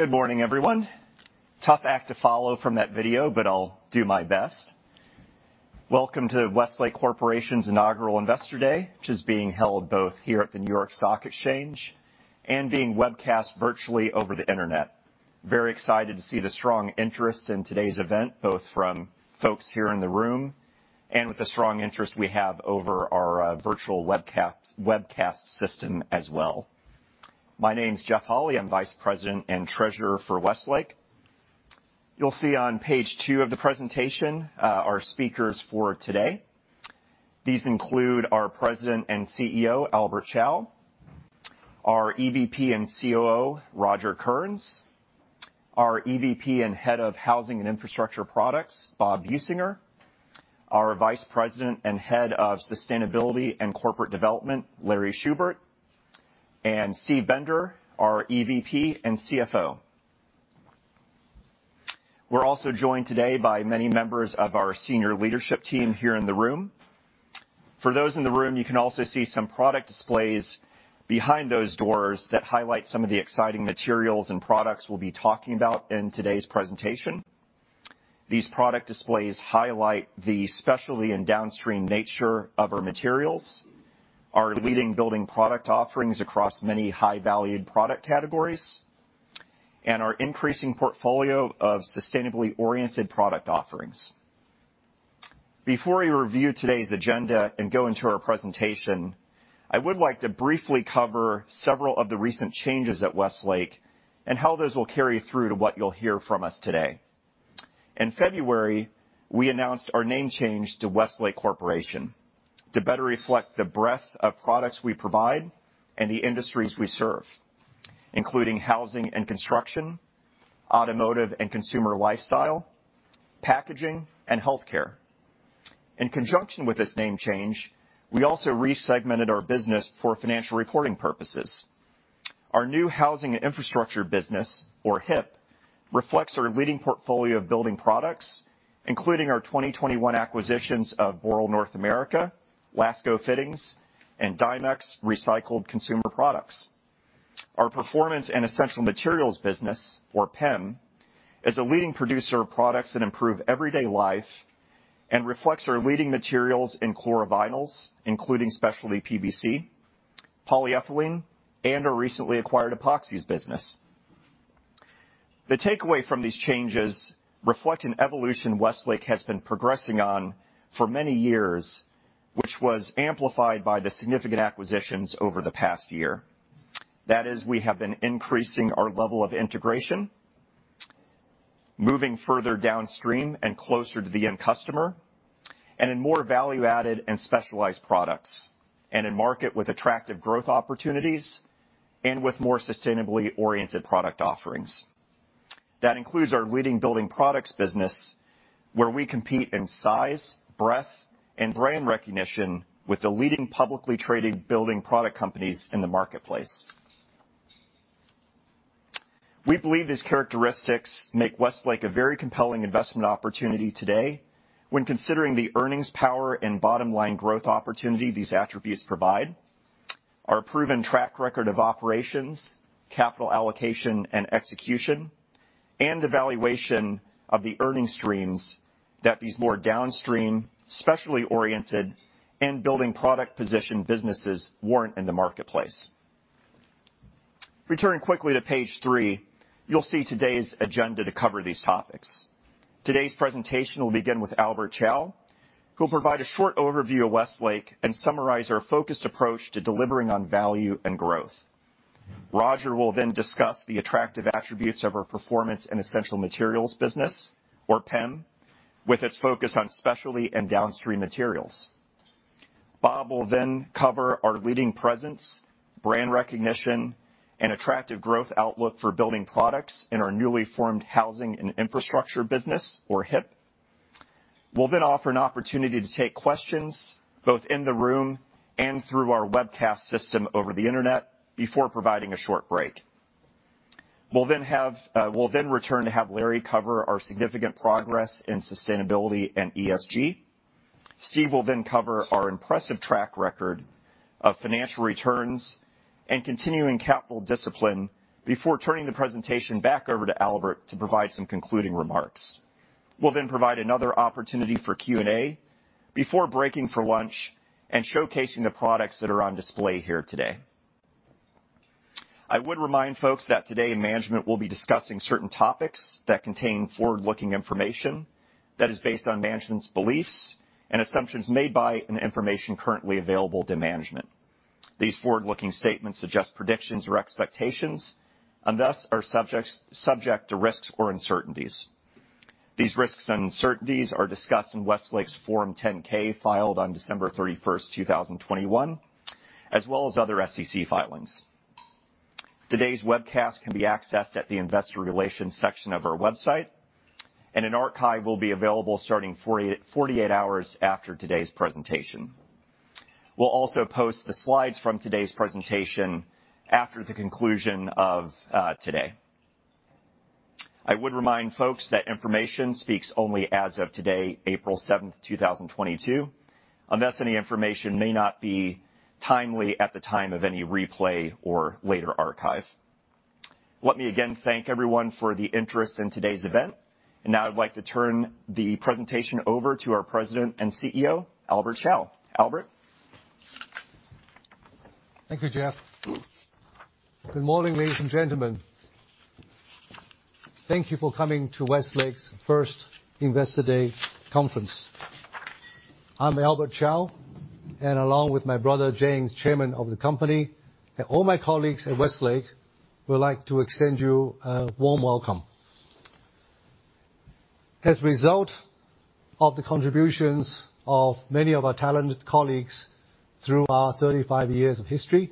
Good morning, everyone. Tough act to follow from that video, but I'll do my best. Welcome to Westlake Corporation's Inaugural Investor Day, which is being held both here at the New York Stock Exchange and being webcast virtually over the Internet. Very excited to see the strong interest in today's event, both from folks here in the room and with the strong interest we have over our virtual webcast system as well. My name's Jeff Hawley, I'm Vice President and Treasurer for Westlake. You'll see on page two of the presentation our speakers for today. These include our President and CEO, Albert Chao, our EVP and COO, Roger Kearns, our EVP and Head of Housing and Infrastructure Products, Bob Baughman We're also joined today by many members of our senior leadership team here in the room. For those in the room, you can also see some product displays behind those doors that highlight some of the exciting materials and products we'll be talking about in today's presentation. These product displays highlight the specialty and downstream nature of our materials, our leading building product offerings across many high-valued product categories, and our increasing portfolio of sustainably-oriented product offerings. Before we review today's agenda and go into our presentation, I would like to briefly cover several of the recent changes at Westlake and how those will carry through to what you'll hear from us today. In February, we announced our name change to Westlake Corporation to better reflect the breadth of products we provide and the industries we serve, including housing and construction, automotive and consumer lifestyle, packaging, and healthcare. In conjunction with this name change, we also resegmented our business for financial reporting purposes. Our new Housing and Infrastructure Business, or HIP, reflects our leading portfolio of building products, including our 2021 acquisitions of Boral North America, LASCO Fittings, and Dimex recycled consumer products. Our Performance and Essential Materials Business, or PEM, is a leading producer of products that improve everyday life and reflects our leading materials in chlorovinyls, including specialty PVC, polyethylene, and our recently acquired epoxy business. The takeaway from these changes reflect an evolution Westlake has been progressing on for many years, which was amplified by the significant acquisitions over the past year. That is, we have been increasing our level of integration, moving further downstream and closer to the end customer, and in more value-added and specialized products, and in markets with attractive growth opportunities, and with more sustainably-oriented product offerings. That includes our leading building products business, where we compete in size, breadth, and brand recognition with the leading publicly traded building product companies in the marketplace. We believe these characteristics make Westlake a very compelling investment opportunity today when considering the earnings power and bottom line growth opportunity these attributes provide, our proven track record of operations, capital allocation and execution, and the valuation of the earnings streams that these more downstream, specialty oriented and building product positioned businesses warrant in the marketplace. Returning quickly to page three, you'll see today's agenda to cover these topics. Today's presentation will begin with Albert Chao, who will provide a short overview of Westlake and summarize our focused approach to delivering on value and growth. Roger will then discuss the attractive attributes of our Performance and Essential Materials business, or PEM, with its focus on specialty and downstream materials. Bob will then cover our leading presence, brand recognition, and attractive growth outlook for building products in our newly formed Housing and Infrastructure Business, or HIP. We'll then offer an opportunity to take questions, both in the room and through our webcast system over the Internet, before providing a short break. We'll then return to have Larry cover our significant progress in sustainability and ESG. Steve will then cover our impressive track record of financial returns and continuing capital discipline before turning the presentation back over to Albert to provide some concluding remarks. We'll then provide another opportunity for Q&A before breaking for lunch and showcasing the products that are on display here today. I would remind folks that today management will be discussing certain topics that contain forward-looking information that is based on management's beliefs and assumptions made by and the information currently available to management. These forward-looking statements suggest predictions or expectations and thus are subject to risks or uncertainties. These risks and uncertainties are discussed in Westlake's Form 10-K filed on December 31, 2021, as well as other SEC filings. Today's webcast can be accessed at the Investor Relations section of our website, and an archive will be available starting 48 hours after today's presentation. We'll also post the slides from today's presentation after the conclusion of today. I would remind folks that information speaks only as of today, April 7, 2022, unless any information may not be timely at the time of any replay or later archive. Let me again thank everyone for the interest in today's event. Now I'd like to turn the presentation over to our President and CEO, Albert Chao. Albert. Thank you, Jeff. Good morning, ladies and gentlemen. Thank you for coming to Westlake's first Investor Day conference. I'm Albert Chao, and along with my brother James, chairman of the company, and all my colleagues at Westlake, would like to extend you a warm welcome. As a result of the contributions of many of our talented colleagues through our 35 years of history,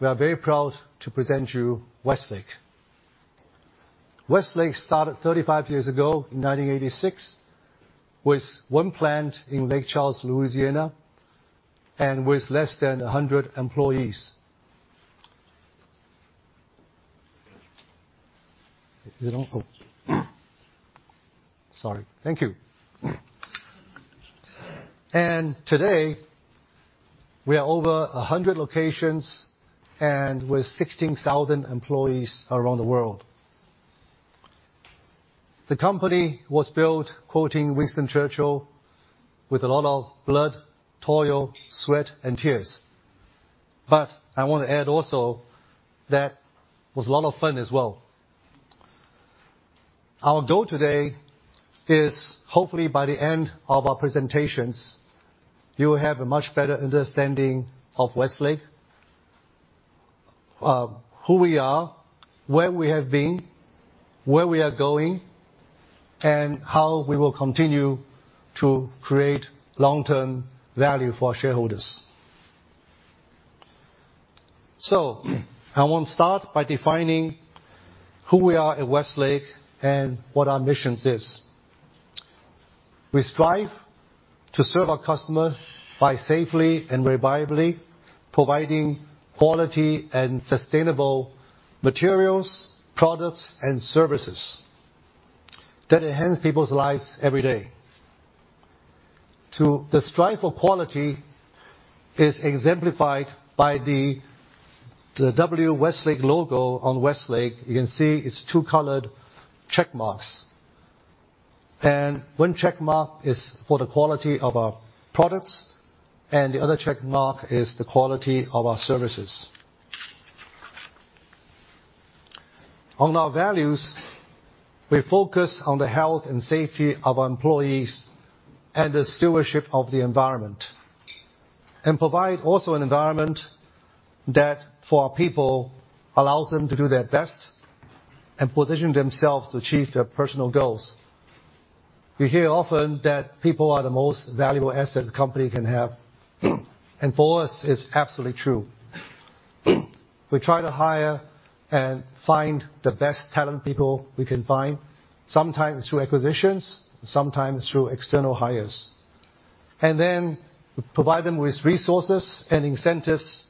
we are very proud to present you Westlake. Westlake started 35 years ago in 1986 with one plant in Lake Charles, Louisiana, and with less than 100 employees. Today, we are over 100 locations and with 16,000 employees around the world. The company was built, quoting Winston Churchill, "With a lot of blood, toil, sweat, and tears." I wanna add also that it was a lot of fun as well. Our goal today is hopefully by the end of our presentations, you will have a much better understanding of Westlake, of who we are, where we have been, where we are going, and how we will continue to create long-term value for our shareholders. I want to start by defining who we are at Westlake and what our mission is. We strive to serve our customer by safely and reliably providing quality and sustainable materials, products, and services that enhance people's lives every day. The strive of quality is exemplified by the Westlake logo on Westlake. You can see it's two colored check marks. One check mark is for the quality of our products, and the other check mark is the quality of our services. On our values, we focus on the health and safety of our employees and the stewardship of the environment, and provide also an environment that, for our people, allows them to do their best and position themselves to achieve their personal goals. We hear often that people are the most valuable assets a company can have. For us, it's absolutely true. We try to hire and find the best talent people we can find, sometimes through acquisitions, sometimes through external hires. Then provide them with resources and incentives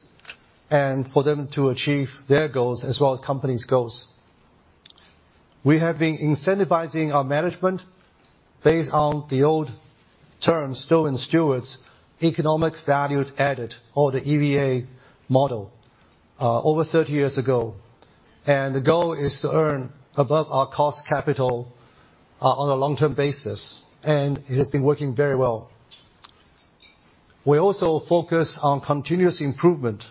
and for them to achieve their goals as well as company's goals. We have been incentivizing our management based on the old term, Stern Stewart's economic value added or the EVA model, over 30 years ago. The goal is to earn above our cost capital on a long-term basis. It has been working very well. We also focus on continuous improvement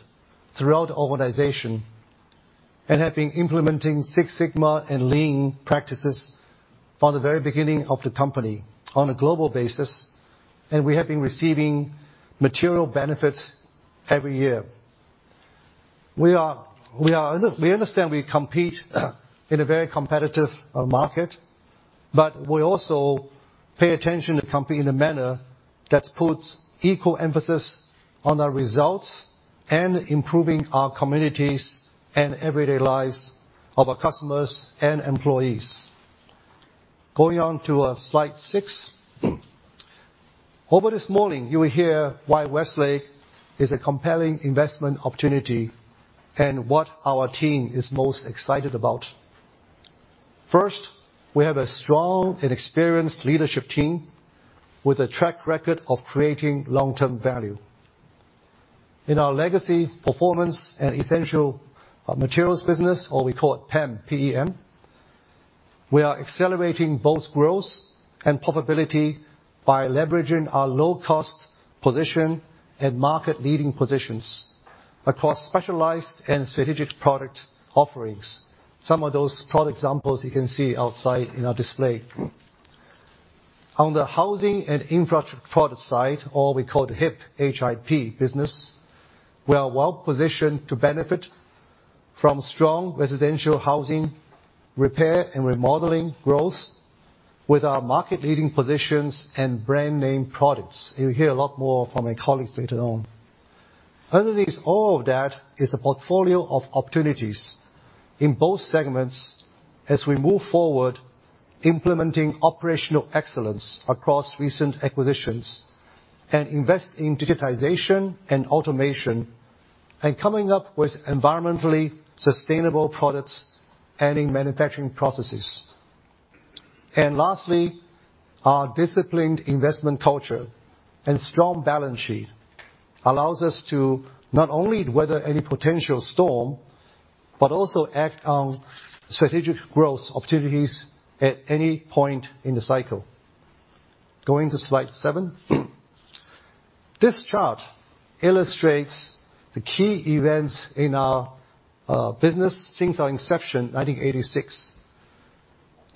throughout the organization, and have been implementing Six Sigma and Lean practices from the very beginning of the company on a global basis, and we have been receiving material benefits every year. We understand we compete in a very competitive market, but we also pay attention to community in a manner that puts equal emphasis on our results and improving our communities and everyday lives of our customers and employees. Going on to slide 6. Over this morning, you will hear why Westlake is a compelling investment opportunity and what our team is most excited about. First, we have a strong and experienced leadership team with a track record of creating long-term value. In our Legacy Performance and Essential Materials business, or we call it PEM, P-E-M, we are accelerating both growth and profitability by leveraging our low cost position and market-leading positions across specialized and strategic product offerings. Some of those product examples you can see outside in our display. On the housing and infrastructure product side, or we call it HIP, H-I-P, business, we are well-positioned to benefit from strong residential housing repair and remodeling growth with our market-leading positions and brand name products. You'll hear a lot more from my colleagues later on. Underneath all of that is a portfolio of opportunities in both segments as we move forward implementing operational excellence across recent acquisitions and invest in digitization and automation, coming up with environmentally sustainable products and in manufacturing processes. Lastly, our disciplined investment culture and strong balance sheet allows us to not only weather any potential storm, but also act on strategic growth opportunities at any point in the cycle. Going to slide 7. This chart illustrates the key events in our business since our inception 1986.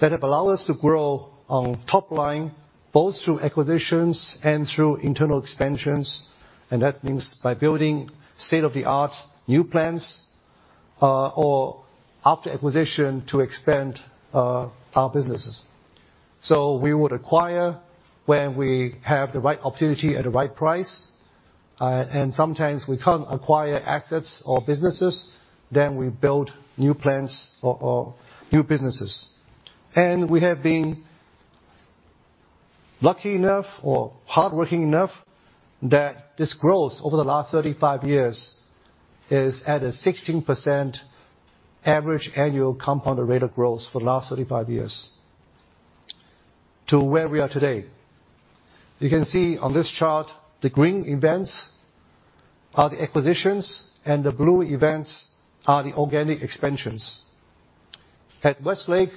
That have allowed us to grow on top line, both through acquisitions and through internal expansions, and that means by building state-of-the-art new plants, or after acquisition to expand our businesses. We would acquire when we have the right opportunity at the right price. And sometimes we can't acquire assets or businesses, then we build new plants or new businesses. We have been lucky enough or hardworking enough that this growth over the last 35 years is at a 16% average annual compounded rate of growth for the last 35 years to where we are today. You can see on this chart, the green events are the acquisitions, and the blue events are the organic expansions. At Westlake,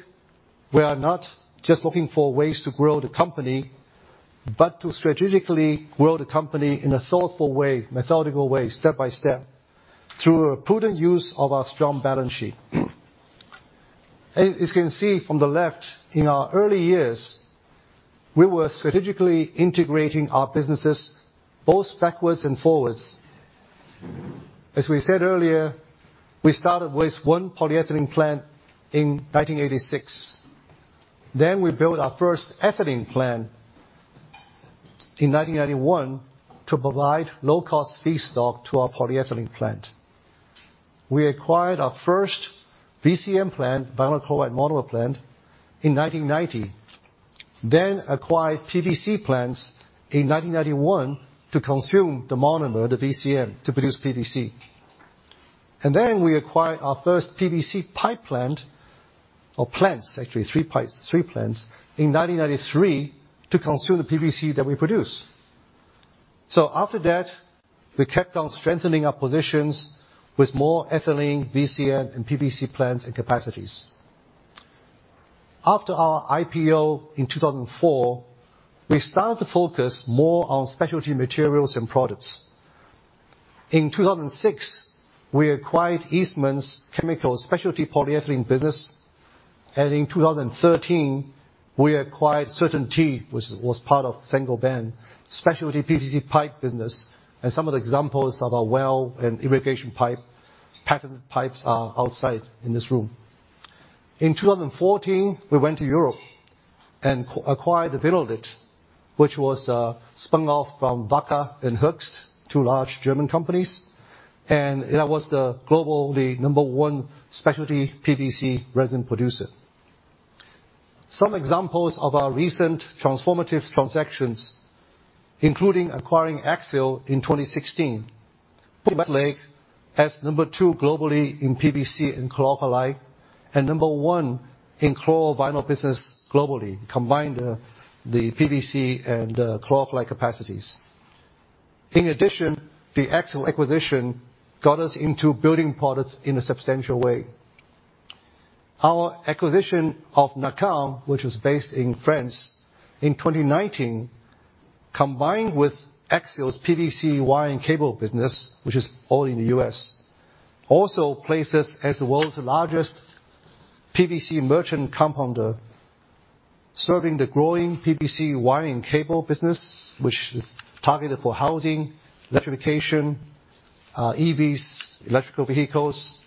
we are not just looking for ways to grow the company, but to strategically grow the company in a thoughtful way, methodical way, step by step, through a prudent use of our strong balance sheet. As you can see from the left, in our early years, we were strategically integrating our businesses both backwards and forwards. As we said earlier, we started with one polyethylene plant in 1986. We built our first ethylene plant in 1991 to provide low-cost feedstock to our polyethylene plant. We acquired our first VCM plant, vinyl chloride monomer plant, in 1990. Acquired PVC plants in 1991 to consume the monomer, the VCM, to produce PVC. We acquired our first PVC pipe plant or plants, actually three plants, in 1993 to consume the PVC that we produce. After that, we kept on strengthening our positions with more ethylene, VCM, and PVC plants and capacities. After our IPO in 2004, we started to focus more on specialty materials and products. In 2006, we acquired Eastman Chemical's Specialty Polyethylene business. In 2013, we acquired CertainTeed, which was part of Saint-Gobain specialty PVC pipe business. Some of the examples of our well and irrigation pipe, patented pipes are outside in this room. In 2014, we went to Europe and acquired Vinnolit, which was spun off from Wacker and Hoechst, two large German companies. That was the global number one specialty PVC resin producer. Some examples of our recent transformative transactions, including acquiring Axiall in 2016. Westlake has number two globally in PVC and chlor-alkali, and number one in chlorovinyl business globally, combined the PVC and chlor-alkali capacities. In addition, the Axiall acquisition got us into building products in a substantial way. Our acquisition of NAKAN, which is based in France in 2019, combined with Axiall's PVC wiring cable business, which is all in the U.S., also places us as the world's largest PVC merchant compounder, serving the growing PVC wiring cable business, which is targeted for housing, electrification, EVs, electric vehicles,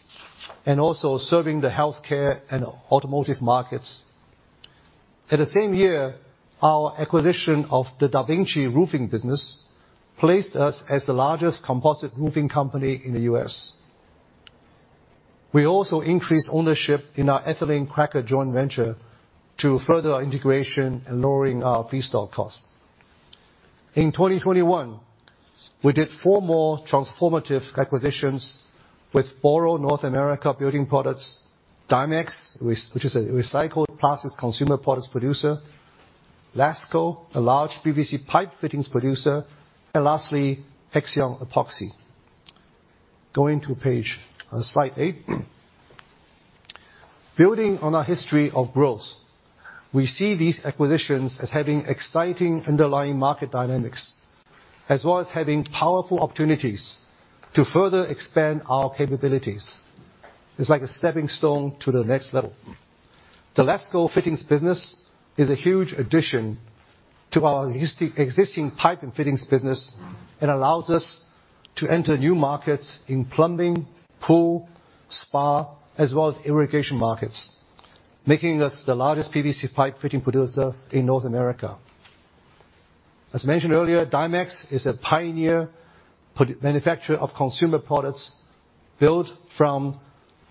and also serving the healthcare and automotive markets. In the same year, our acquisition of the DaVinci Roofing business placed us as the largest composite roofing company in the U.S. We also increased ownership in our ethylene cracker joint venture to further our integration and lowering our feedstock cost. In 2021, we did four more transformative acquisitions with Boral North America Building Products, Dimex, which is a recycled plastics consumer products producer, LASCO, a large PVC pipe fittings producer, and lastly, Hexion Epoxy. Going to page, slide eight. Building on our history of growth, we see these acquisitions as having exciting underlying market dynamics, as well as having powerful opportunities to further expand our capabilities. It's like a stepping stone to the next level. The LASCO Fittings business is a huge addition to our existing pipe and fittings business and allows us to enter new markets in plumbing, pool, spa, as well as irrigation markets, making us the largest PVC pipe fitting producer in North America. As mentioned earlier, Dimex is a pioneer manufacturer of consumer products built from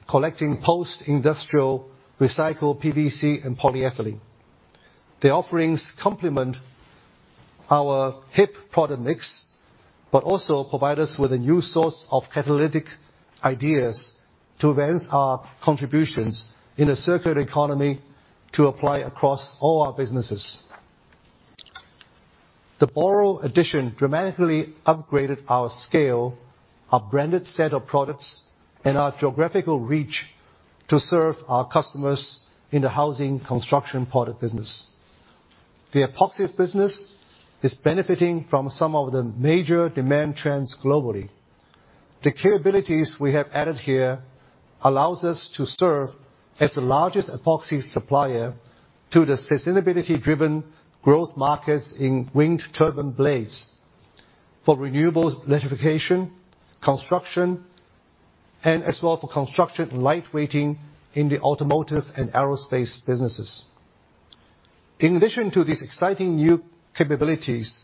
collected post-industrial recycled PVC and polyethylene. The offerings complement our HIP product mix, but also provide us with a new source of catalytic ideas to advance our contributions in a circular economy to apply across all our businesses. The Boral addition dramatically upgraded our scale, our branded set of products, and our geographical reach to serve our customers in the housing construction product business. The Epoxy business is benefiting from some of the major demand trends globally. The capabilities we have added here allow us to serve as the largest Epoxy supplier to the sustainability-driven growth markets in wind turbine blades for renewables fabrication, construction, and as well for construction lightweighting in the automotive and aerospace businesses. In addition to these exciting new capabilities,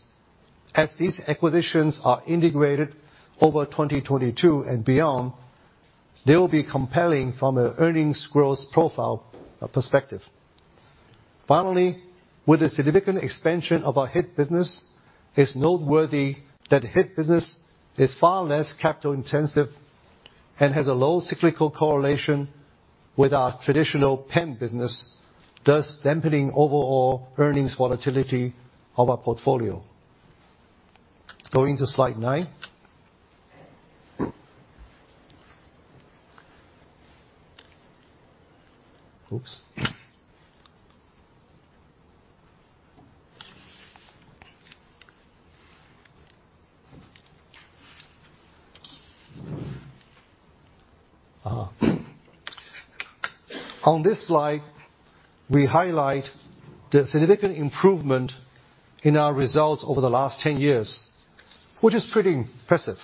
as these acquisitions are integrated over 2022 and beyond, they'll be compelling from an earnings growth profile perspective. Finally, with a significant expansion of our HIP business, it's noteworthy that HIP business is far less capital-intensive and has a low cyclical correlation with our traditional PEM business, thus dampening overall earnings volatility of our portfolio. Going to slide nine. Oops. On this slide, we highlight the significant improvement in our results over the last 10 years, which is pretty impressive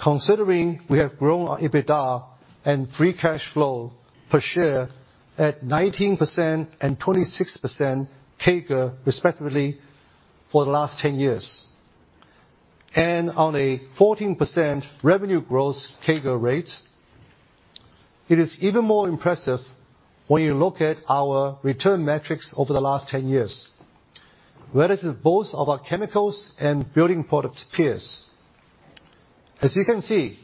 considering we have grown our EBITDA and free cash flow per share at 19% and 26% CAGR, respectively, for the last 10 years on a 14% revenue growth CAGR rate. It is even more impressive when you look at our return metrics over the last 10 years relative to both of our chemicals and building products peers. As you can see,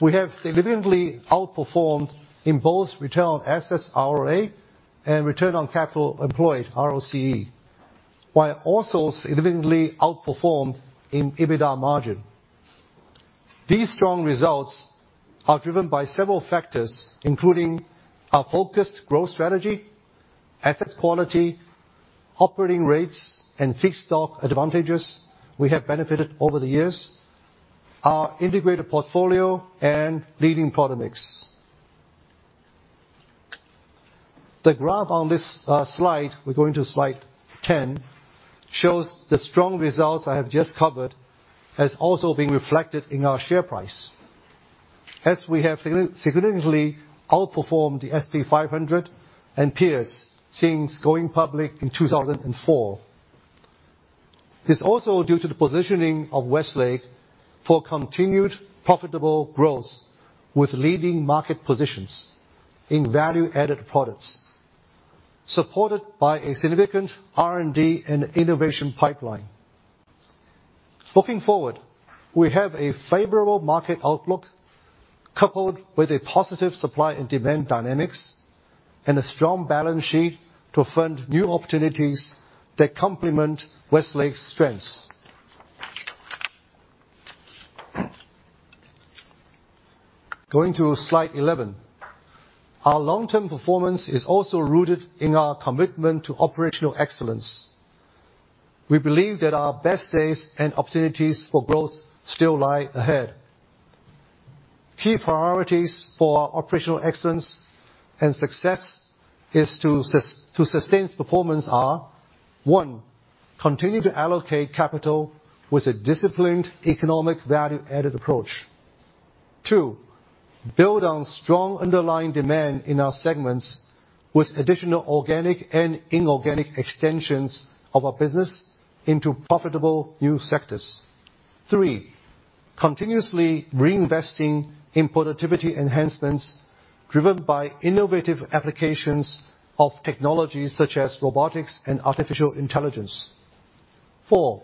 we have significantly outperformed in both return on assets, ROA, and return on capital employed, ROCE, while also significantly outperformed in EBITDA margin. These strong results are driven by several factors, including our focused growth strategy, asset quality, operating rates, and fixed cost advantages we have benefited over the years, our integrated portfolio and leading product mix. The graph on this slide, we're going to slide 10, shows the strong results I have just covered as also being reflected in our share price. We have significantly outperformed the S&P 500 and peers since going public in 2004. It's also due to the positioning of Westlake for continued profitable growth with leading market positions in value-added products, supported by a significant R&D and innovation pipeline. Looking forward, we have a favorable market outlook coupled with a positive supply and demand dynamics and a strong balance sheet to fund new opportunities that complement Westlake's strengths. Going to slide 11. Our long-term performance is also rooted in our commitment to operational excellence. We believe that our best days and opportunities for growth still lie ahead. Key priorities for our operational excellence and success is to sustain performance are, One, continue to allocate capital with a disciplined economic value-added approach. Two, build on strong underlying demand in our segments with additional organic and inorganic extensions of our business into profitable new sectors. Three, continuously reinvesting in productivity enhancements driven by innovative applications of technologies such as robotics and artificial intelligence. four,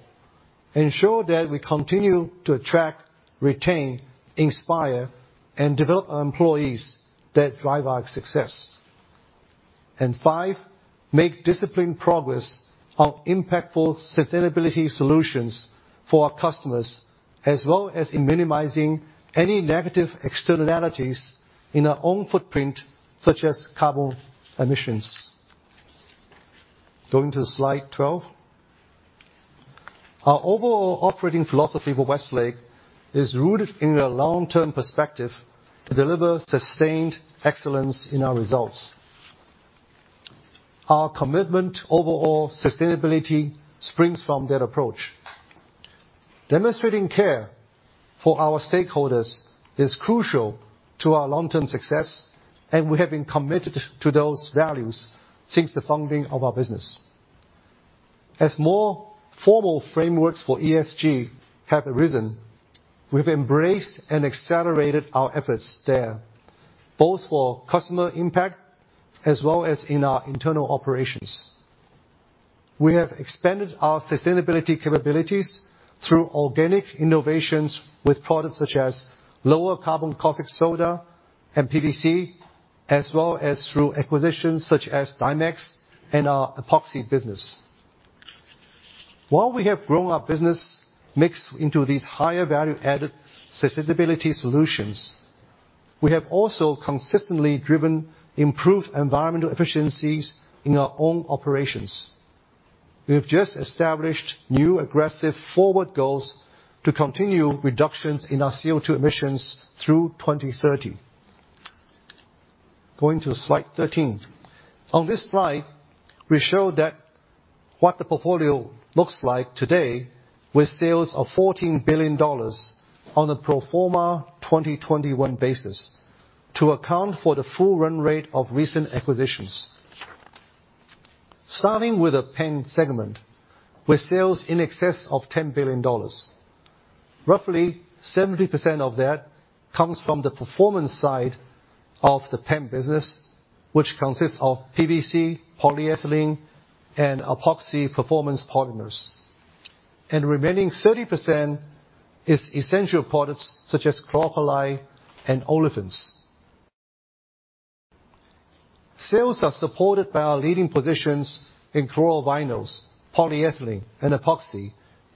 ensure that we continue to attract, retain, inspire, and develop our employees that drive our success. Five, make disciplined progress on impactful sustainability solutions for our customers, as well as in minimizing any negative externalities in our own footprint, such as carbon emissions. Going to slide 12. Our overall operating philosophy for Westlake is rooted in a long-term perspective to deliver sustained excellence in our results. Our commitment to overall sustainability springs from that approach. Demonstrating care for our stakeholders is crucial to our long-term success, and we have been committed to those values since the founding of our business. As more formal frameworks for ESG have arisen, we've embraced and accelerated our efforts there. Both for customer impact as well as in our internal operations. We have expanded our sustainability capabilities through organic innovations with products such as lower carbon caustic soda and PVC, as well as through acquisitions such as Dimex and our Epoxy business. While we have grown our business mix into these higher value-added sustainability solutions, we have also consistently driven improved environmental efficiencies in our own operations. We have just established new aggressive forward goals to continue reductions in our CO₂ emissions through 2030. Going to slide 13. On this slide, we show that what the portfolio looks like today with sales of $14 billion on a pro forma 2021 basis to account for the full run rate of recent acquisitions. Starting with the PEM segment, with sales in excess of $10 billion. Roughly 70% of that comes from the performance side of the PEM business, which consists of PVC, polyethylene, and epoxy performance polymers. Remaining 30% is essential products such as chlor-alkali and olefins. Sales are supported by our leading positions in chlorovinyls, polyethylene, and epoxy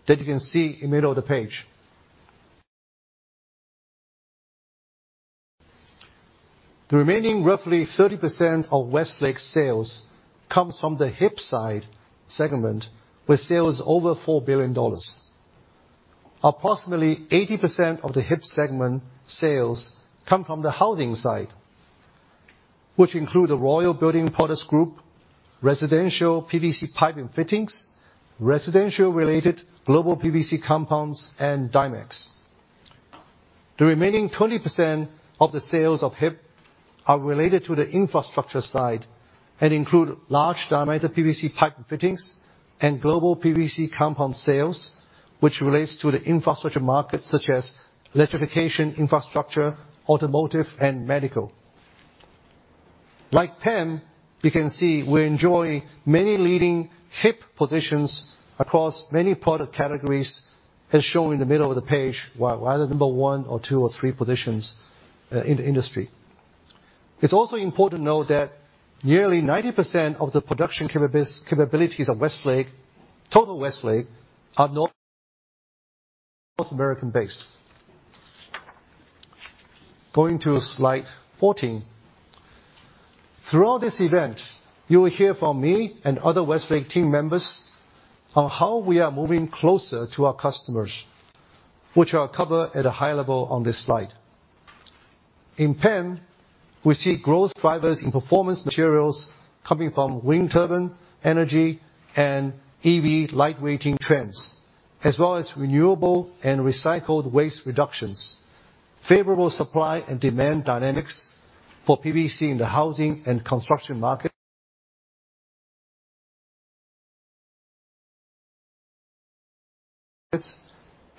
that you can see in the middle of the page. The remaining roughly 30% of Westlake sales comes from the HIP side segment, with sales over $4 billion. Approximately 80% of the HIP segment sales come from the housing side, which include the Royal Building Products group, residential PVC pipe and fittings, residential-related global PVC compounds, and Dimex. The remaining 20% of the sales of HIP are related to the infrastructure side and include large diameter PVC pipe and fittings and global PVC compound sales, which relates to the infrastructure markets such as electrification infrastructure, automotive, and medical. Like PEM, you can see we enjoy many leading HIP positions across many product categories as shown in the middle of the page, while either number one or two or three positions in the industry. It's also important to note that nearly 90% of the production capabilities of Westlake, total Westlake, are North American-based. Going to slide 14. Throughout this event, you will hear from me and other Westlake team members on how we are moving closer to our customers, which are covered at a high level on this slide. In PEM, we see growth drivers in performance materials coming from wind turbine, energy, and EV lightweighting trends, as well as renewable and recycled waste reductions, favorable supply and demand dynamics for PVC in the housing and construction markets,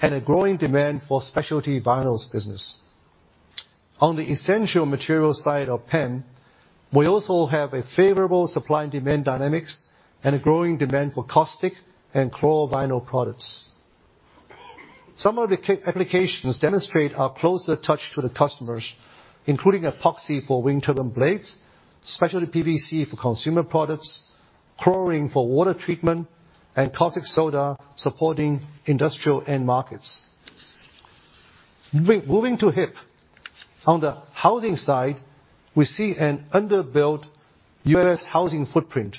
and a growing demand for specialty vinyls business. On the essential material side of PEM, we also have a favorable supply and demand dynamics and a growing demand for caustic and chlorovinyl products. Some of the applications demonstrate our closer touch to the customers, including Epoxy for wind turbine blades, specialty PVC for consumer products, chlorine for water treatment, and caustic soda supporting industrial end markets. Moving to HIP. On the housing side, we see an underbuilt U.S. housing footprint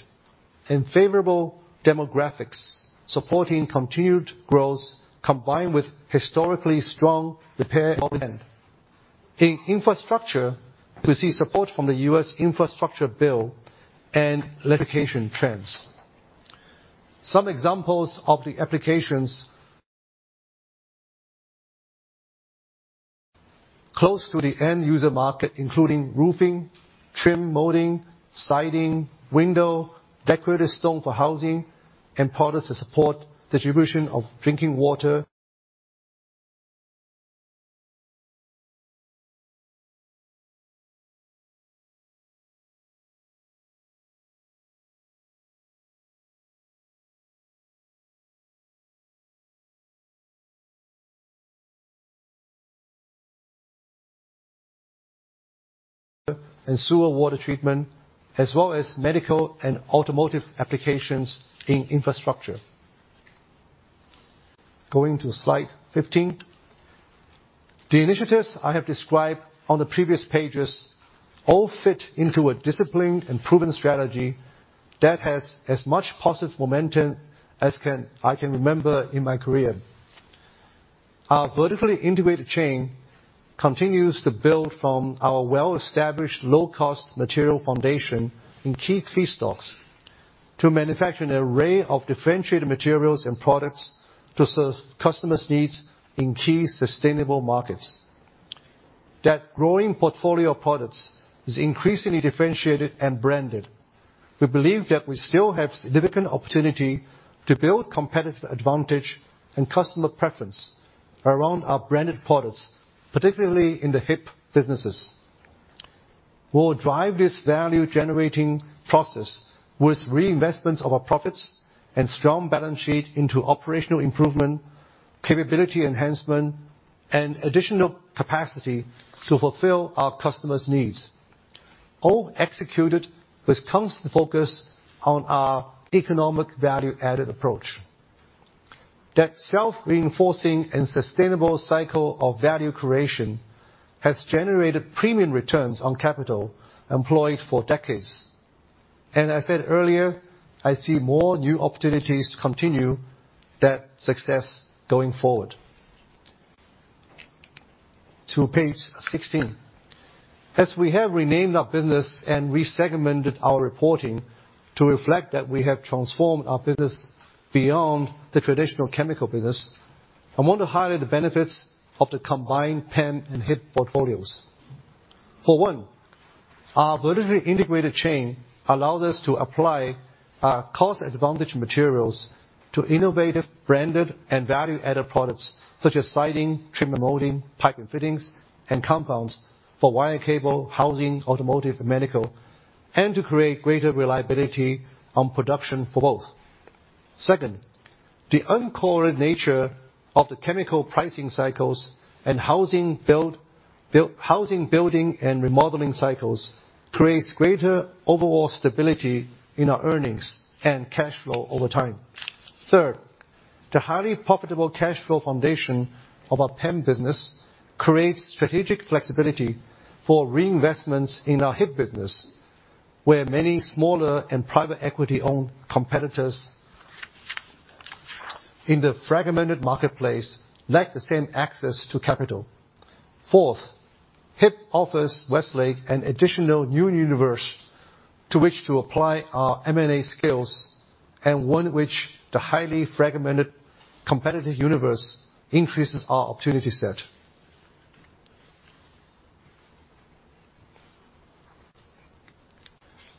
and favorable demographics supporting continued growth combined with historically strong repair and remodel end. In infrastructure, we see support from the U.S. infrastructure bill and electrification trends. Some examples of the applications close to the end-user market, including roofing, trim, molding, siding, windows, decorative stone for housing, and products that support distribution of drinking water and sewer water treatment, as well as medical and automotive applications in infrastructure. Going to slide 15. The initiatives I have described on the previous pages all fit into a disciplined and proven strategy that has as much positive momentum as I can remember in my career. Our vertically integrated chain continues to build from our well-established low-cost material foundation in key feedstocks to manufacture an array of differentiated materials and products to serve customers' needs in key sustainable markets. That growing portfolio of products is increasingly differentiated and branded. We believe that we still have significant opportunity to build competitive advantage and customer preference around our branded products, particularly in the HIP businesses. We'll drive this value-generating process with reinvestments of our profits and strong balance sheet into operational improvement, capability enhancement, and additional capacity to fulfill our customers' needs. All executed with constant focus on our economic value-added approach. That self-reinforcing and sustainable cycle of value creation has generated premium returns on capital employed for decades. I said earlier, I see more new opportunities to continue that success going forward. To page 16. As we have renamed our business and re-segmented our reporting to reflect that we have transformed our business beyond the traditional chemical business, I want to highlight the benefits of the combined PEM and HIP portfolios. For one, our vertically integrated chain allows us to apply our cost-advantage materials to innovative, branded, and value-added products, such as siding, trim and molding, pipe and fittings, and compounds for wire and cable, housing, automotive, and medical, and to create greater reliability on production for both. Second, the uncorrelated nature of the chemical pricing cycles and housing, building, and remodeling cycles creates greater overall stability in our earnings and cash flow over time. Third, the highly profitable cash flow foundation of our PEM business creates strategic flexibility for reinvestments in our HIP business, where many smaller and private equity-owned competitors in the fragmented marketplace lack the same access to capital. Fourth, HIP offers Westlake an additional new universe to which to apply our M&A skills, and one which the highly fragmented competitive universe increases our opportunity set.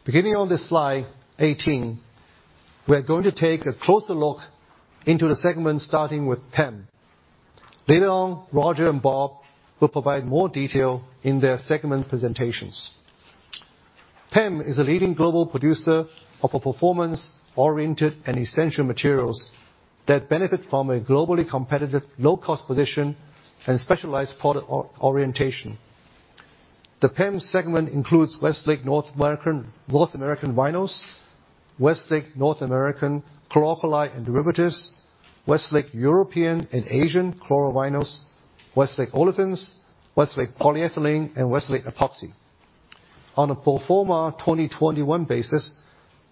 Beginning on this slide 18, we're going to take a closer look into the segment, starting with PEM. Later on, Roger and Bob will provide more detail in their segment presentations. PEM is a leading global producer of a performance-oriented and essential materials that benefit from a globally competitive low-cost position and specialized product orientation. The PEM segment includes Westlake North American Vinyls, Westlake North American Chlor-alkali & Derivatives, Westlake European & Asian Chlorovinyls, Westlake Olefins, Westlake Polyethylene, and Westlake Epoxy. On a pro forma 2021 basis,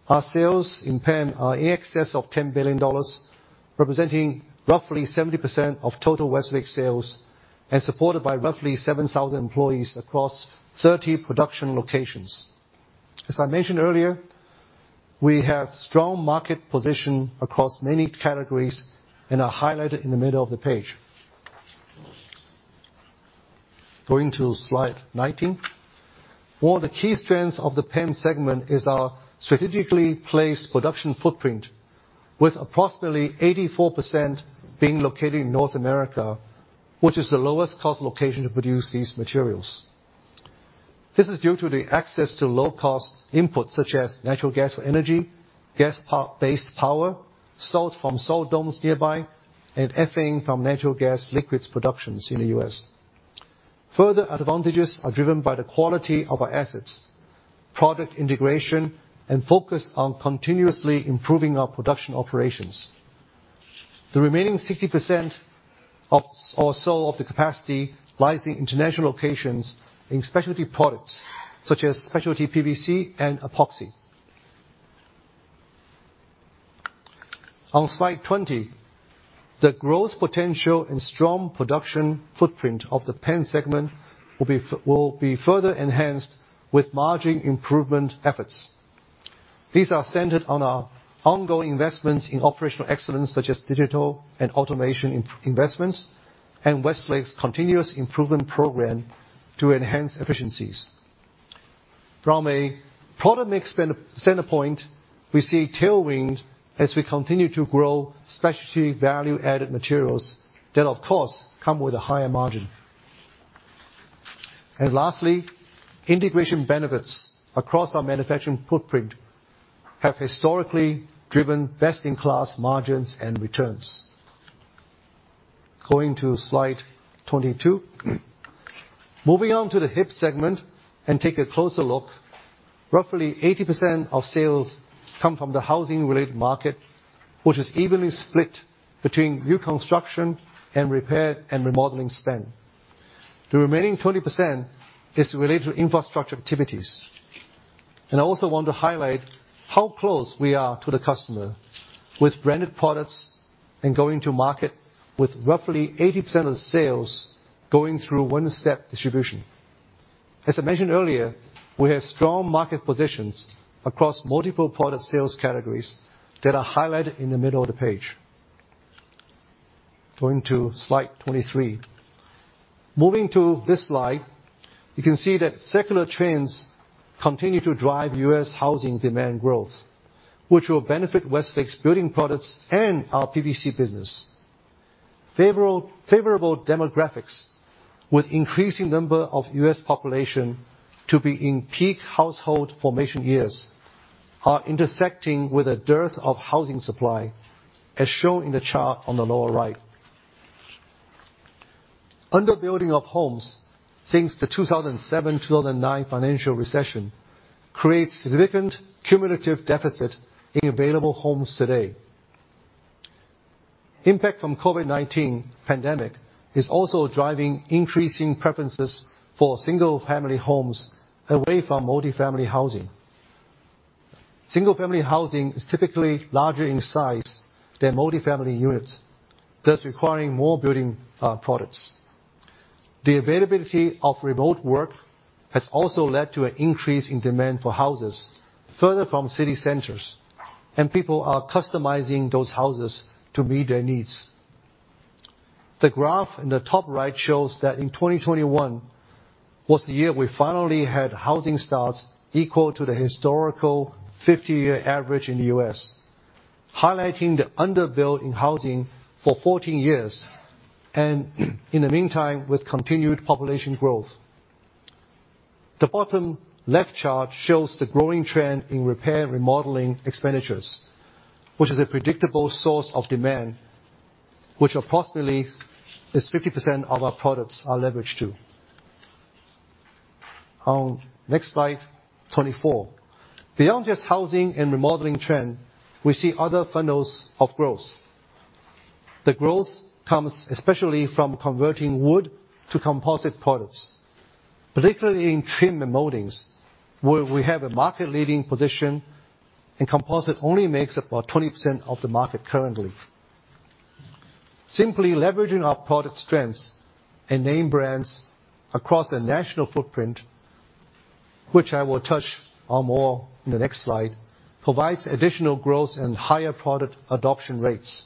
our sales in PEM are in excess of $10 billion, representing roughly 70% of total Westlake sales and supported by roughly 7,000 employees across 30 production locations. As I mentioned earlier, we have strong market position across many categories and are highlighted in the middle of the page. Going to slide 19. One of the key strengths of the PEM segment is our strategically placed production footprint with approximately 84% being located in North America, which is the lowest cost location to produce these materials. This is due to the access to low-cost inputs such as natural gas for energy, gas-powered power, salt from salt domes nearby, and ethane from natural gas liquids production in the U.S. Further advantages are driven by the quality of our assets, product integration, and focus on continuously improving our production operations. The remaining 60% or so of the capacity lies in international locations in specialty products, such as specialty PVC and epoxy. On slide 20, the growth potential and strong production footprint of the PEM segment will be further enhanced with margin improvement efforts. These are centered on our ongoing investments in operational excellence such as digital and automation investments, and Westlake's continuous improvement program to enhance efficiencies. From a product mix standpoint, we see tailwinds as we continue to grow specialty value-added materials that of course come with a higher margin. Lastly, integration benefits across our manufacturing footprint have historically driven best-in-class margins and returns. Going to slide 22. Moving on to the HIP segment and take a closer look. Roughly 80% of sales come from the housing-related market, which is evenly split between new construction and repair and remodeling spend. The remaining 20% is related to infrastructure activities. I also want to highlight how close we are to the customer with branded products and going to market with roughly 80% of the sales going through one-step distribution. As I mentioned earlier, we have strong market positions across multiple product sales categories that are highlighted in the middle of the page. Going to slide 23. Moving to this slide, you can see that secular trends continue to drive U.S. housing demand growth, which will benefit Westlake's building products and our PVC business. Favorable demographics, with increasing number of U.S. population to be in peak household formation years, are intersecting with a dearth of housing supply, as shown in the chart on the lower right. Underbuilding of homes since the 2007-2009 financial recession creates significant cumulative deficit in available homes today. Impact from COVID-19 pandemic is also driving increasing preferences for single-family homes away from multi-family housing. Single-family housing is typically larger in size than multi-family units, thus requiring more building products. The availability of remote work has also led to an increase in demand for houses further from city centers, and people are customizing those houses to meet their needs. The graph in the top right shows that in 2021 was the year we finally had housing starts equal to the historical 50-year average in the U.S., highlighting the under-build in housing for 14 years and in the meantime, with continued population growth. The bottom left chart shows the growing trend in repair and remodeling expenditures, which is a predictable source of demand, which approximately is 50% of our products are leveraged to. On next slide, 24. Beyond just housing and remodeling trend, we see other funnels of growth. The growth comes especially from converting wood to composite products, particularly in trim and moldings, where we have a market-leading position and composite only makes up about 20% of the market currently. Simply leveraging our product strengths and name brands across a national footprint, which I will touch on more in the next slide, provides additional growth and higher product adoption rates.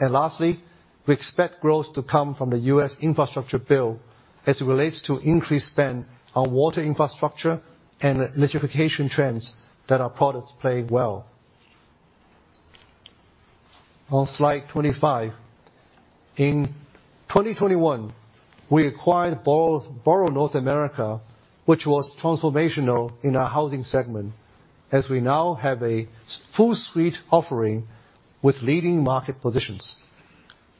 Lastly, we expect growth to come from the U.S. infrastructure bill as it relates to increased spend on water infrastructure and electrification trends that our products play well. On slide 25. In 2021, we acquired Boral North America, which was transformational in our housing segment as we now have a full suite offering with leading market positions.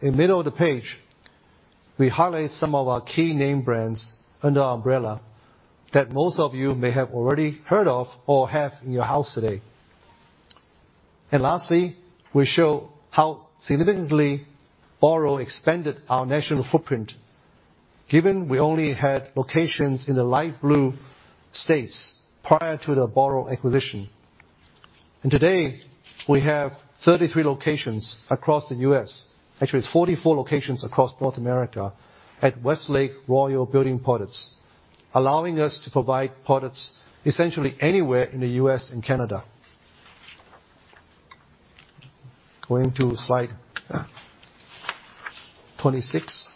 In the middle of the page, we highlight some of our key name brands under our umbrella that most of you may have already heard of or have in your house today. Lastly, we show how significantly Boral expanded our national footprint, given we only had locations in the light blue states prior to the Boral acquisition. Today, we have 33 locations across the U.S. Actually, it's 44 locations across North America at Westlake Royal Building Products, allowing us to provide products essentially anywhere in the U.S. and Canada. Going to slide 26.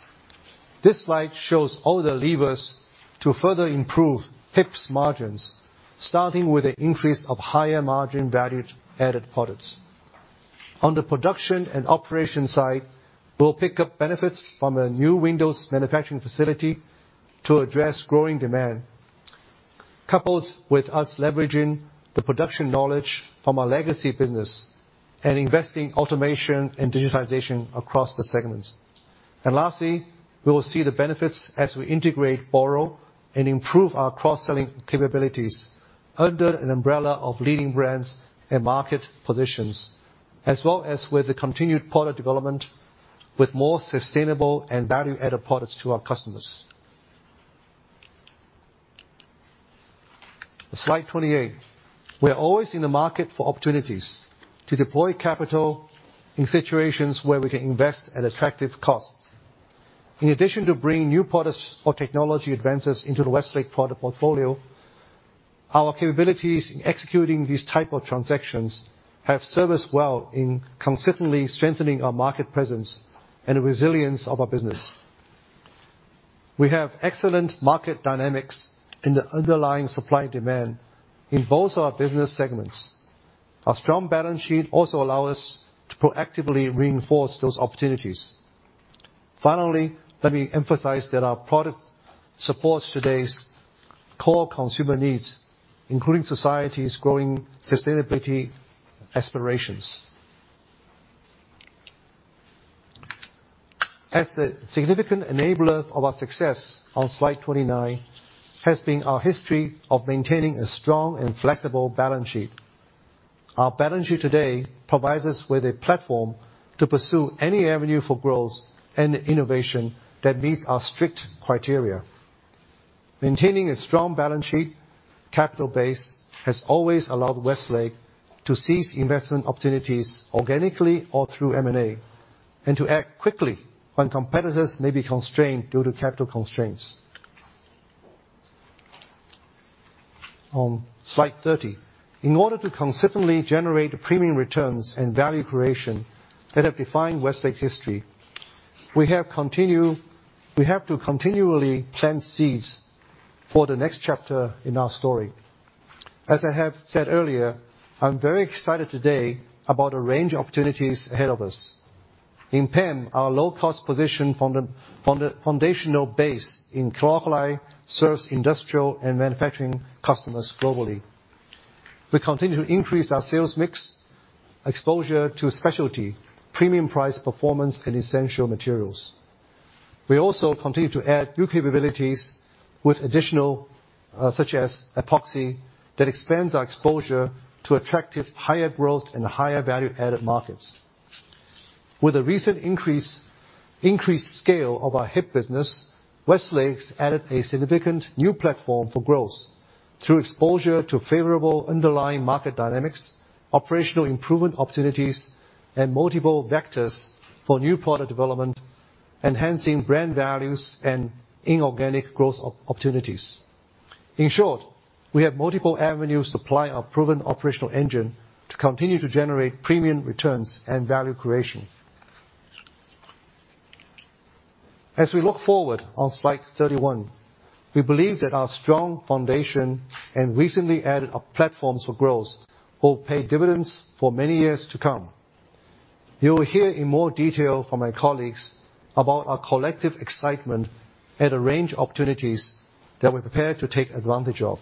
This slide shows all the levers to further improve HIP's margins, starting with the increase of higher margin value-added products. On the production and operation side, we'll pick up benefits from a new windows manufacturing facility to address growing demand, coupled with us leveraging the production knowledge from our legacy business and investing automation and digitalization across the segments. Lastly, we will see the benefits as we integrate Boral and improve our cross-selling capabilities under an umbrella of leading brands and market positions, as well as with the continued product development with more sustainable and value-added products to our customers. Slide 28. We're always in the market for opportunities to deploy capital in situations where we can invest at attractive costs. In addition to bringing new products or technology advances into the Westlake product portfolio, our capabilities in executing these type of transactions have served us well in consistently strengthening our market presence and the resilience of our business. We have excellent market dynamics in the underlying supply and demand in both our business segments. Our strong balance sheet also allow us to proactively reinforce those opportunities. Finally, let me emphasize that our products supports today's core consumer needs, including society's growing sustainability aspirations. As a significant enabler of our success, on slide 29, has been our history of maintaining a strong and flexible balance sheet. Our balance sheet today provides us with a platform to pursue any avenue for growth and innovation that meets our strict criteria. Maintaining a strong balance sheet capital base has always allowed Westlake to seize investment opportunities organically or through M&A and to act quickly when competitors may be constrained due to capital constraints. On slide 30. In order to consistently generate the premium returns and value creation that have defined Westlake's history, we have continue... We have to continually plant seeds for the next chapter in our story. As I have said earlier, I'm very excited today about a range of opportunities ahead of us. In PEM, our low-cost position found a foundational base in chlor-alkali, serves industrial and manufacturing customers globally. We continue to increase our sales mix exposure to specialty, premium price performance, and essential materials. We also continue to add new capabilities with additional, such as Epoxy that expands our exposure to attractive higher growth and higher value added markets. With the recent increased scale of our HIP business, Westlake's added a significant new platform for growth through exposure to favorable underlying market dynamics, operational improvement opportunities, and multiple vectors for new product development, enhancing brand values and inorganic growth opportunities. In short, we have multiple avenues to supply our proven operational engine to continue to generate premium returns and value creation. As we look forward on slide 31, we believe that our strong foundation and our recently added platforms for growth will pay dividends for many years to come. You will hear in more detail from my colleagues about our collective excitement at the range of opportunities that we're prepared to take advantage of.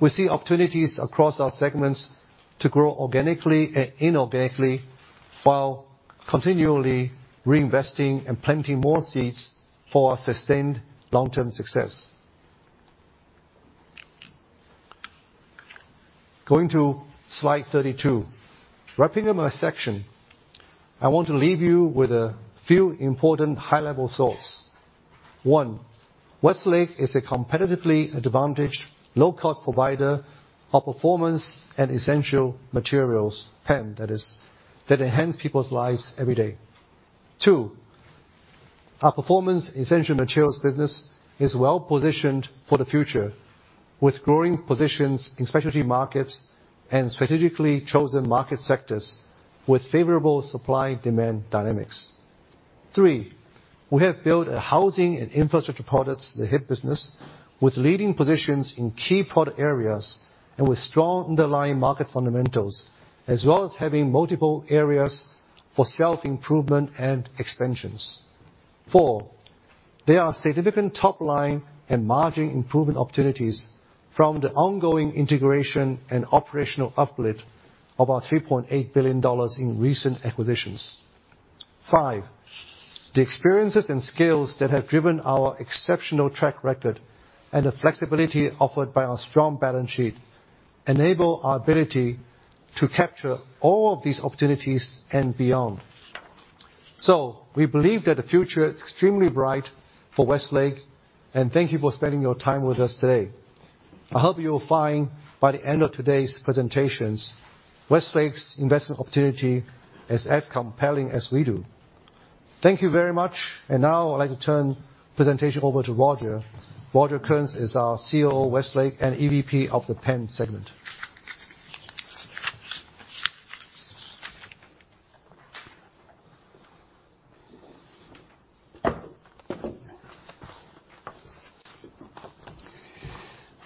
We see opportunities across our segments to grow organically and inorganically, while continually reinvesting and planting more seeds for our sustained long-term success. Going to slide 32. Wrapping up my section, I want to leave you with a few important high-level thoughts. One, Westlake is a competitively advantaged low-cost provider of performance and essential materials, PEM that is, that enhance people's lives every day. Two, our Performance & Essential Materials business is well-positioned for the future, with growing positions in specialty markets and strategically chosen market sectors with favorable supply-demand dynamics. Three, we have built a housing and infrastructure products, the HIP business, with leading positions in key product areas and with strong underlying market fundamentals, as well as having multiple areas for self-improvement and expansions. Four, there are significant top line and margin improvement opportunities from the ongoing integration and operational uplift of our $3.8 billion in recent acquisitions. Five, the experiences and skills that have driven our exceptional track record and the flexibility offered by our strong balance sheet enable our ability to capture all of these opportunities and beyond. We believe that the future is extremely bright for Westlake, and thank you for spending your time with us today. I hope you will find by the end of today's presentations, Westlake's investment opportunity is as compelling as we do. Thank you very much. Now I'd like to turn the presentation over to Roger. Roger Kearns is our COO of Westlake and EVP of the PEM segment.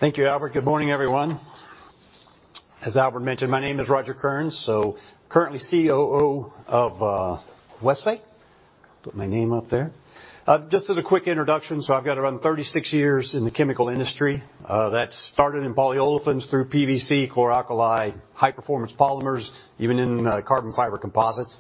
Thank you, Albert. Good morning, everyone. As Albert mentioned, my name is Roger Kearns, currently COO of Westlake. Put my name up there. Just as a quick introduction, I've got around 36 years in the chemical industry, that started in polyolefins through PVC, chlor-alkali, high performance polymers, even in carbon fiber composites.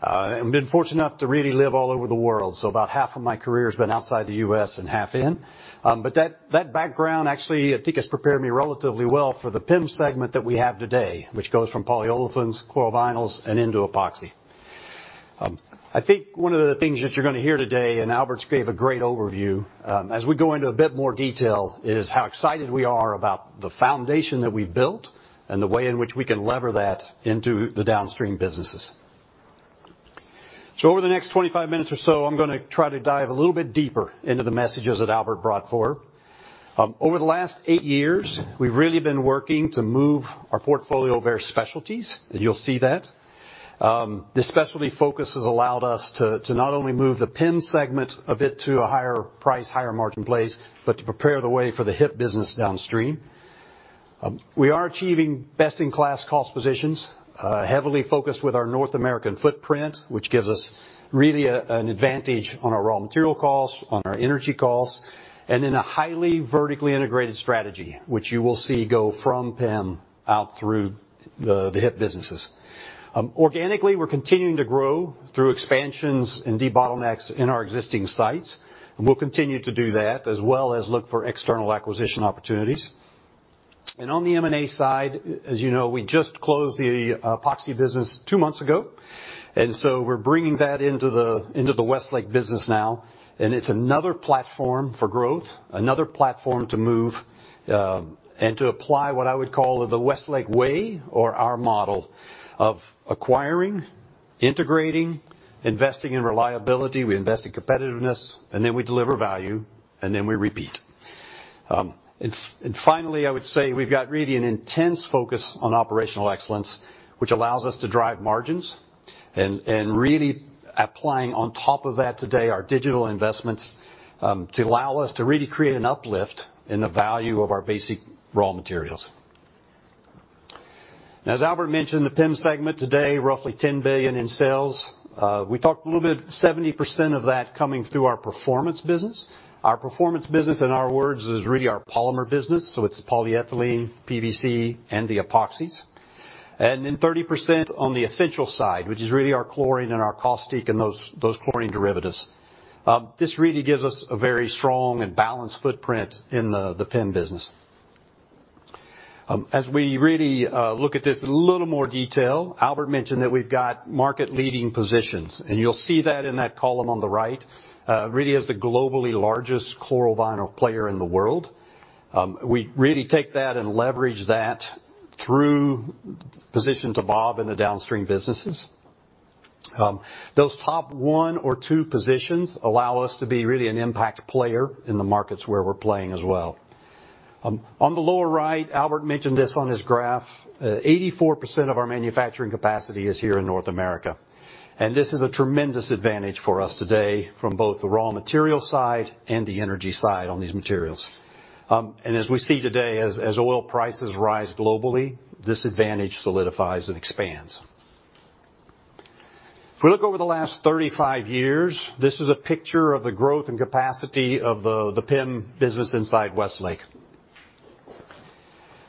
Been fortunate enough to really live all over the world. About half of my career has been outside the U.S. and half in. That background actually I think has prepared me relatively well for the PEM segment that we have today, which goes from polyolefins, chlorovinyls, and into Epoxy. I think one of the things that you're gonna hear today, and Albert gave a great overview, as we go into a bit more detail, is how excited we are about the foundation that we've built and the way in which we can lever that into the downstream businesses. Over the next 25 minutes or so, I'm gonna try to dive a little bit deeper into the messages that Albert brought forward. Over the last eight years, we've really been working to move our portfolio of our specialties, and you'll see that. This specialty focus has allowed us to not only move the PEM segment a bit to a higher price, higher margin place, but to prepare the way for the HIP business downstream. We are achieving best-in-class cost positions, heavily focused with our North American footprint, which gives us really an advantage on our raw material costs, on our energy costs, and in a highly vertically integrated strategy, which you will see go from PEM out through the HIP businesses. Organically, we're continuing to grow through expansions and debottlenecks in our existing sites, and we'll continue to do that as well as look for external acquisition opportunities. On the M&A side, as you know, we just closed the Epoxy business two months ago, and so we're bringing that into the Westlake business now. It's another platform for growth, another platform to move, and to apply what I would call the Westlake way or our model of acquiring, integrating, investing in reliability. We invest in competitiveness, and then we deliver value, and then we repeat. Finally, I would say we've got really an intense focus on operational excellence, which allows us to drive margins and really applying on top of that today our digital investments to allow us to really create an uplift in the value of our basic raw materials. Now as Albert mentioned, the PEM segment today roughly $10 billion in sales. We talked a little bit, 70% of that coming through our performance business. Our performance business, in our words, is really our polymer business, so it's polyethylene, PVC, and the epoxies. Then 30% on the essential side, which is really our chlorine and our caustic and those chlorine derivatives. This really gives us a very strong and balanced footprint in the PEM business. As we really look at this in a little more detail, Albert mentioned that we've got market-leading positions, and you'll see that in that column on the right, really as the globally largest chlorovinyl player in the world. We really take that and leverage that through position to Bob in the downstream businesses. Those top one or two positions allow us to be really an impact player in the markets where we're playing as well. On the lower right, Albert mentioned this on his graph, 84% of our manufacturing capacity is here in North America. This is a tremendous advantage for us today from both the raw material side and the energy side on these materials. As we see today, as oil prices rise globally, this advantage solidifies and expands. If we look over the last 35 years, this is a picture of the growth and capacity of the PEM business inside Westlake.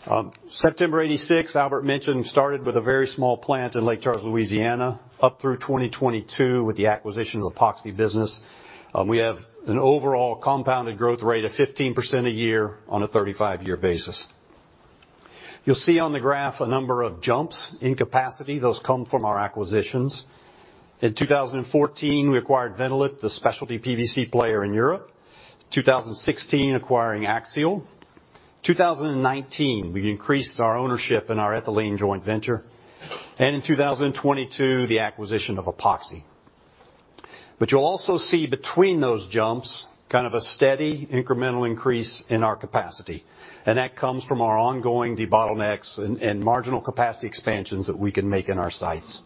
September 1986, Albert mentioned, we started with a very small plant in Lake Charles, Louisiana, up through 2022 with the acquisition of Epoxy business. We have an overall compounded growth rate of 15% a year on a 35-year basis. You'll see on the graph a number of jumps in capacity. Those come from our acquisitions. In 2014, we acquired Vinnolit, the specialty PVC player in Europe. 2016, acquiring Axiall. 2019, we increased our ownership in our ethylene joint venture. In 2022, the acquisition of Epoxy. You'll also see between those jumps kind of a steady incremental increase in our capacity, and that comes from our ongoing debottlenecks and marginal capacity expansions that we can make in our sites.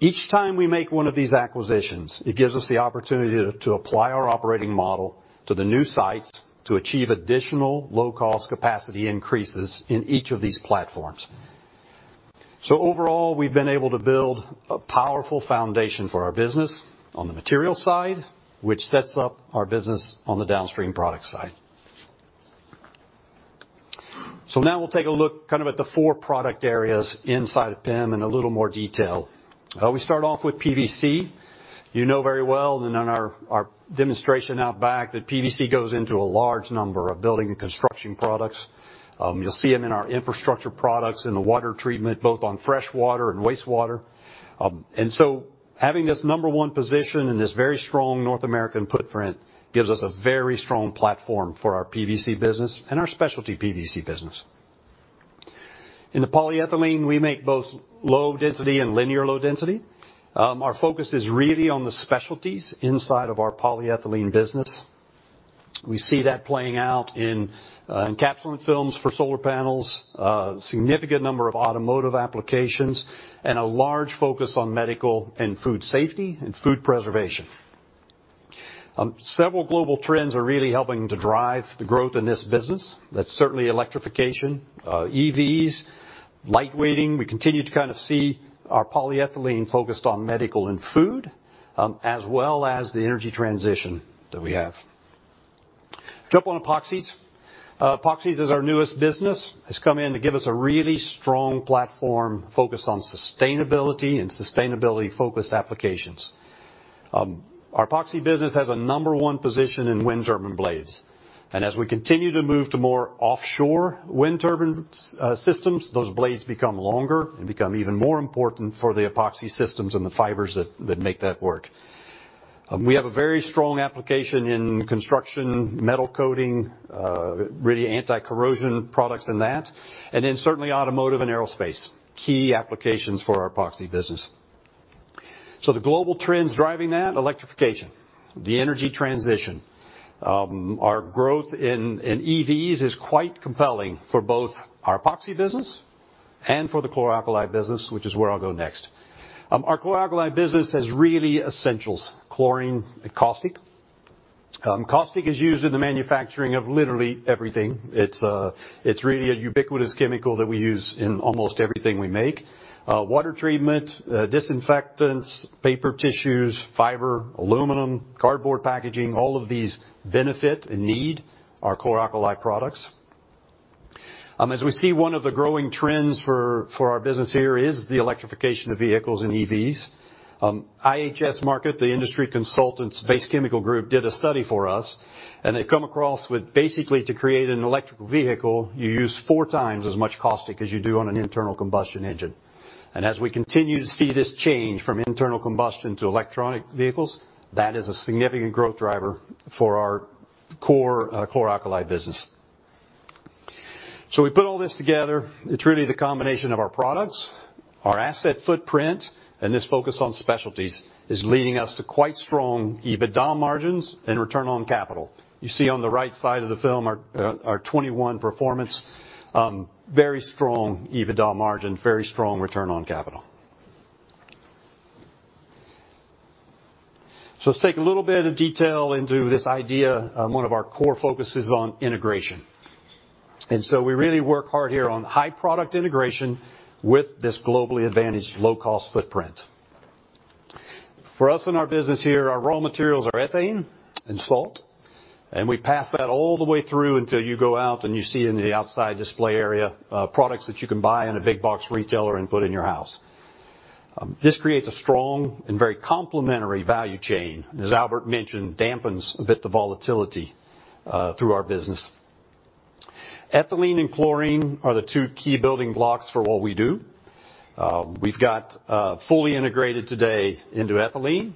Each time we make one of these acquisitions, it gives us the opportunity to apply our operating model to the new sites to achieve additional low-cost capacity increases in each of these platforms. Overall, we've been able to build a powerful foundation for our business on the material side, which sets up our business on the downstream product side. Now we'll take a look kind of at the four product areas inside of PEM in a little more detail. We start off with PVC. You know very well and in our demonstration out back that PVC goes into a large number of building and construction products. You'll see 'em in our infrastructure products, in the water treatment, both on fresh water and wastewater. Having this number one position in this very strong North American footprint gives us a very strong platform for our PVC business and our specialty PVC business. In the polyethylene, we make both low density and linear low density. Our focus is really on the specialties inside of our polyethylene business. We see that playing out in encapsulant films for solar panels, significant number of automotive applications, and a large focus on medical and food safety and food preservation. Several global trends are really helping to drive the growth in this business. That's certainly electrification, EVs, lightweighting. We continue to kind of see our polyethylene focused on medical and food, as well as the energy transition that we have. Jump on epoxies. Epoxies is our newest business. It's come in to give us a really strong platform focused on sustainability and sustainability focused applications. Our epoxy business has a number one position in wind turbine blades. As we continue to move to more offshore wind turbine systems, those blades become longer and become even more important for the epoxy systems and the fibers that make that work. We have a very strong application in construction, metal coating, really anti-corrosion products in that, and then certainly automotive and aerospace, key applications for our epoxy business. The global trends driving that, electrification, the energy transition. Our growth in EVs is quite compelling for both our epoxy business and for the chlor-alkali business, which is where I'll go next. Our chlor-alkali business has really essentials, chlorine and caustic. Caustic is used in the manufacturing of literally everything. It's really a ubiquitous chemical that we use in almost everything we make. Water treatment, disinfectants, paper tissues, fiber, aluminum, cardboard packaging, all of these benefit and need our chlor-alkali products. As we see one of the growing trends for our business here is the electrification of vehicles and EVs. IHS Markit, the industry consultants-based chemical group, did a study for us, and they've come across with basically to create an electric vehicle, you use four times as much caustic as you do on an internal combustion engine. As we continue to see this change from internal combustion to electric vehicles, that is a significant growth driver for our core chlor-alkali business. We put all this together. It's really the combination of our products, our asset footprint, and this focus on specialties is leading us to quite strong EBITDA margins and return on capital. You see on the right side of the film our 2021 performance, very strong EBITDA margin, very strong return on capital. Let's take a little bit of detail into this idea of one of our core focuses on integration. We really work hard here on high product integration with this globally advantaged low-cost footprint. For us in our business here, our raw materials are ethane and salt, and we pass that all the way through until you go out and you see in the outside display area, products that you can buy in a big box retailer and put in your house. This creates a strong and very complementary value chain, and as Albert mentioned, dampens a bit the volatility through our business. Ethylene and chlorine are the two key building blocks for what we do. We've got fully integrated today into ethylene.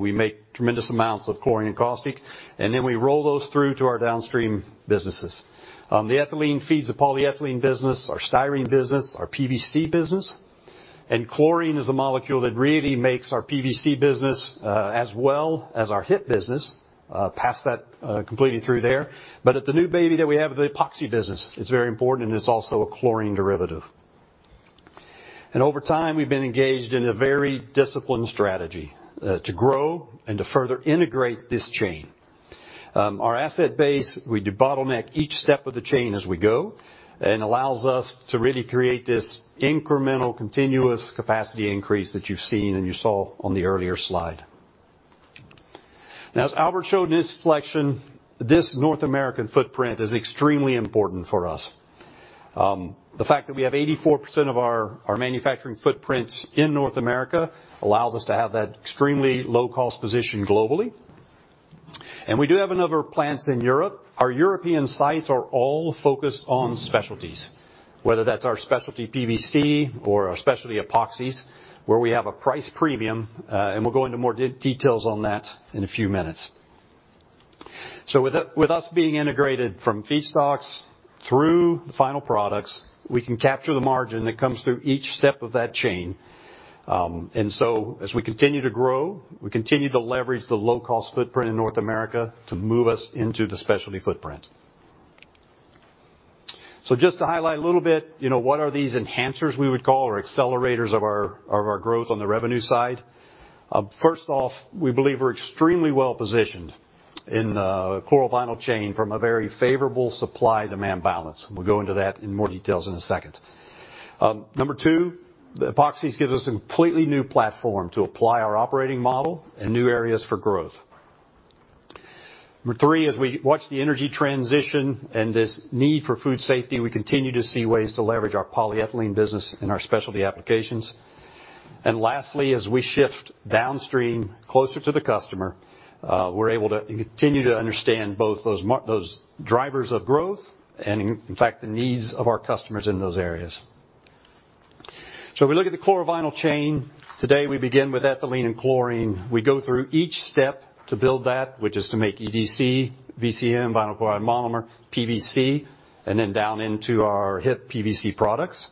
We make tremendous amounts of chlorine and caustic, and then we roll those through to our downstream businesses. The ethylene feeds the polyethylene business, our styrene business, our PVC business. Chlorine is a molecule that really makes our PVC business, as well as our HIP business, past that completely through there. The new baby that we have, the epoxy business is very important, and it's also a chlorine derivative. Over time, we've been engaged in a very disciplined strategy to grow and to further integrate this chain. Our asset base, we debottleneck each step of the chain as we go and allows us to really create this incremental continuous capacity increase that you've seen and you saw on the earlier slide. Now, as Albert showed in this selection, this North American footprint is extremely important for us. The fact that we have 84% of our manufacturing footprints in North America allows us to have that extremely low-cost position globally. We do have a number of plants in Europe. Our European sites are all focused on specialties, whether that's our specialty PVC or our specialty epoxies, where we have a price premium, and we'll go into more details on that in a few minutes. With us being integrated from feedstocks through the final products, we can capture the margin that comes through each step of that chain. As we continue to grow, we continue to leverage the low-cost footprint in North America to move us into the specialty footprint. Just to highlight a little bit, you know, what are these enhancers we would call or accelerators of our growth on the revenue side. First off, we believe we're extremely well positioned in the chlorovinyl chain from a very favorable supply-demand balance. We'll go into that in more details in a second. Number two, the epoxies give us a completely new platform to apply our operating model and new areas for growth. Number three, as we watch the energy transition and this need for food safety, we continue to see ways to leverage our polyethylene business in our specialty applications. Lastly, as we shift downstream closer to the customer, we're able to continue to understand both those drivers of growth and in fact, the needs of our customers in those areas. We look at the chlorovinyl chain. Today, we begin with ethylene and chlorine. We go through each step to build that, which is to make EDC, VCM, vinyl chloride monomer, PVC, and then down into our HIP PVC products.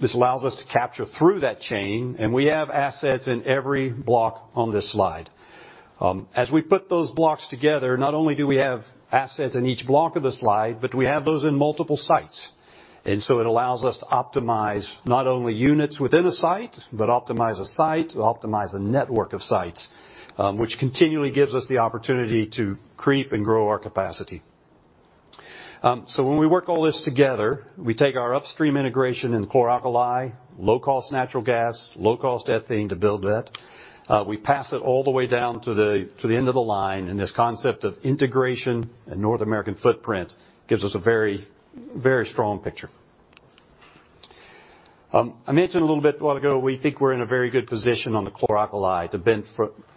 This allows us to capture through that chain, and we have assets in every block on this slide. As we put those blocks together, not only do we have assets in each block of the slide, but we have those in multiple sites. It allows us to optimize not only units within a site, but optimize a site to optimize a network of sites, which continually gives us the opportunity to creep and grow our capacity. When we work all this together, we take our upstream integration in chlor-alkali, low-cost natural gas, low-cost ethane to build that. We pass it all the way down to the end of the line, and this concept of integration and North American footprint gives us a very, very strong picture. I mentioned a little bit a while ago, we think we're in a very good position on the chlor-alkali to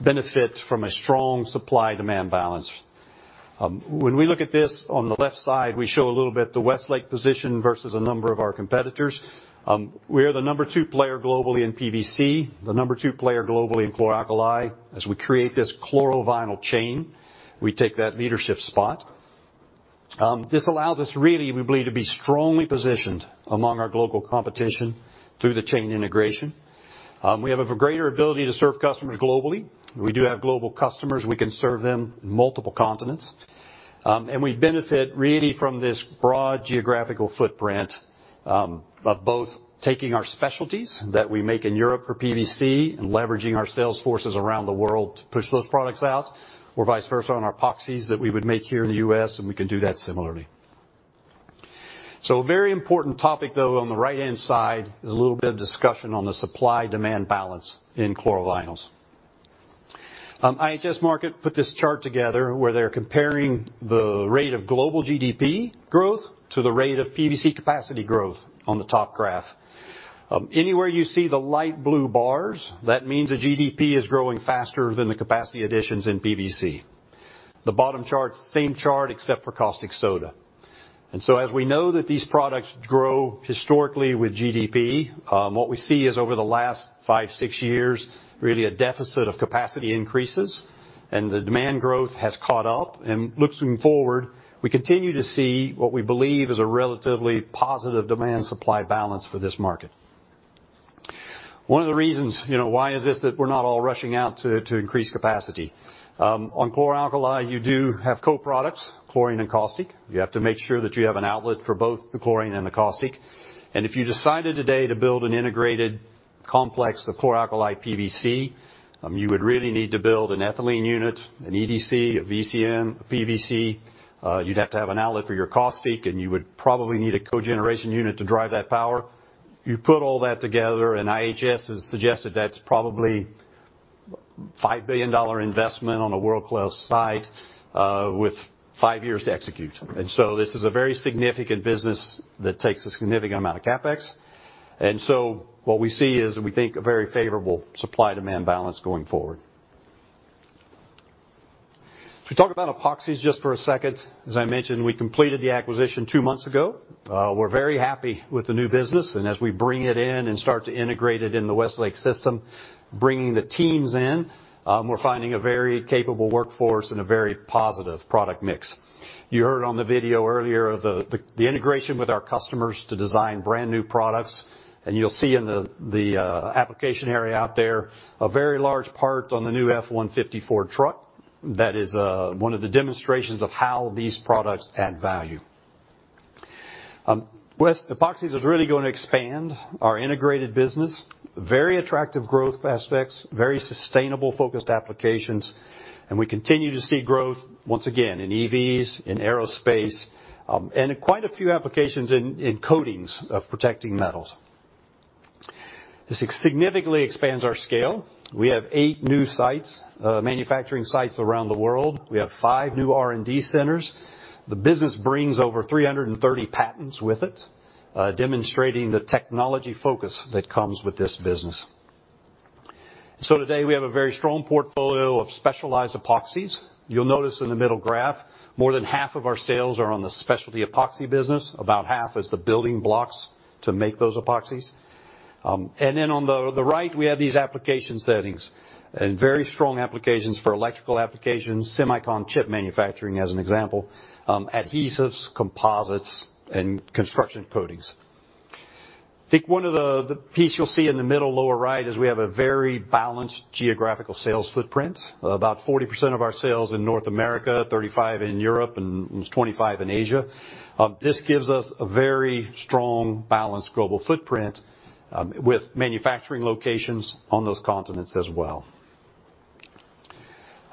benefit from a strong supply-demand balance. When we look at this on the left side, we show a little bit the Westlake position versus a number of our competitors. We are the number two player globally in PVC, the number two player globally in chlor-alkali. As we create this chlorovinyl chain, we take that leadership spot. This allows us really, we believe, to be strongly positioned among our global competition through the chain integration. We have a greater ability to serve customers globally. We do have global customers. We can serve them in multiple continents. We benefit really from this broad geographical footprint, of both taking our specialties that we make in Europe for PVC and leveraging our sales forces around the world to push those products out or vice versa on our epoxies that we would make here in the U.S., and we can do that similarly. A very important topic, though, on the right-hand side is a little bit of discussion on the supply-demand balance in chlorovinyls. IHS Markit put this chart together where they're comparing the rate of global GDP growth to the rate of PVC capacity growth on the top graph. Anywhere you see the light blue bars, that means the GDP is growing faster than the capacity additions in PVC. The bottom chart is the same chart except for caustic soda. As we know that these products grow historically with GDP, what we see is over the last five, six years, really a deficit of capacity increases and the demand growth has caught up. Looking forward, we continue to see what we believe is a relatively positive demand supply balance for this market. One of the reasons, you know, why is this that we're not all rushing out to increase capacity. On chlor-alkali, you do have co-products, chlorine and caustic. You have to make sure that you have an outlet for both the chlorine and the caustic. If you decided today to build an integrated complex of chlor-alkali PVC, you would really need to build an ethylene unit, an EDC, a VCM, a PVC. You'd have to have an outlet for your caustic, and you would probably need a cogeneration unit to drive that power. You put all that together, and IHS has suggested that's probably $5 billion investment on a world-class site, with five years to execute. This is a very significant business that takes a significant amount of CapEx. What we see is, we think, a very favorable supply-demand balance going forward. If we talk about epoxies just for a second, as I mentioned, we completed the acquisition two months ago. We're very happy with the new business, and as we bring it in and start to integrate it in the Westlake system, bringing the teams in, we're finding a very capable workforce and a very positive product mix. You heard on the video earlier of the integration with our customers to design brand-new products, and you'll see in the application area out there a very large part on the new F-150 Ford truck. That is one of the demonstrations of how these products add value. Westlake Epoxy is really gonna expand our integrated business. Very attractive growth aspects, very sustainable focused applications, and we continue to see growth, once again, in EVs, in aerospace, and in quite a few applications in coatings of protecting metals. This significantly expands our scale. We have 8 new sites, manufacturing sites around the world. We have five new R&D centers. The business brings over 330 patents with it, demonstrating the technology focus that comes with this business. Today, we have a very strong portfolio of specialized epoxies. You'll notice in the middle graph, more than half of our sales are on the specialty epoxy business. About half is the building blocks to make those epoxies. And then on the right, we have these application settings, and very strong applications for electrical applications, semiconductor chip manufacturing, as an example, adhesives, composites, and construction coatings. I think one of the piece you'll see in the middle lower right is we have a very balanced geographical sales footprint. About 40% of our sales in North America, 35% in Europe, and almost 25% in Asia. This gives us a very strong, balanced global footprint with manufacturing locations on those continents as well.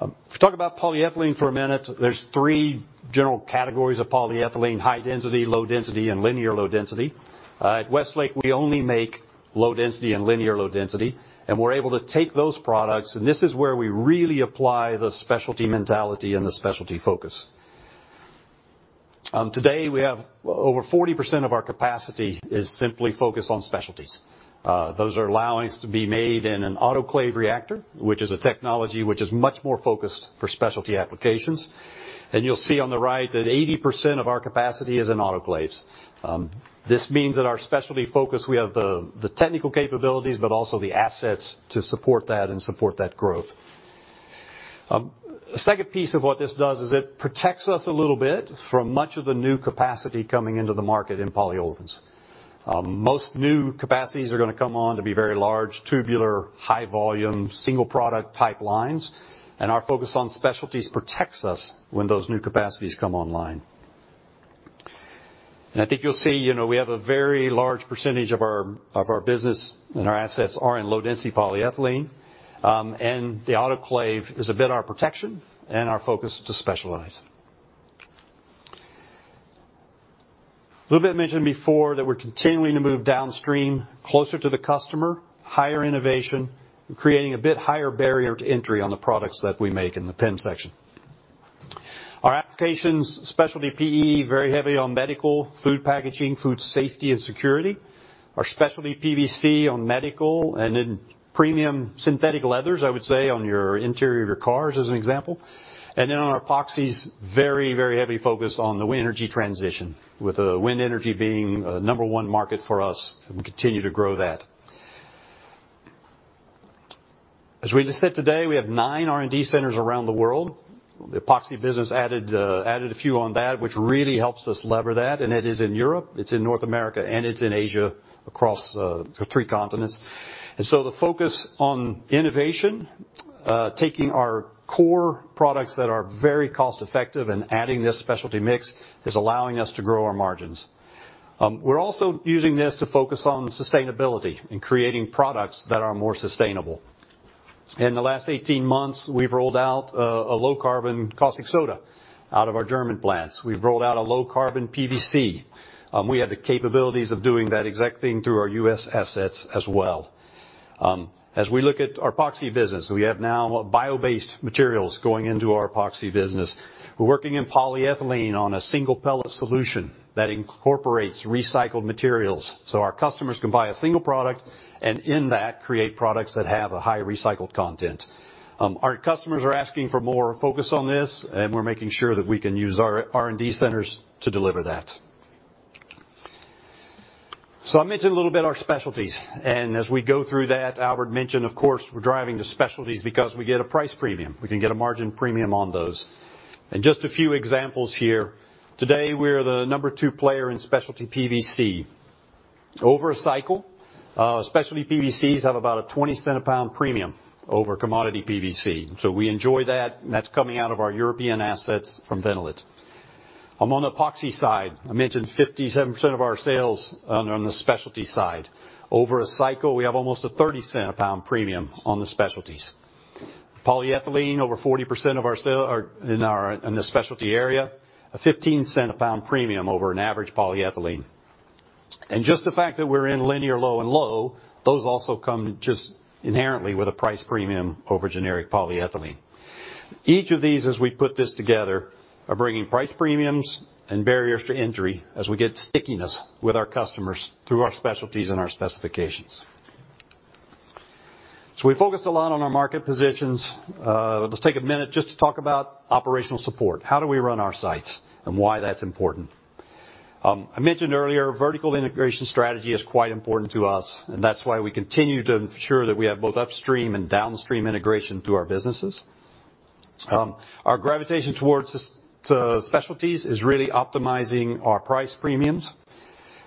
If we talk about polyethylene for a minute, there's 3 general categories of polyethylene: high density, low density, and linear low density. At Westlake, we only make low density and linear low density, and we're able to take those products, and this is where we really apply the specialty mentality and the specialty focus. Today we have, well, over 40% of our capacity is simply focused on specialties. Those are allowed to be made in an autoclave reactor, which is a technology which is much more focused for specialty applications. You'll see on the right that 80% of our capacity is in autoclaves. This means that our specialty focus, we have the technical capabilities, but also the assets to support that and support growth. Second piece of what this does is it protects us a little bit from much of the new capacity coming into the market in polyolefins. Most new capacities are gonna come on to be very large, tubular, high volume, single product type lines, and our focus on specialties protects us when those new capacities come online. I think you'll see, you know, we have a very large percentage of our business and our assets are in low density polyethylene, and the autoclave is a bit our protection and our focus to specialize. A little bit mentioned before that we're continuing to move downstream, closer to the customer, higher innovation, and creating a bit higher barrier to entry on the products that we make in the PEM section. Our applications, specialty PE, very heavy on medical, food packaging, food safety and security. Our specialty PVC on medical and in premium synthetic leathers, I would say, on your interior of your cars, as an example. On our epoxies, very, very heavy focus on the wind energy transition, with wind energy being the number one market for us, and we continue to grow that. As we just said today, we have nine R&D centers around the world. The Epoxy business added a few on that, which really helps us lever that, and it is in Europe, it's in North America, and it's in Asia across the three continents. The focus on innovation, taking our core products that are very cost-effective and adding this specialty mix is allowing us to grow our margins. We're also using this to focus on sustainability and creating products that are more sustainable. In the last 18 months, we've rolled out a low carbon caustic soda out of our German plants. We've rolled out a low carbon PVC. We have the capabilities of doing that exact thing through our U.S. assets as well. As we look at our epoxy business, we have now bio-based materials going into our epoxy business. We're working in polyethylene on a single pellet solution that incorporates recycled materials, so our customers can buy a single product, and in that, create products that have a high recycled content. Our customers are asking for more focus on this, and we're making sure that we can use our R&D centers to deliver that. I mentioned a little bit our specialties, and as we go through that, Albert mentioned, of course, we're driving the specialties because we get a price premium. We can get a margin premium on those. Just a few examples here. Today, we are the number 2 player in specialty PVC. Over a cycle, specialty PVCs have about a $0.20-per-pound premium over commodity PVC. We enjoy that, and that's coming out of our European assets from Vinnolit. Among the epoxy side, I mentioned 57% of our sales are on the specialty side. Over a cycle, we have almost a $0.30-per-pound premium on the specialties. Polyethylene, over 40% of our sales are in our, in the specialty area, a $0.15-a-pound premium over an average polyethylene. Just the fact that we're in linear low and low, those also come just inherently with a price premium over generic polyethylene. Each of these, as we put this together, are bringing price premiums and barriers to entry as we get stickiness with our customers through our specialties and our specifications. We focus a lot on our market positions. Let's take a minute just to talk about operational support. How do we run our sites and why that's important. I mentioned earlier, vertical integration strategy is quite important to us, and that's why we continue to ensure that we have both upstream and downstream integration through our businesses. Our gravitation towards the specialties is really optimizing our price premiums.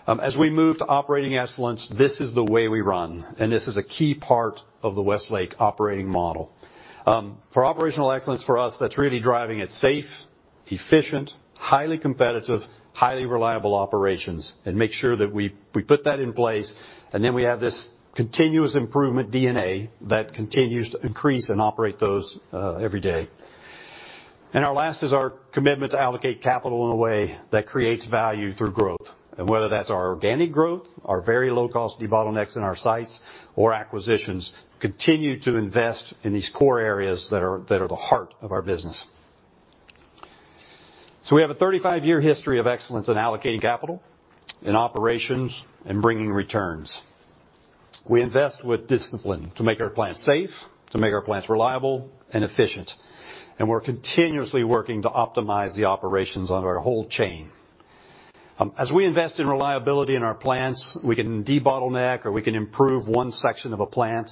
As we move to operating excellence, this is the way we run, and this is a key part of the Westlake operating model. For operational excellence for us, that's really driving it safe, efficient, highly competitive, highly reliable operations and make sure that we put that in place, and then we have this continuous improvement DNA that continues to increase and operate those every day. Our last is our commitment to allocate capital in a way that creates value through growth. Whether that's our organic growth, our very low-cost debottlenecks in our sites or acquisitions, continue to invest in these core areas that are the heart of our business. We have a 35-year history of excellence in allocating capital, in operations, and bringing returns. We invest with discipline to make our plants safe, to make our plants reliable and efficient, and we're continuously working to optimize the operations of our whole chain. As we invest in reliability in our plants, we can debottleneck or we can improve one section of a plant,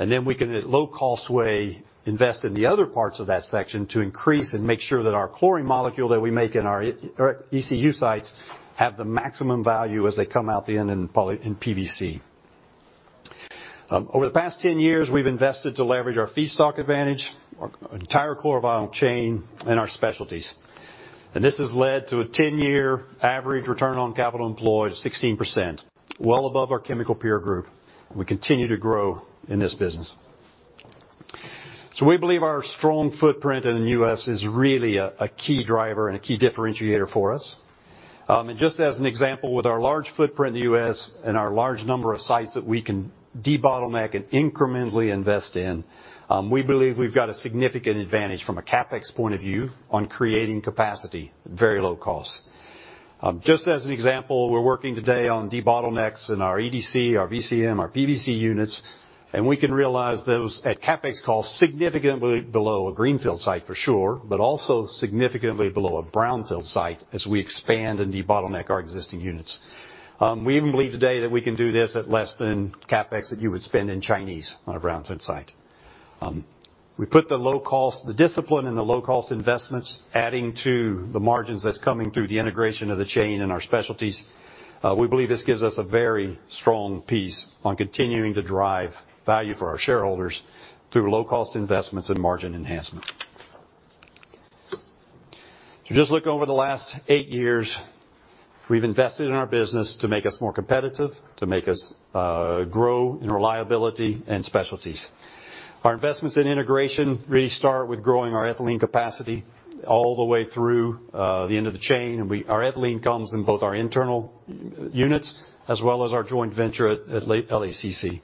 and then we can, at low-cost way, invest in the other parts of that section to increase and make sure that our chlorine molecule that we make in our ECU sites have the maximum value as they come out the end in PVC. Over the past 10 years, we've invested to leverage our feedstock advantage, our entire chlorovinyl chain, and our specialties. This has led to a 10-year average return on capital employed of 16%, well above our chemical peer group. We continue to grow in this business. We believe our strong footprint in the U.S. is really a key driver and a key differentiator for us. Just as an example, with our large footprint in the U.S. and our large number of sites that we can debottleneck and incrementally invest in, we believe we've got a significant advantage from a CapEx point of view on creating capacity at very low cost. Just as an example, we're working today on debottlenecks in our EDC, our VCM, our PVC units, and we can realize those at CapEx cost significantly below a greenfield site, for sure, but also significantly below a brownfield site as we expand and debottleneck our existing units. We even believe today that we can do this at less than CapEx that you would spend in China on a brownfield site. We put the low cost, the discipline and the low-cost investments adding to the margins that's coming through the integration of the chain and our specialties. We believe this gives us a very strong basis for continuing to drive value for our shareholders through low-cost investments and margin enhancement. If you just look over the last eight years, we've invested in our business to make us more competitive, to make us grow in reliability and specialties. Our investments in integration really start with growing our ethylene capacity all the way through the end of the chain. Our ethylene comes in both our internal units as well as our joint venture at LACC.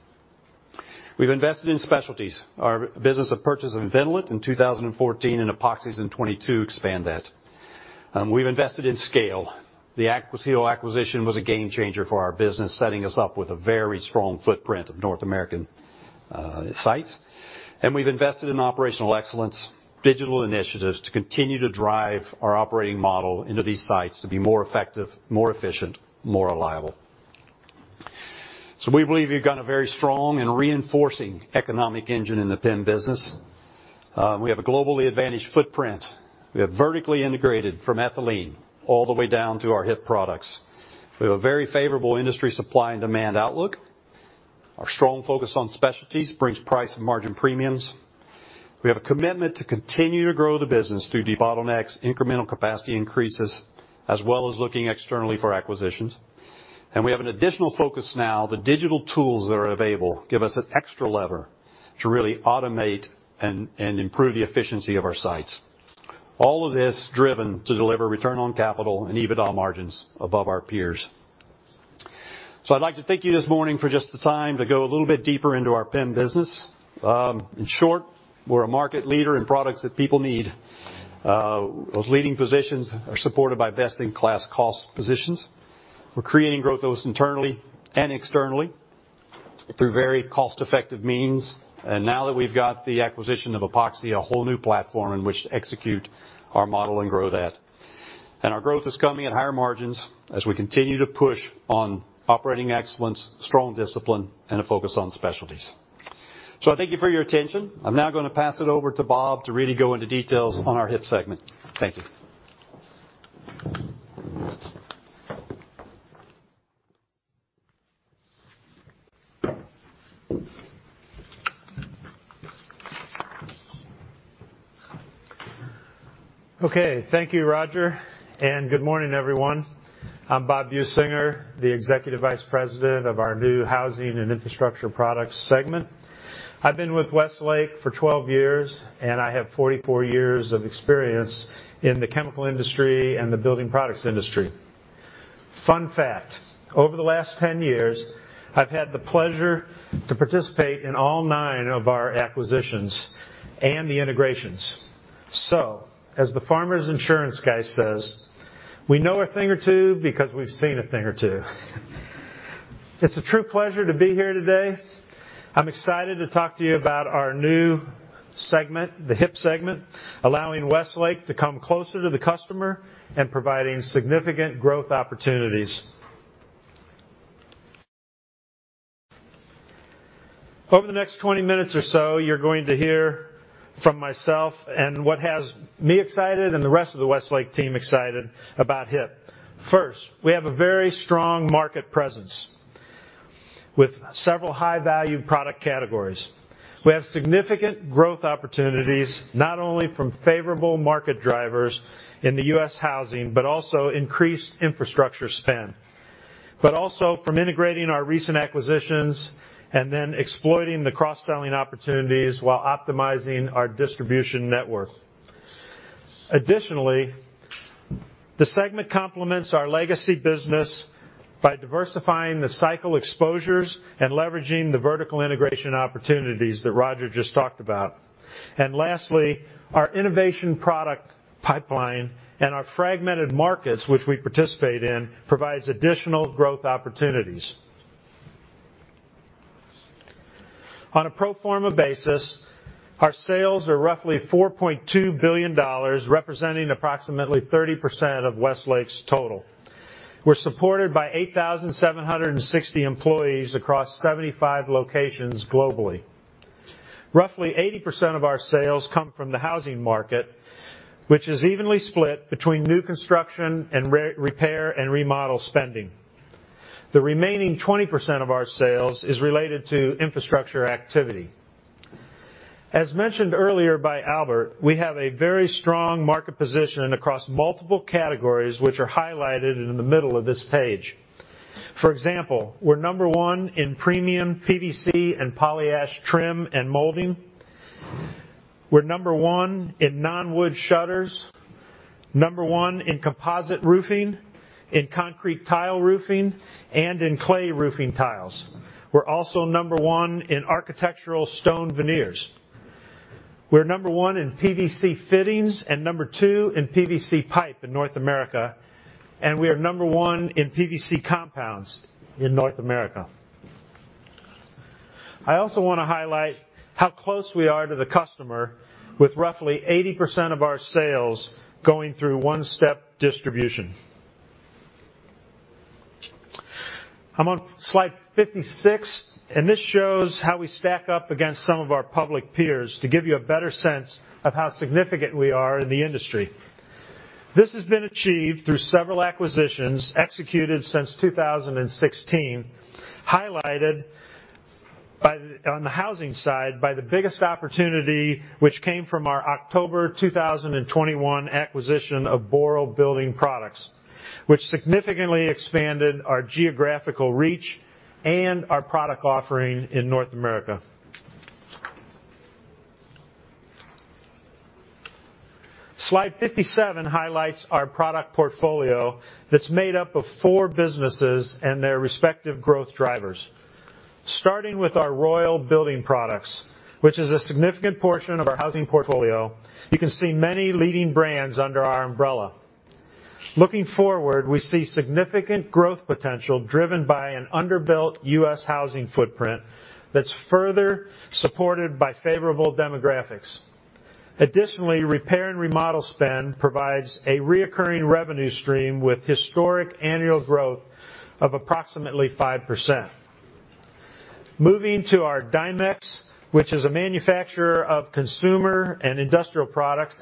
We've invested in specialties. Our business of purchase of Vinnolit in 2014 and epoxies in 2022 expand that. We've invested in scale. The Axiall acquisition was a game changer for our business, setting us up with a very strong footprint of North American sites. We've invested in operational excellence, digital initiatives to continue to drive our operating model into these sites to be more effective, more efficient, more reliable. We believe we've got a very strong and reinforcing economic engine in the PEM business. We have a globally advantaged footprint. We have vertically integrated from ethylene all the way down to our HIP products. We have a very favorable industry supply and demand outlook. Our strong focus on specialties brings price and margin premiums. We have a commitment to continue to grow the business through debottlenecks, incremental capacity increases, as well as looking externally for acquisitions. We have an additional focus now. The digital tools that are available give us an extra lever to really automate and improve the efficiency of our sites. All of this driven to deliver return on capital and EBITDA margins above our peers. I'd like to thank you this morning for just the time to go a little bit deeper into our PEM business. In short, we're a market leader in products that people need. Those leading positions are supported by best-in-class cost positions. We're creating growth both internally and externally through very cost-effective means. Now that we've got the acquisition of Epoxy, a whole new platform in which to execute our model and grow that. Our growth is coming at higher margins as we continue to push on operating excellence, strong discipline, and a focus on specialties. I thank you for your attention. I'm now gonna pass it over to Bob to really go into details on our HIP segment. Thank you. Okay. Thank you, Roger, and good morning, everyone. I'm Bob Buesinger, the Executive Vice President of our new Housing and Infrastructure Products segment. I've been with Westlake for 12 years, and I have 44 years of experience in the chemical industry and the building products industry. Fun fact: over the last 10 years, I've had the pleasure to participate in all nine of our acquisitions and the integrations. So as the Farmers Insurance guy says, "We know a thing or two because we've seen a thing or two." It's a true pleasure to be here today. I'm excited to talk to you about our new segment, the HIP segment, allowing Westlake to come closer to the customer and providing significant growth opportunities. Over the next 20 minutes or so, you're going to hear from myself and what has me excited, and the rest of the Westlake team excited about HIP. First, we have a very strong market presence with several high-value product categories. We have significant growth opportunities, not only from favorable market drivers in the U.S. housing, but also increased infrastructure spend, but also from integrating our recent acquisitions and then exploiting the cross-selling opportunities while optimizing our distribution network. Additionally, the segment complements our legacy business by diversifying the cycle exposures and leveraging the vertical integration opportunities that Roger just talked about. Lastly, our innovation product pipeline and our fragmented markets, which we participate in, provides additional growth opportunities. On a pro forma basis, our sales are roughly $4.2 billion, representing approximately 30% of Westlake's total. We're supported by 8,760 employees across 75 locations globally. Roughly 80% of our sales come from the housing market, which is evenly split between new construction and repair and remodel spending. The remaining 20% of our sales is related to infrastructure activity. As mentioned earlier by Albert, we have a very strong market position across multiple categories, which are highlighted in the middle of this page. For example, we're number one in premium PVC and poly-ash trim and molding. We're number one in non-wood shutters, number one in composite roofing, in concrete tile roofing, and in clay roofing tiles. We're also number one in architectural stone veneers. We're number one in PVC fittings and number two in PVC pipe in North America, and we are number one in PVC compounds in North America. I also wanna highlight how close we are to the customer with roughly 80% of our sales going through one-step distribution. I'm on slide 56, and this shows how we stack up against some of our public peers to give you a better sense of how significant we are in the industry. This has been achieved through several acquisitions executed since 2016, highlighted by, on the housing side, the biggest opportunity, which came from our October 2021 acquisition of Boral Building Products, which significantly expanded our geographical reach and our product offering in North America. Slide 57 highlights our product portfolio that's made up of four businesses and their respective growth drivers. Starting with our Royal Building Products, which is a significant portion of our housing portfolio, you can see many leading brands under our umbrella. Looking forward, we see significant growth potential driven by an underbuilt U.S. housing footprint that's further supported by favorable demographics. Additionally, repair and remodel spend provides a recurring revenue stream with historic annual growth of approximately 5%. Moving to our Dimex, which is a manufacturer of consumer and industrial products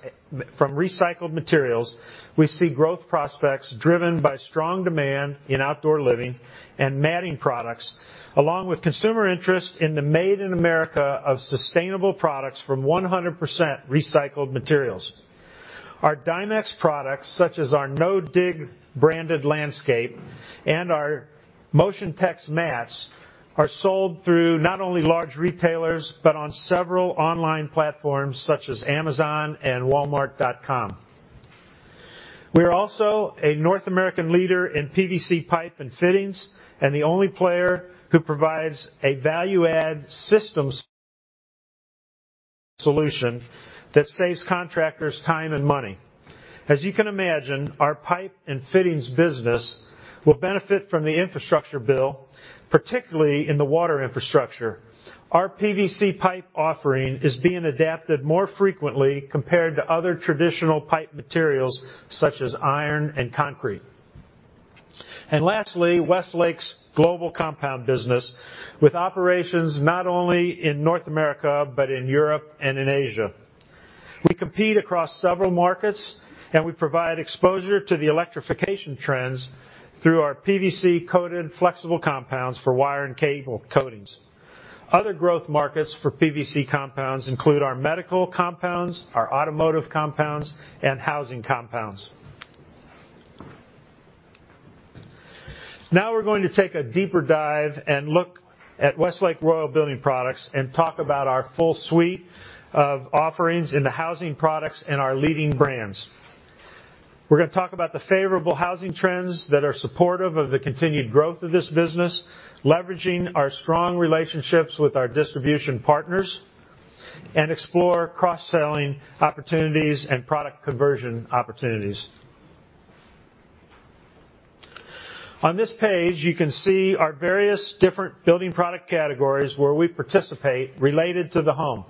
from recycled materials, we see growth prospects driven by strong demand in outdoor living and matting products, along with consumer interest in the Made in America of sustainable products from 100% recycled materials. Our Dimex products, such as our No-Dig branded landscape and our MotionTex mats, are sold through not only large retailers, but on several online platforms such as Amazon and Walmart.com. We are also a North American leader in PVC pipe and fittings, and the only player who provides a value-add systems solution that saves contractors time and money. As you can imagine, our pipe and fittings business will benefit from the infrastructure bill, particularly in the water infrastructure. Our PVC pipe offering is being adapted more frequently compared to other traditional pipe materials such as iron and concrete. Lastly, Westlake's global compound business with operations not only in North America, but in Europe and in Asia. We compete across several markets, and we provide exposure to the electrification trends through our PVC-coated flexible compounds for wire and cable coatings. Other growth markets for PVC compounds include our medical compounds, our automotive compounds, and housing compounds. Now we're going to take a deeper dive and look at Westlake Royal Building Products and talk about our full suite of offerings in the housing products and our leading brands. We're gonna talk about the favorable housing trends that are supportive of the continued growth of this business, leveraging our strong relationships with our distribution partners, and explore cross-selling opportunities and product conversion opportunities. On this page, you can see our various different building product categories where we participate related to the home.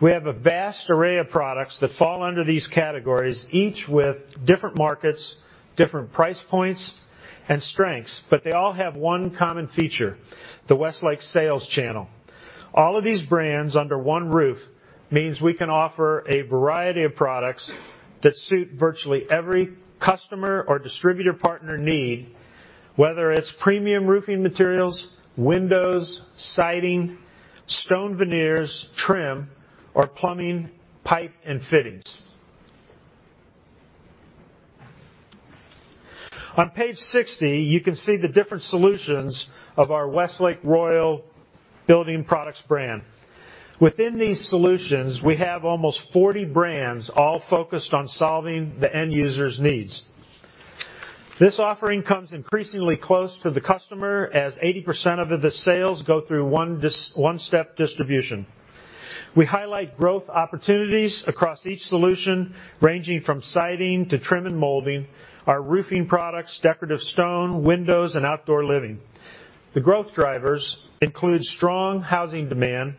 We have a vast array of products that fall under these categories, each with different markets, different price points, and strengths, but they all have one common feature, the Westlake sales channel. All of these brands under one roof means we can offer a variety of products that suit virtually every customer or distributor partner need, whether it's premium roofing materials, windows, siding, stone veneers, trim, or plumbing, pipe, and fittings. On page 60, you can see the different solutions of our Westlake Royal Building Products brand. Within these solutions, we have almost 40 brands all focused on solving the end user's needs. This offering comes increasingly close to the customer as 80% of the sales go through one-step distribution. We highlight growth opportunities across each solution, ranging from siding to trim and molding, our roofing products, decorative stone, windows, and outdoor living. The growth drivers include strong housing demand,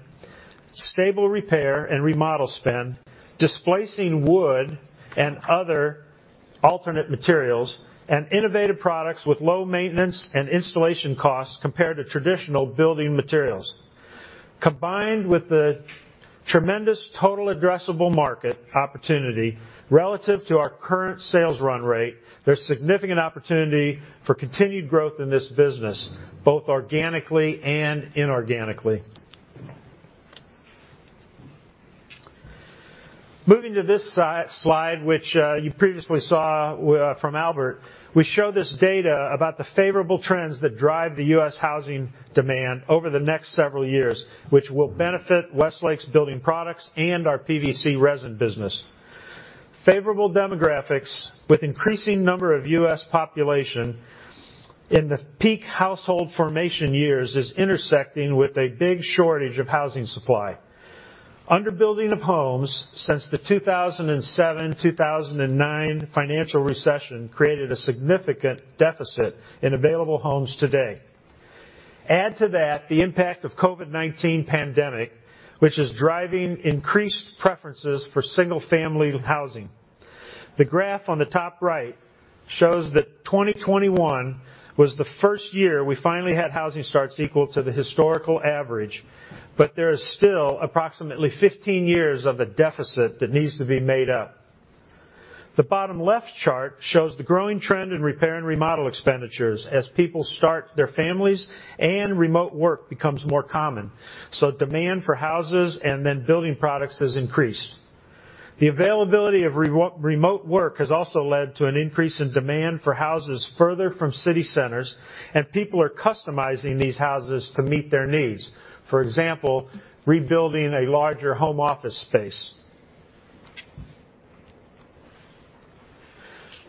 stable repair and remodel spend, displacing wood and other alternate materials, and innovative products with low maintenance and installation costs compared to traditional building materials. Combined with the tremendous total addressable market opportunity relative to our current sales run rate, there's significant opportunity for continued growth in this business, both organically and inorganically. Moving to this slide, which you previously saw from Albert, we show this data about the favorable trends that drive the U.S. housing demand over the next several years, which will benefit Westlake's Building Products and our PVC resin business. Favorable demographics with increasing number of U.S. population in the peak household formation years is intersecting with a big shortage of housing supply. Under-building of homes since the 2007-2009 financial recession created a significant deficit in available homes today. Add to that the impact of COVID-19 pandemic, which is driving increased preferences for single-family housing. The graph on the top right shows that 2021 was the first year we finally had housing starts equal to the historical average, but there is still approximately 15 years of a deficit that needs to be made up. The bottom left chart shows the growing trend in repair and remodel expenditures as people start their families and remote work becomes more common. Demand for houses and then building products has increased. The availability of remote work has also led to an increase in demand for houses further from city centers, and people are customizing these houses to meet their needs, for example, rebuilding a larger home office space.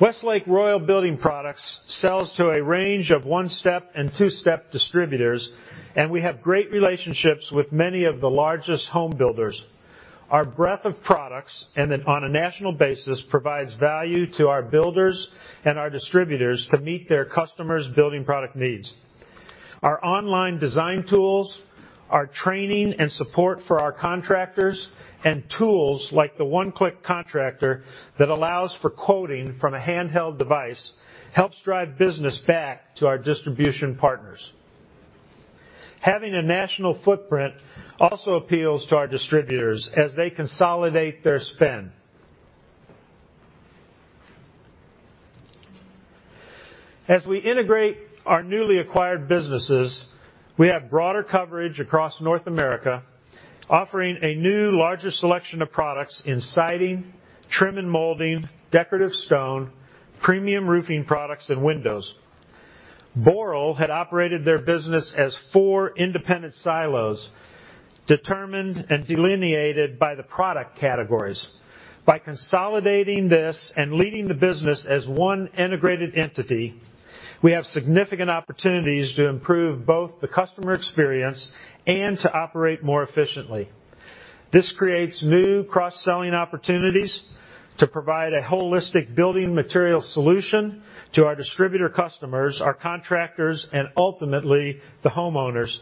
Westlake Royal Building Products sells to a range of one-step and two-step distributors, and we have great relationships with many of the largest home builders. Our breadth of products and then on a national basis provides value to our builders and our distributors to meet their customers' building product needs. Our online design tools, our training and support for our contractors, and tools like the One Click Contractor that allows for quoting from a handheld device helps drive business back to our distribution partners. Having a national footprint also appeals to our distributors as they consolidate their spend. As we integrate our newly acquired businesses, we have broader coverage across North America, offering a new larger selection of products in siding, trim and molding, decorative stone, premium roofing products, and windows. Boral had operated their business as four independent silos, determined and delineated by the product categories. By consolidating this and leading the business as one integrated entity, we have significant opportunities to improve both the customer experience and to operate more efficiently. This creates new cross-selling opportunities to provide a holistic building material solution to our distributor customers, our contractors, and ultimately, the homeowners.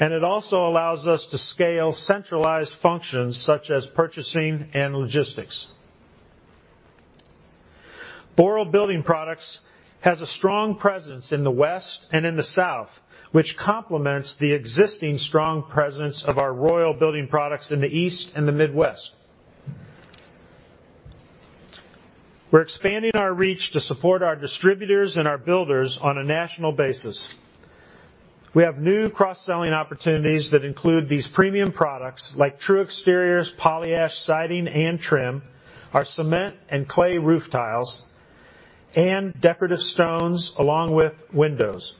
It also allows us to scale centralized functions such as purchasing and logistics. Boral Building Products has a strong presence in the West and in the South, which complements the existing strong presence of our Royal Building Products in the East and the Midwest. We're expanding our reach to support our distributors and our builders on a national basis. We have new cross-selling opportunities that include these premium products like TruExterior poly-ash siding and trim, our cement and clay roof tiles, and decorative stones along with windows.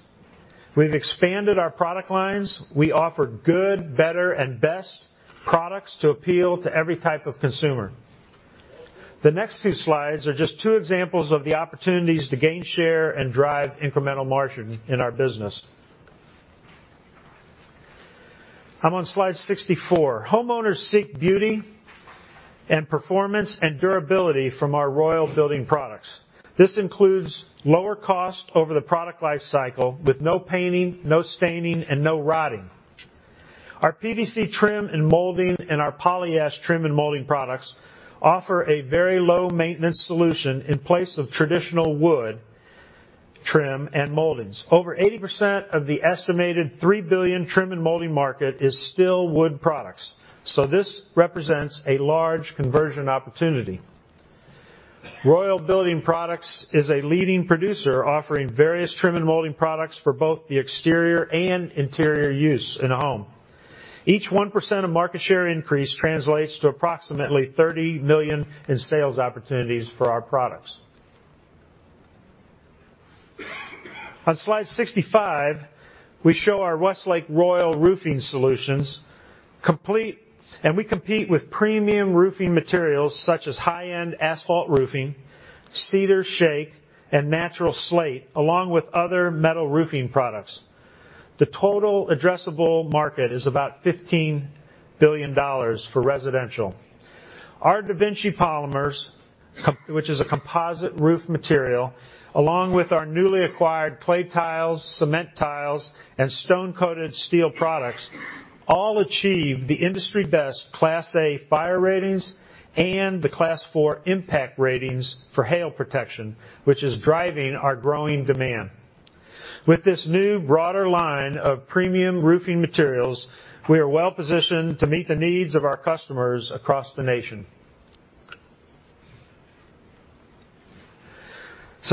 We've expanded our product lines. We offer good, better, and best products to appeal to every type of consumer. The next two slides are just two examples of the opportunities to gain share and drive incremental margin in our business. I'm on slide 64. Homeowners seek beauty and performance and durability from our Royal Building Products. This includes lower cost over the product life cycle with no painting, no staining, and no rotting. Our PVC trim and molding and our poly-ash trim and molding products offer a very low-maintenance solution in place of traditional wood trim and moldings. Over 80% of the estimated $3 billion trim and molding market is still wood products. This represents a large conversion opportunity. Royal Building Products is a leading producer offering various trim and molding products for both the exterior and interior use in a home. Each 1% of market share increase translates to approximately $30 million in sales opportunities for our products. On slide 65, we show our Westlake Royal Roofing Solutions. We compete with premium roofing materials such as high-end asphalt roofing, cedar shake, and natural slate, along with other metal roofing products. The total addressable market is about $15 billion for residential. Our DaVinci polymers, which is a composite roof material, along with our newly acquired clay tiles, cement tiles, and stone-coated steel products, all achieve the industry-best Class A fire ratings and the Class Four impact ratings for hail protection, which is driving our growing demand. With this new broader line of premium roofing materials, we are well-positioned to meet the needs of our customers across the nation.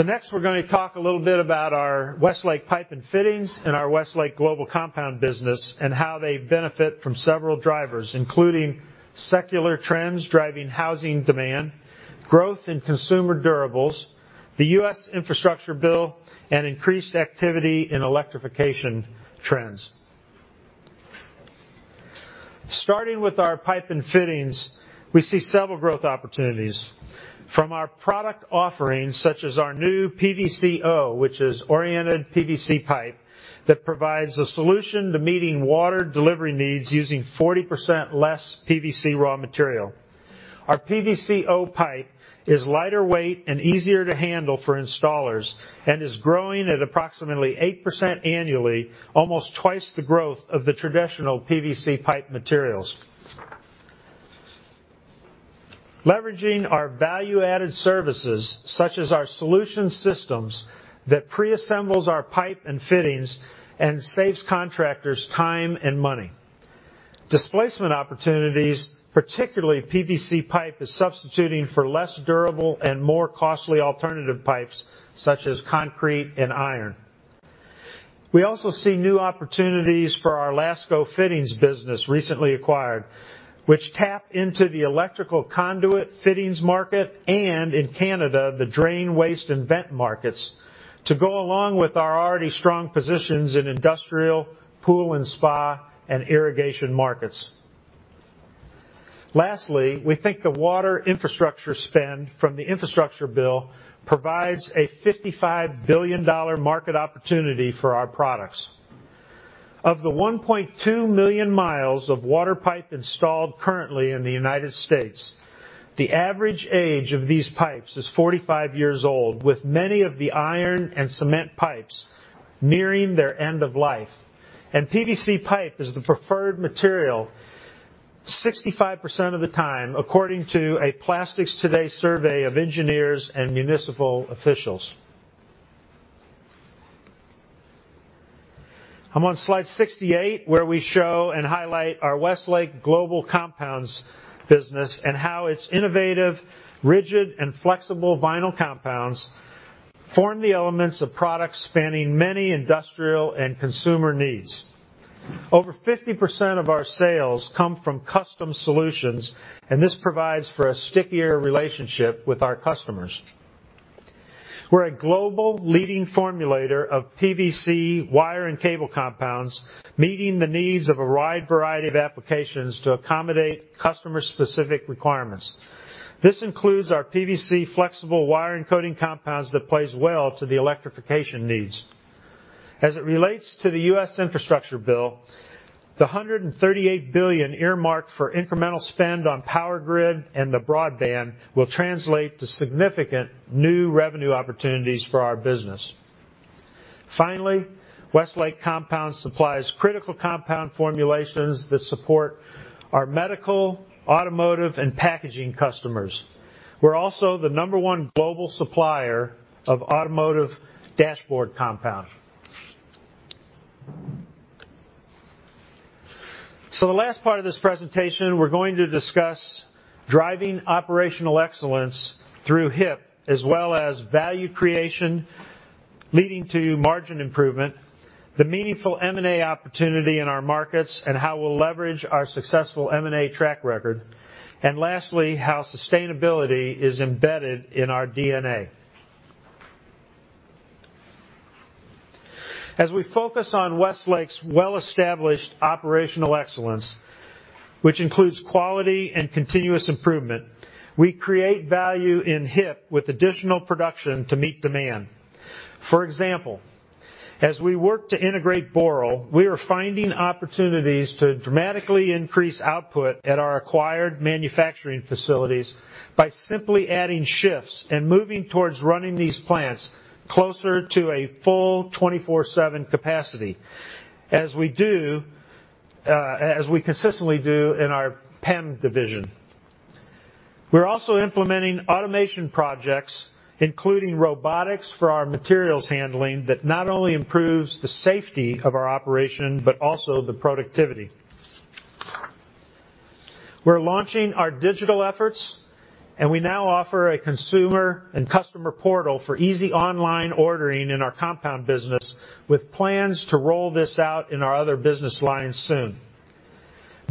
Next, we're gonna talk a little bit about our Westlake Pipe & Fittings and our Westlake Global Compounds business and how they benefit from several drivers, including secular trends driving housing demand, growth in consumer durables, the U.S. infrastructure bill, and increased activity in electrification trends. Starting with our Pipe & Fittings, we see several growth opportunities from our product offerings, such as our new PVC-O, which is oriented PVC pipe that provides a solution to meeting water delivery needs using 40% less PVC raw material. Our PVC-O pipe is lighter weight and easier to handle for installers and is growing at approximately 8% annually, almost twice the growth of the traditional PVC pipe materials. Leveraging our value-added services, such as our solution systems that preassembles our pipe & fittings and saves contractors time and money. Displacement opportunities, particularly PVC pipe, is substituting for less durable and more costly alternative pipes, such as concrete and iron. We also see new opportunities for our LASCO Fittings business, recently acquired, which tap into the electrical conduit fittings market and in Canada, the drain, waste, and vent markets, to go along with our already strong positions in industrial, pool and spa, and irrigation markets. Lastly, we think the water infrastructure spend from the infrastructure bill provides a $55 billion market opportunity for our products. Of the 1.2 million miles of water pipe installed currently in the United States, the average age of these pipes is 45 years old, with many of the iron and cement pipes nearing their end of life. PVC pipe is the preferred material 65% of the time, according to a PlasticsToday survey of engineers and municipal officials. I'm on slide 68, where we show and highlight our Westlake Global Compounds business and how its innovative, rigid, and flexible vinyl compounds form the elements of products spanning many industrial and consumer needs. Over 50% of our sales come from custom solutions, and this provides for a stickier relationship with our customers. We're a global leading formulator of PVC wire and cable compounds, meeting the needs of a wide variety of applications to accommodate customer-specific requirements. This includes our PVC flexible wire and coating compounds that plays well to the electrification needs. As it relates to the U.S. infrastructure bill, the $138 billion earmarked for incremental spend on power grid and the broadband will translate to significant new revenue opportunities for our business. Finally, Westlake Compound supplies critical compound formulations that support our medical, automotive, and packaging customers. We're also the number one global supplier of automotive dashboard compound. The last part of this presentation, we're going to discuss driving operational excellence through HIP, as well as value creation leading to margin improvement, the meaningful M&A opportunity in our markets, and how we'll leverage our successful M&A track record, and lastly, how sustainability is embedded in our DNA. As we focus on Westlake's well-established operational excellence, which includes quality and continuous improvement, we create value in HIP with additional production to meet demand. For example, as we work to integrate Boral, we are finding opportunities to dramatically increase output at our acquired manufacturing facilities by simply adding shifts and moving towards running these plants closer to a full 24/7 capacity, as we consistently do in our PEM division. We're also implementing automation projects, including robotics for our materials handling that not only improves the safety of our operation, but also the productivity. We're launching our digital efforts, and we now offer a consumer and customer portal for easy online ordering in our compound business, with plans to roll this out in our other business lines soon.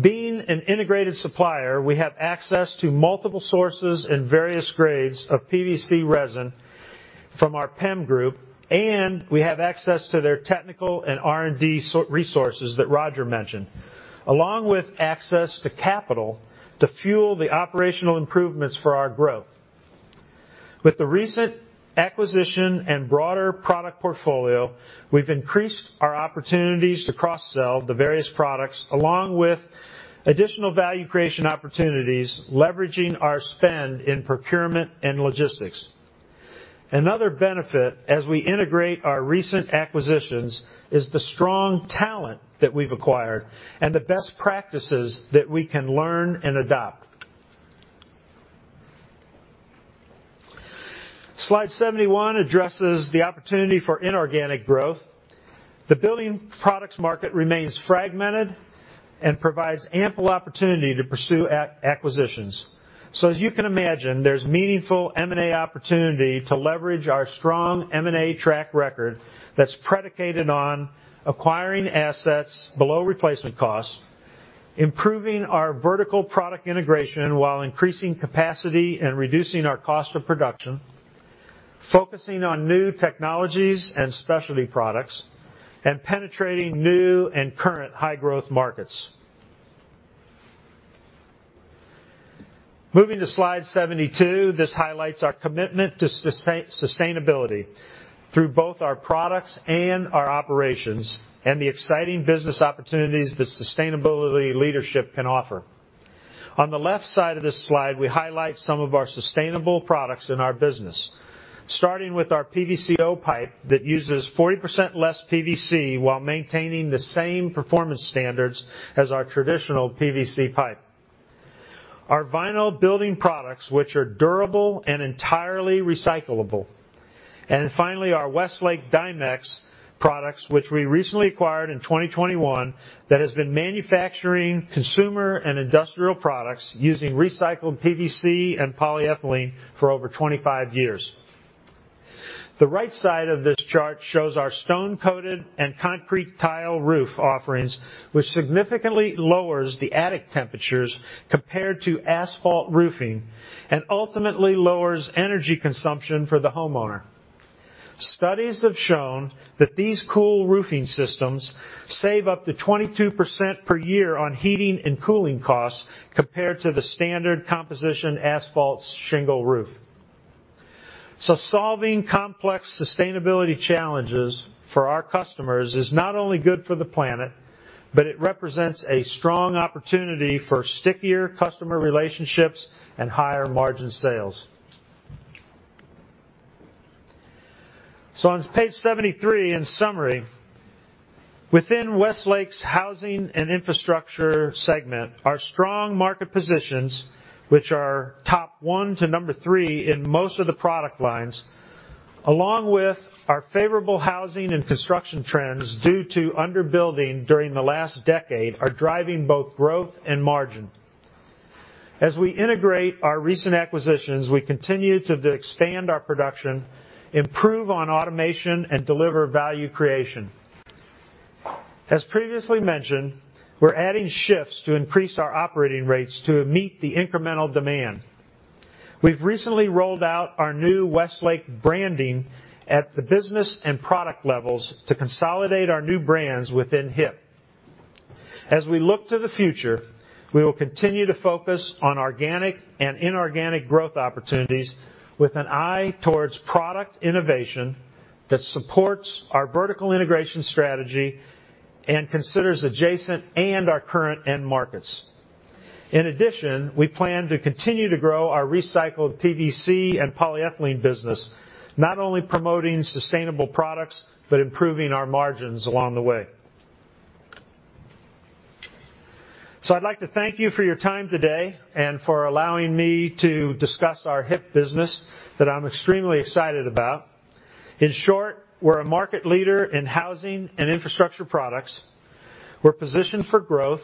Being an integrated supplier, we have access to multiple sources and various grades of PVC resin from our PEM group, and we have access to their technical and R&D resources that Roger mentioned, along with access to capital to fuel the operational improvements for our growth. With the recent acquisition and broader product portfolio, we've increased our opportunities to cross-sell the various products along with additional value creation opportunities, leveraging our spend in procurement and logistics. Another benefit as we integrate our recent acquisitions is the strong talent that we've acquired and the best practices that we can learn and adopt. Slide 71 addresses the opportunity for inorganic growth. The building products market remains fragmented and provides ample opportunity to pursue acquisitions. As you can imagine, there's meaningful M&A opportunity to leverage our strong M&A track record that's predicated on acquiring assets below replacement costs, improving our vertical product integration while increasing capacity and reducing our cost of production, focusing on new technologies and specialty products, and penetrating new and current high-growth markets. Moving to slide 72, this highlights our commitment to sustainability through both our products and our operations and the exciting business opportunities that sustainability leadership can offer. On the left side of this slide, we highlight some of our sustainable products in our business, starting with our PVCO pipe that uses 40% less PVC while maintaining the same performance standards as our traditional PVC pipe. Our vinyl building products, which are durable and entirely recyclable, finally our Westlake Dimex products, which we recently acquired in 2021, that has been manufacturing consumer and industrial products using recycled PVC and polyethylene for over 25 years. The right side of this chart shows our stone-coated and concrete tile roof offerings, which significantly lowers the attic temperatures compared to asphalt roofing and ultimately lowers energy consumption for the homeowner. Studies have shown that these cool roofing systems save up to 22% per year on heating and cooling costs compared to the standard composition asphalt shingle roof. Solving complex sustainability challenges for our customers is not only good for the planet, but it represents a strong opportunity for stickier customer relationships and higher margin sales. On page 73, in summary, within Westlake's Housing and Infrastructure segment, our strong market positions, which are top 1 to number 3 in most of the product lines, along with our favorable housing and construction trends due to under-building during the last decade, are driving both growth and margin. As we integrate our recent acquisitions, we continue to expand our production, improve on automation, and deliver value creation. As previously mentioned, we're adding shifts to increase our operating rates to meet the incremental demand. We've recently rolled out our new Westlake branding at the business and product levels to consolidate our new brands within HIP. As we look to the future, we will continue to focus on organic and inorganic growth opportunities with an eye towards product innovation that supports our vertical integration strategy and considers adjacent and our current end markets. In addition, we plan to continue to grow our recycled PVC and polyethylene business, not only promoting sustainable products, but improving our margins along the way. I'd like to thank you for your time today and for allowing me to discuss our HIP business that I'm extremely excited about. In short, we're a market leader in housing and infrastructure products. We're positioned for growth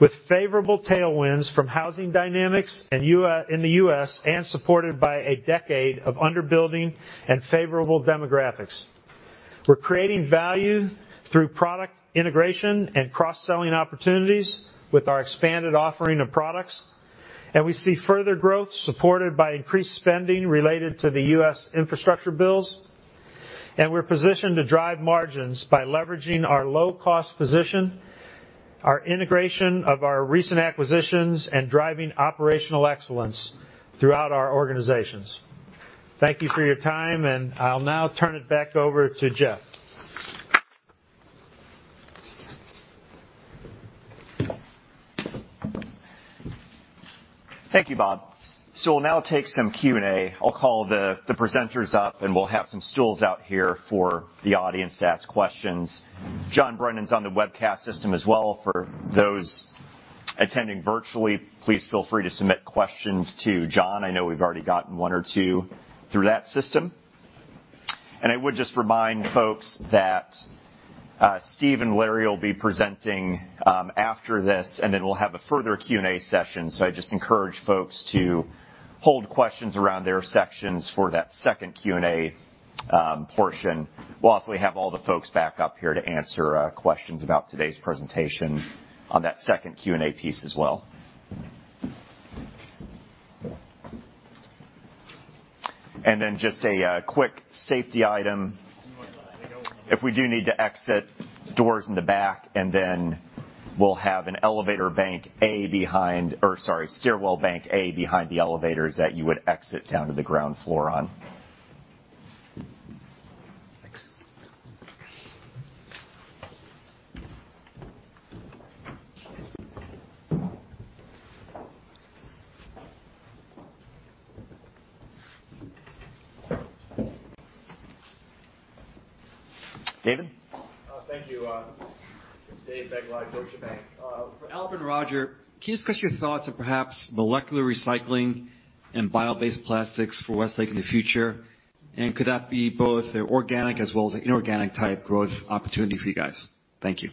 with favorable tailwinds from housing dynamics and in the U.S. and supported by a decade of under-building and favorable demographics. We're creating value through product integration and cross-selling opportunities with our expanded offering of products. We see further growth supported by increased spending related to the U.S. infrastructure bills. We're positioned to drive margins by leveraging our low-cost position, our integration of our recent acquisitions, and driving operational excellence throughout our organizations. Thank you for your time, and I'll now turn it back over to Jeff. Thank you, Bob. We'll now take some Q&A. I'll call the presenters up, and we'll have some stools out here for the audience to ask questions. John Brennan is on the webcast system as well. For those attending virtually, please feel free to submit questions to John. I know we've already gotten one or two through that system. I would just remind folks that Steve and Larry will be presenting after this, and then we'll have a further Q&A session. I just encourage folks to hold questions around their sections for that second Q&A portion. We'll also have all the folks back up here to answer questions about today's presentation on that second Q&A piece as well. Then just a quick safety item. If we do need to exit, doors in the back, and then we'll have a stairwell bank A behind the elevators that you would exit down to the ground floor on. David. Thank you. David Begleiter, Deutsche Bank. For Albert and Roger, can you discuss your thoughts on perhaps molecular recycling and bio-based plastics for Westlake in the future? Could that be both organic as well as inorganic type growth opportunity for you guys? Thank you.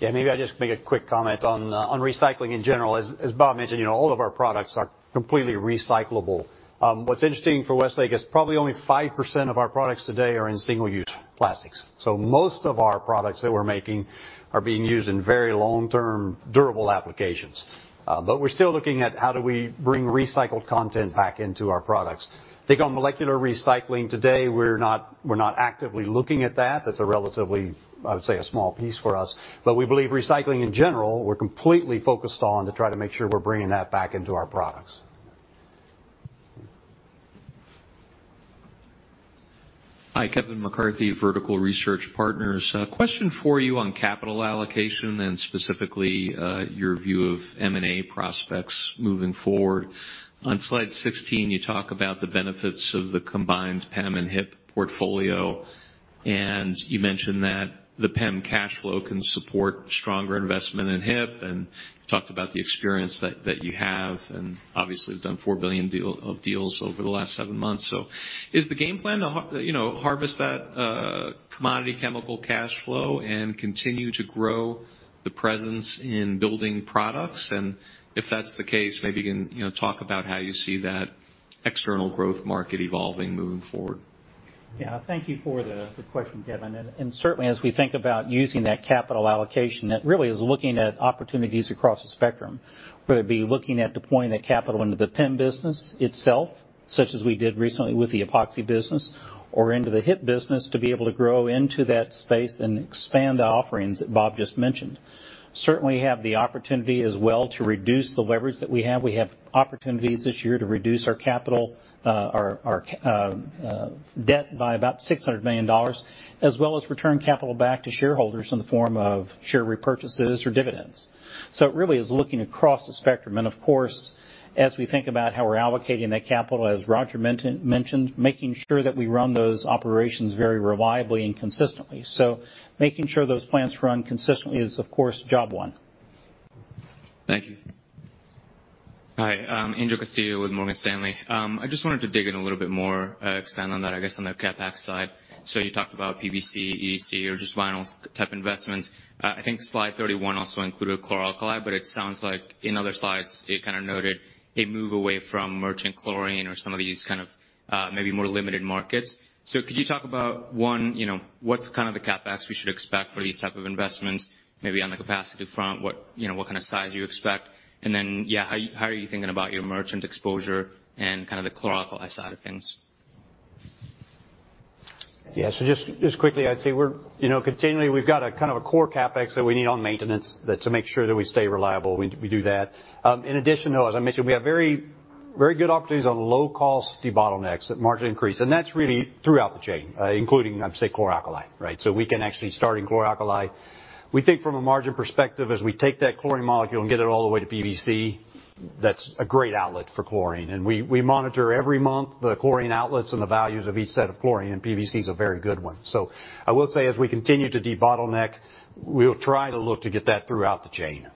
Yeah. Maybe I just make a quick comment on recycling in general. As Bob mentioned, you know, all of our products are completely recyclable. What's interesting for Westlake is probably only 5% of our products today are in single-use plastics. Most of our products that we're making are being used in very long-term durable applications. We're still looking at how do we bring recycled content back into our products. I think on molecular recycling today, we're not actively looking at that. That's a relatively, I would say, a small piece for us. We believe recycling in general, we're completely focused on to try to make sure we're bringing that back into our products. Hi, Kevin McCarthy, Vertical Research Partners Partners. A question for you on capital allocation and specifically, your view of M&A prospects moving forward. On slide 16, you talk about the benefits of the combined PEM and HIP portfolio, and you mentioned that the PEM cash flow can support stronger investment in HIP, and you talked about the experience that you have, and obviously, we've done $4 billion of deals over the last 7 months. Is the game plan to you know, harvest that commodity chemical cash flow and continue to grow the presence in building products? And if that's the case, maybe you can, you know, talk about how you see that external growth market evolving moving forward. Yeah. Thank you for the question, Kevin. Certainly as we think about using that capital allocation, that really is looking at opportunities across the spectrum, whether it be looking at deploying that capital into the PEM business itself, such as we did recently with the epoxy business or into the HIP business to be able to grow into that space and expand the offerings that Bob just mentioned. We certainly have the opportunity as well to reduce the leverage that we have. We have opportunities this year to reduce our debt by about $600 million, as well as return capital back to shareholders in the form of share repurchases or dividends. It really is looking across the spectrum. Of course, as we think about how we're allocating that capital, as Roger mentioned, making sure that we run those operations very reliably and consistently. Making sure those plants run consistently is of course, job one. Thank you. Hi. I'm Angel Castillo with Morgan Stanley. I just wanted to dig in a little bit more, expand on that, I guess, on the CapEx side. You talked about PVC, EDC, or just vinyls type investments. I think slide 31 also included chlor-alkali, but it sounds like in other slides, it kinda noted a move away from merchant chlorine or some of these kind of, maybe more limited markets. Could you talk about, one, you know, what's kind of the CapEx we should expect for these type of investments? Maybe on the capacity front, what, you know, what kinda size you expect? And then, yeah, how are you thinking about your merchant exposure and kind of the chlor-alkali side of things? Yeah. Just quickly, I'd say we're, you know, continually, we've got a kind of a core CapEx that we need on maintenance that to make sure that we stay reliable, we do that. In addition, though, as I mentioned, we have very good opportunities on low cost debottlenecks that margin increase. That's really throughout the chain, including, I'd say, chlor-alkali, right? We can actually start in chlor-alkali. We think from a margin perspective, as we take that chlorine molecule and get it all the way to PVC, that's a great outlet for chlorine. We monitor every month the chlorine outlets and the values of each set of chlorine, and PVC is a very good one. I will say as we continue to debottleneck, we'll try to look to get that throughout the chain.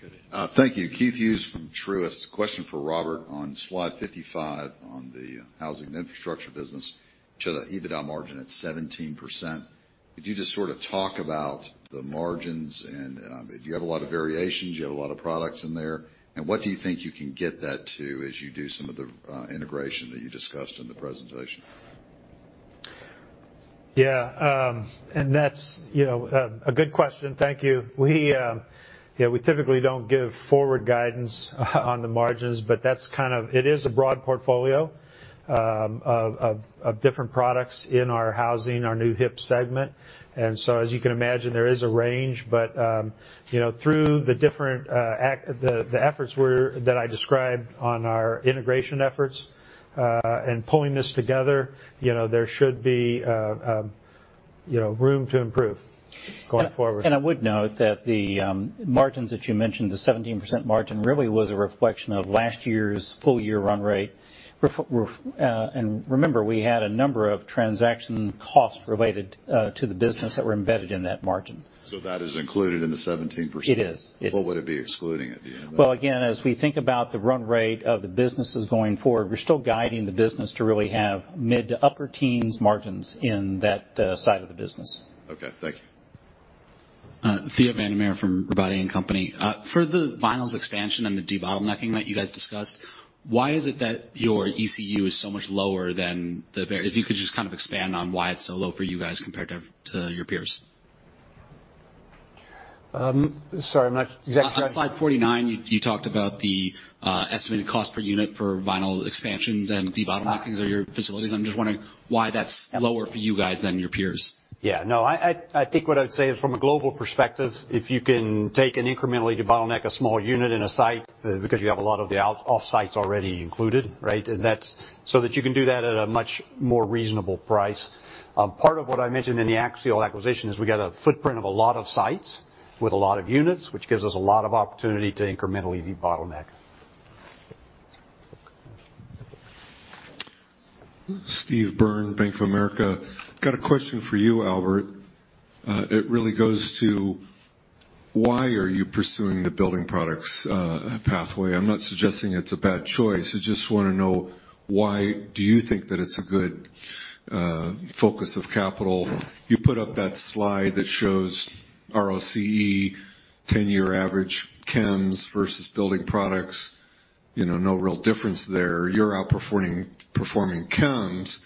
Good. Thank you. Keith Hughes from Truist. Question for Robert on slide 55 on the housing and infrastructure business. Shows the EBITDA margin at 17%. Could you just sort of talk about the margins and, you have a lot of variations, you have a lot of products in there, and what do you think you can get that to as you do some of the integration that you discussed in the presentation? Yeah. That's, you know, a good question. Thank you. We typically don't give forward guidance on the margins, but that's kind of it. It is a broad portfolio of different products in our housing, our new HIP segment. As you can imagine, there is a range. You know, through the different efforts that I described on our integration efforts and pulling this together, you know, there should be, you know, room to improve going forward. I would note that the margins that you mentioned, the 17% margin really was a reflection of last year's full year run rate. Remember, we had a number of transaction costs related to the business that were embedded in that margin. That is included in the 17%? It is. What would it be excluding it? Do you know that? Well, again, as we think about the run rate of the businesses going forward, we're still guiding the business to really have mid- to upper-teens % margins in that side of the business. Okay. Thank you.Thé van der MeerTheo van der Meer from Robotti & Company. For the vinyls expansion and the debottlenecking that you guys discussed, why is it that your ECU is so much lower? If you could just kind of expand on why it's so low for you guys compared to your peers. Sorry, I'm not exactly. Slide 49, you talked about the estimated cost per unit for vinyl expansions and debottlenecking of your facilities. I'm just wondering why that's lower for you guys than your peers. Yeah. No. I think what I'd say is from a global perspective, if you can take and incrementally debottleneck a small unit in a site because you have a lot of the off-sites already included, right? That's so that you can do that at a much more reasonable price. Part of what I mentioned in the Axiall acquisition is we got a footprint of a lot of sites with a lot of units, which gives us a lot of opportunity to incrementally debottleneck. Steve Byrne, Bank of America. Got a question for you, Albert. It really goes to why are you pursuing the building products pathway? I'm not suggesting it's a bad choice. I just wanna know why do you think that it's a good focus of capital? You put up that slide that shows ROCE ten-year average chems versus building products. You know, no real difference there. You're outperforming chems.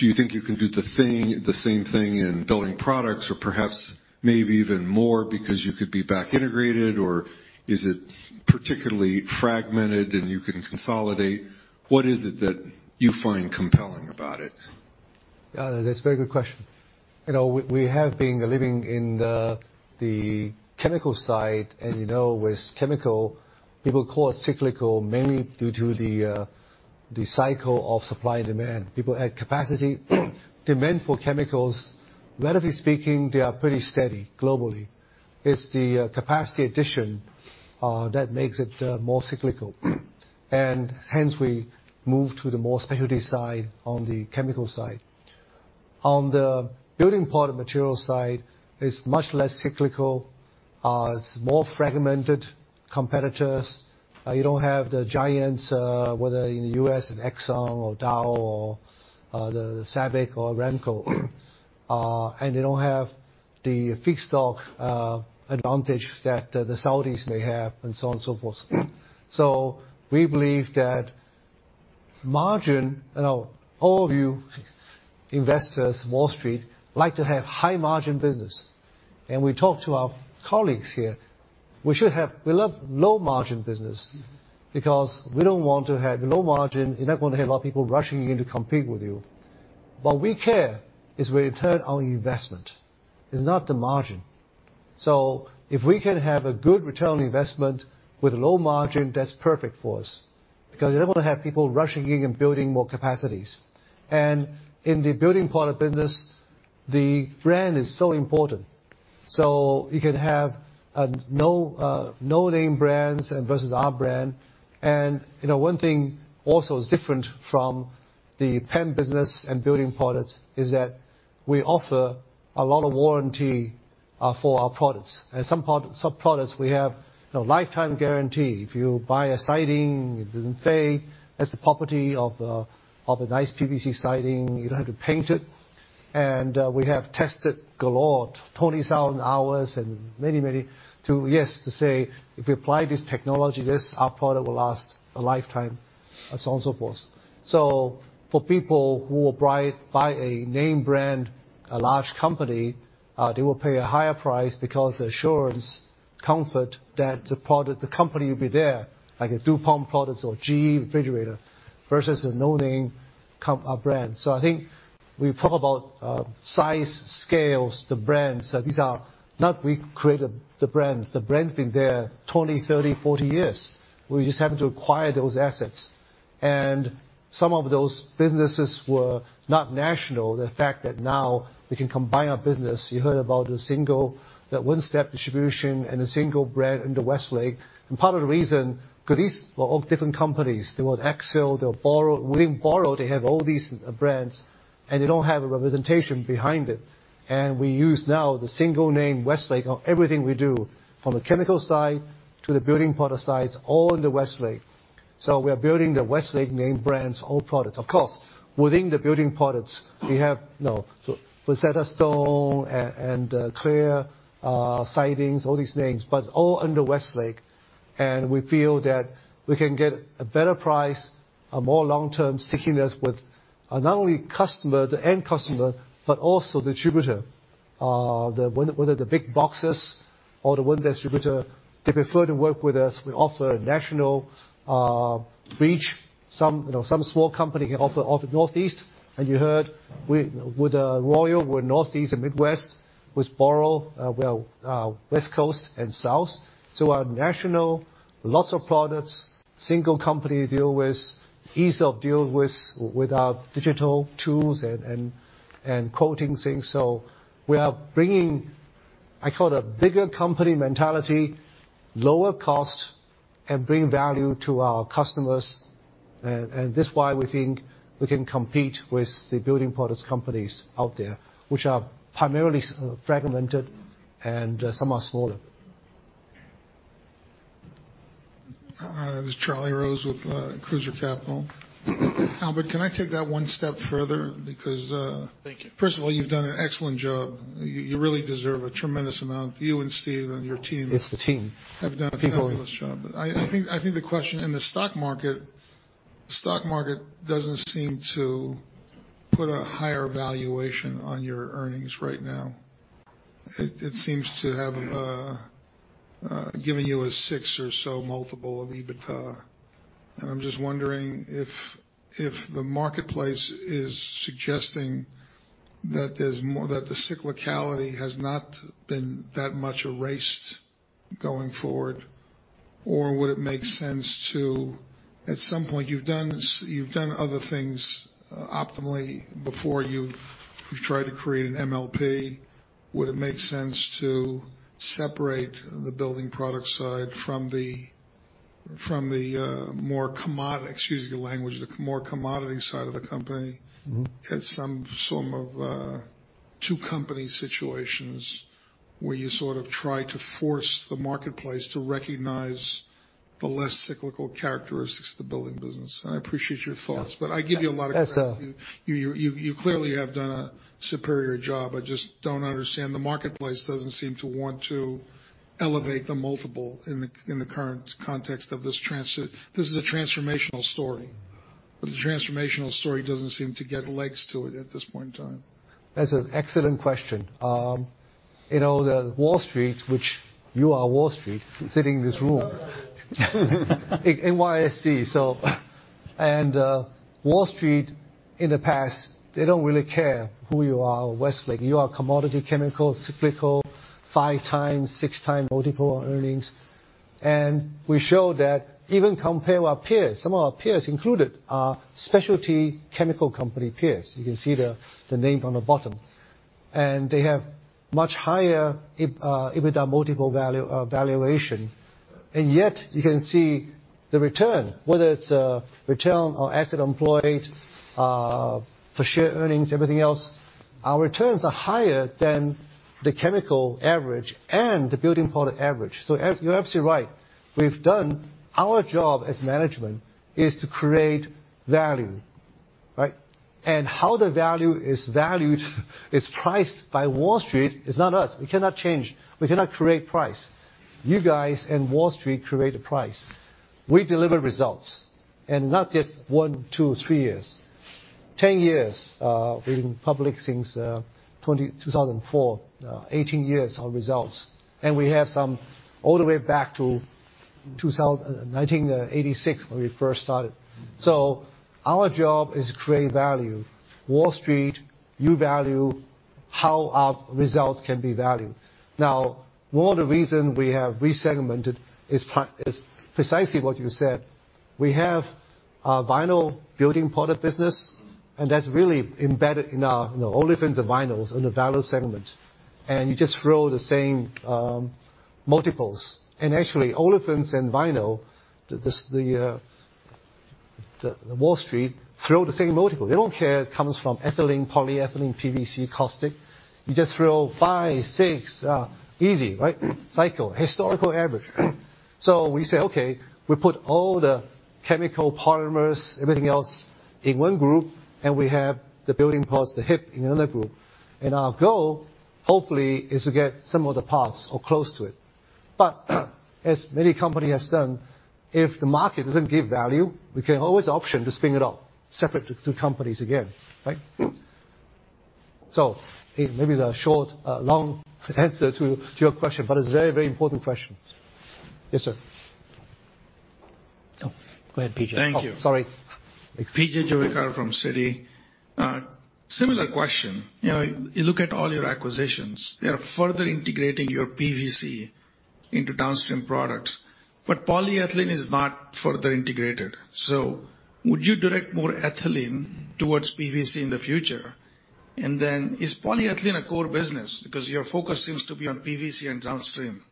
Do you think you can do the same thing in building products or perhaps maybe even more because you could be back integrated? Or is it particularly fragmented and you can consolidate? What is it that you find compelling about it? That's a very good question. You know, we have been living in the chemical side, and you know with chemical, people call it cyclical, mainly due to the cycle of supply and demand. People add capacity. Demand for chemicals, relatively speaking, they are pretty steady globally. It's the capacity addition that makes it more cyclical. Hence we move to the more specialty side on the chemical side. On the building product material side, it's much less cyclical. It's more fragmented competitors. You don't have the giants, whether in the U.S., Exxon or Dow or the SABIC or Aramco. They don't have the feedstock advantage that the Saudis may have and so on and so forth. We believe that margin, you know, all of you investors, Wall Street, like to have high margin business. We talked to our colleagues here. We love low margin business because we don't want to have low margin. You're not gonna have a lot of people rushing in to compete with you. What we care is return on investment. It's not the margin. If we can have a good return on investment with low margin, that's perfect for us, because you don't wanna have people rushing in and building more capacities. In the building product business, the brand is so important. You can have no name brands versus our brand. You know, one thing also is different from the chem business and building products is that we offer a lot of warranty for our products. Some products, we have, you know, lifetime guarantee. If you buy a siding, it didn't fade. That's the property of a nice PVC siding. You don't have to paint it. We have tested galore, 27 hours and many tests, yes, to say, if we apply this technology, our product will last a lifetime, and so on and so forth. For people who will buy a name brand, a large company, they will pay a higher price because the assurance, comfort that the product, the company will be there, like a DuPont product or GE refrigerator versus a no-name brand. I think we talk about size, scales, the brands. These are not we created the brands. The brand's been there 20, 30, 40 years. We just happened to acquire those assets. Some of those businesses were not national. The fact that now we can combine our business. You heard about a single, that one-step distribution and a single brand in the Westlake. Part of the reason, 'cause these were all different companies. They were Axiall, they were Boral. Within Boral, they have all these brands, and they don't have a representation behind it. We use now the single name Westlake on everything we do, from the chemical side to the building product sides, all under Westlake. We are building the Westlake name brands, all products. Of course, within the building products, we have Cultured Stone and Celect Sidings, all these names, but all under Westlake. We feel that we can get a better price, a more long-term stickiness with not only customer, the end customer, but also distributor. Whether the big boxes or the one distributor, they prefer to work with us. We offer national reach. Some small company can offer Northeast. You heard with Royal, we're Northeast and Midwest. With Boral, we're West Coast and South. Our national reach, lots of products, single company to deal with, ease of deal with our digital tools and quoting things. We are bringing, I call it, a bigger company mentality, lower costs, and bring value to our customers. This is why we think we can compete with the building products companies out there, which are primarily fragmented and somewhat smaller. This is ncertain with Cruiser Capital. Albert, can I take that one step further? Because, Thank you. First of all, you've done an excellent job. You really deserve a tremendous amount. You and Steve and your team. It's the team. have done a fabulous job. People. I think the question in the stock market doesn't seem to put a higher valuation on your earnings right now. It seems to have given you a 6 or so multiple of EBITDA. I'm just wondering if the marketplace is suggesting that there's more that the cyclicality has not been that much erased going forward, or would it make sense to. At some point you've done other things optimally before. You've tried to create an MLP. Would it make sense to separate the building product side from the more commodity side of the company. Mm-hmm... at some form of, two company situations where you sort of try to force the marketplace to recognize the less cyclical characteristics of the building business. I appreciate your thoughts. Yeah. I give you a lot of credit. Yes, sir. You clearly have done a superior job. I just don't understand. The marketplace doesn't seem to want to elevate the multiple in the current context of this transition. This is a transformational story, but the transformational story doesn't seem to get legs to it at this point in time. That's an excellent question. You know, Wall Street, which you are Wall Street sitting in this room. NYSE. Wall Street in the past, they don't really care who you are or Westlake. You are commodity chemical, cyclical, five times, six times multiple earnings. We show that even compare our peers, some of our peers included are specialty chemical company peers. You can see the name on the bottom. They have much higher EBITDA multiple value, valuation. Yet you can see the return, whether it's return on asset employed, per share earnings, everything else, our returns are higher than the chemical average and the building product average. You're absolutely right. We've done our job as management is to create value, right? How the value is valued is priced by Wall Street. It's not us. We cannot change. We cannot create price. You guys and Wall Street create the price. We deliver results. Not just one, two, three years. 10 years, we've been public since 2004. 18 years of results. We have some all the way back to 1986 when we first started. Our job is to create value. Wall Street, you value how our results can be valued. Now, one of the reason we have re-segmented is precisely what you said. We have a vinyl building product business, and that's really embedded in our, you know, Olefins and Vinyls in the value segment. You just throw the same multiples. Actually Olefins and Vinyl, the Wall Street throw the same multiple. They don't care where it comes from, ethylene, polyethylene, PVC, caustic. You just throw 5-6 easy cycle historical average, right? We say, "Okay," we put all the chemical polymers, everything else in one group, and we have the building products, the HIP in another group. Our goal, hopefully, is to get some of the parts or close to it. As many company has done, if the market doesn't give value, we can always option to spin it off, separate the two companies again, right? It may be the short, long answer to your question, but it's a very, very important question. Yes, sir. Oh, go ahead, P.J. Thank you. Oh, sorry. P.J. Juvekar from Citi. Similar question. You know, you look at all your acquisitions, they are further integrating your PVC into downstream products. Polyethylene is not further integrated. Would you direct more ethylene towards PVC in the future? And then is polyethylene a core business because your focus seems to be on PVC and downstream?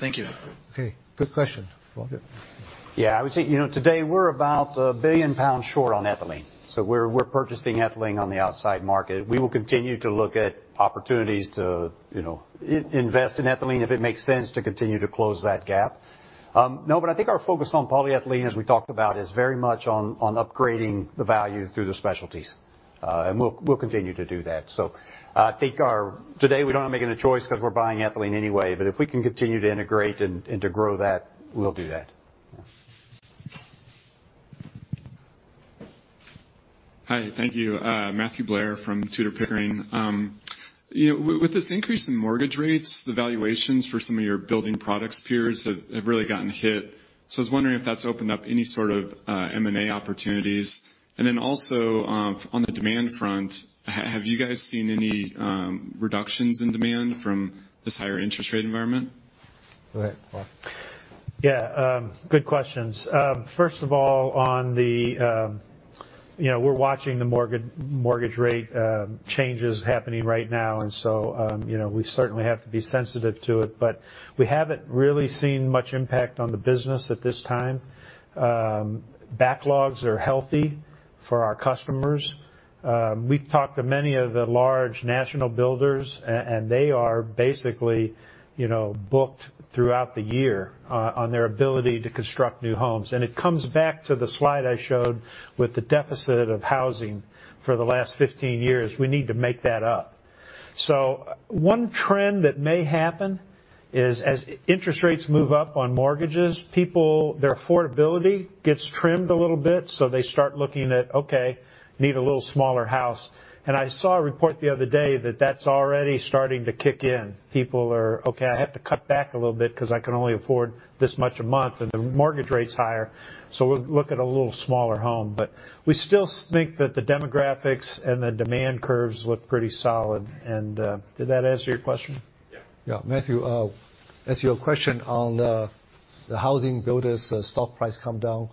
Thank you. Okay, good question. Paul, go ahead. Yeah, I would say, you know, today we're about 1 billion pounds short on ethylene. We're purchasing ethylene on the outside market. We will continue to look at opportunities to, you know, invest in ethylene if it makes sense to continue to close that gap. No, but I think our focus on polyethylene, as we talked about, is very much on upgrading the value through the specialties. And we'll continue to do that. I think today we don't have to make any choice 'cause we're buying ethylene anyway. If we can continue to integrate and to grow that, we'll do that. Yeah. Hi, thank you. Matthew Blair from Tudor, Pickering, Holt & Co.. You know, with this increase in mortgage rates, the valuations for some of your building products peers have really gotten hit. I was wondering if that's opened up any sort of M&A opportunities. On the demand front, have you guys seen any reductions in demand from this higher interest rate environment? Go ahead, Paul. Yeah, good questions. First of all, on the, you know, we're watching the mortgage rate changes happening right now. You know, we certainly have to be sensitive to it. We haven't really seen much impact on the business at this time. Backlogs are healthy for our customers. We've talked to many of the large national builders and they are basically, you know, booked throughout the year on their ability to construct new homes. It comes back to the slide I showed with the deficit of housing for the last 15 years. We need to make that up. One trend that may happen is as interest rates move up on mortgages, people's affordability gets trimmed a little bit, so they start looking at, okay, need a little smaller house. I saw a report the other day that that's already starting to kick in. People are, "Okay, I have to cut back a little bit 'cause I can only afford this much a month, and the mortgage rate's higher, so we'll look at a little smaller home." But we still think that the demographics and the demand curves look pretty solid and did that answer your question? Yeah. Yeah. Matthew, as to your question on the housing builders, the stock price come down.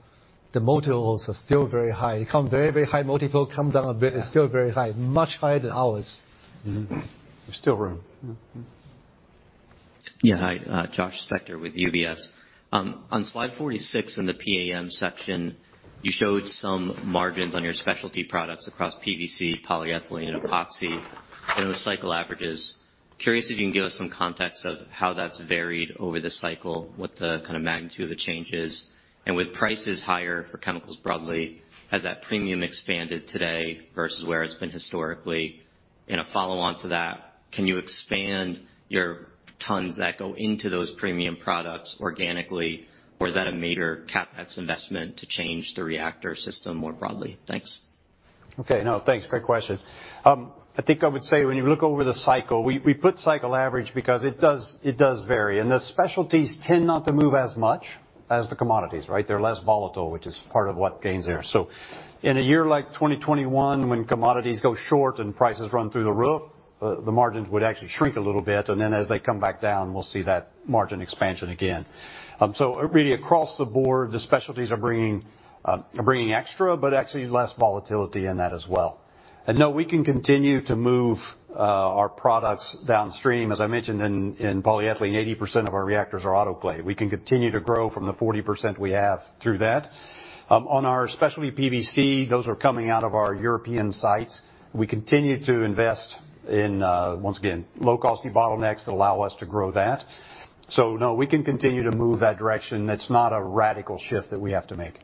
The multiples are still very high. Come very high multiple, come down a bit. Yeah. It's still very high. Much higher than ours. Mm-hmm. There's still room. Mm-hmm. Yeah. Hi, Joshua Spector with UBS. On slide 46 in the PEM section, you showed some margins on your specialty products across PVC, polyethylene and epoxy, and the cycle averages. Curious if you can give us some context of how that's varied over the cycle, what the kind of magnitude of the change is. With prices higher for chemicals broadly, has that premium expanded today versus where it's been historically? In a follow-on to that, can you expand your tons that go into those premium products organically or is that a major CapEx investment to change the reactor system more broadly? Thanks. Okay. No, thanks. Great question. I think I would say when you look over the cycle, we put cycle average because it does vary. The specialties tend not to move as much as the commodities, right? They're less volatile, which is part of what gains there. In a year like 2021, when commodities go short and prices run through the roof, the margins would actually shrink a little bit, and then as they come back down, we'll see that margin expansion again. Really across the board, the specialties are bringing extra, but actually less volatility in that as well. No, we can continue to move our products downstream. As I mentioned, in polyethylene, 80% of our reactors are autoclave. We can continue to grow from the 40% we have through that. On our specialty PVC, those are coming out of our European sites. We continue to invest in, once again, low-cost bottlenecks that allow us to grow that. No, we can continue to move that direction. That's not a radical shift that we have to make.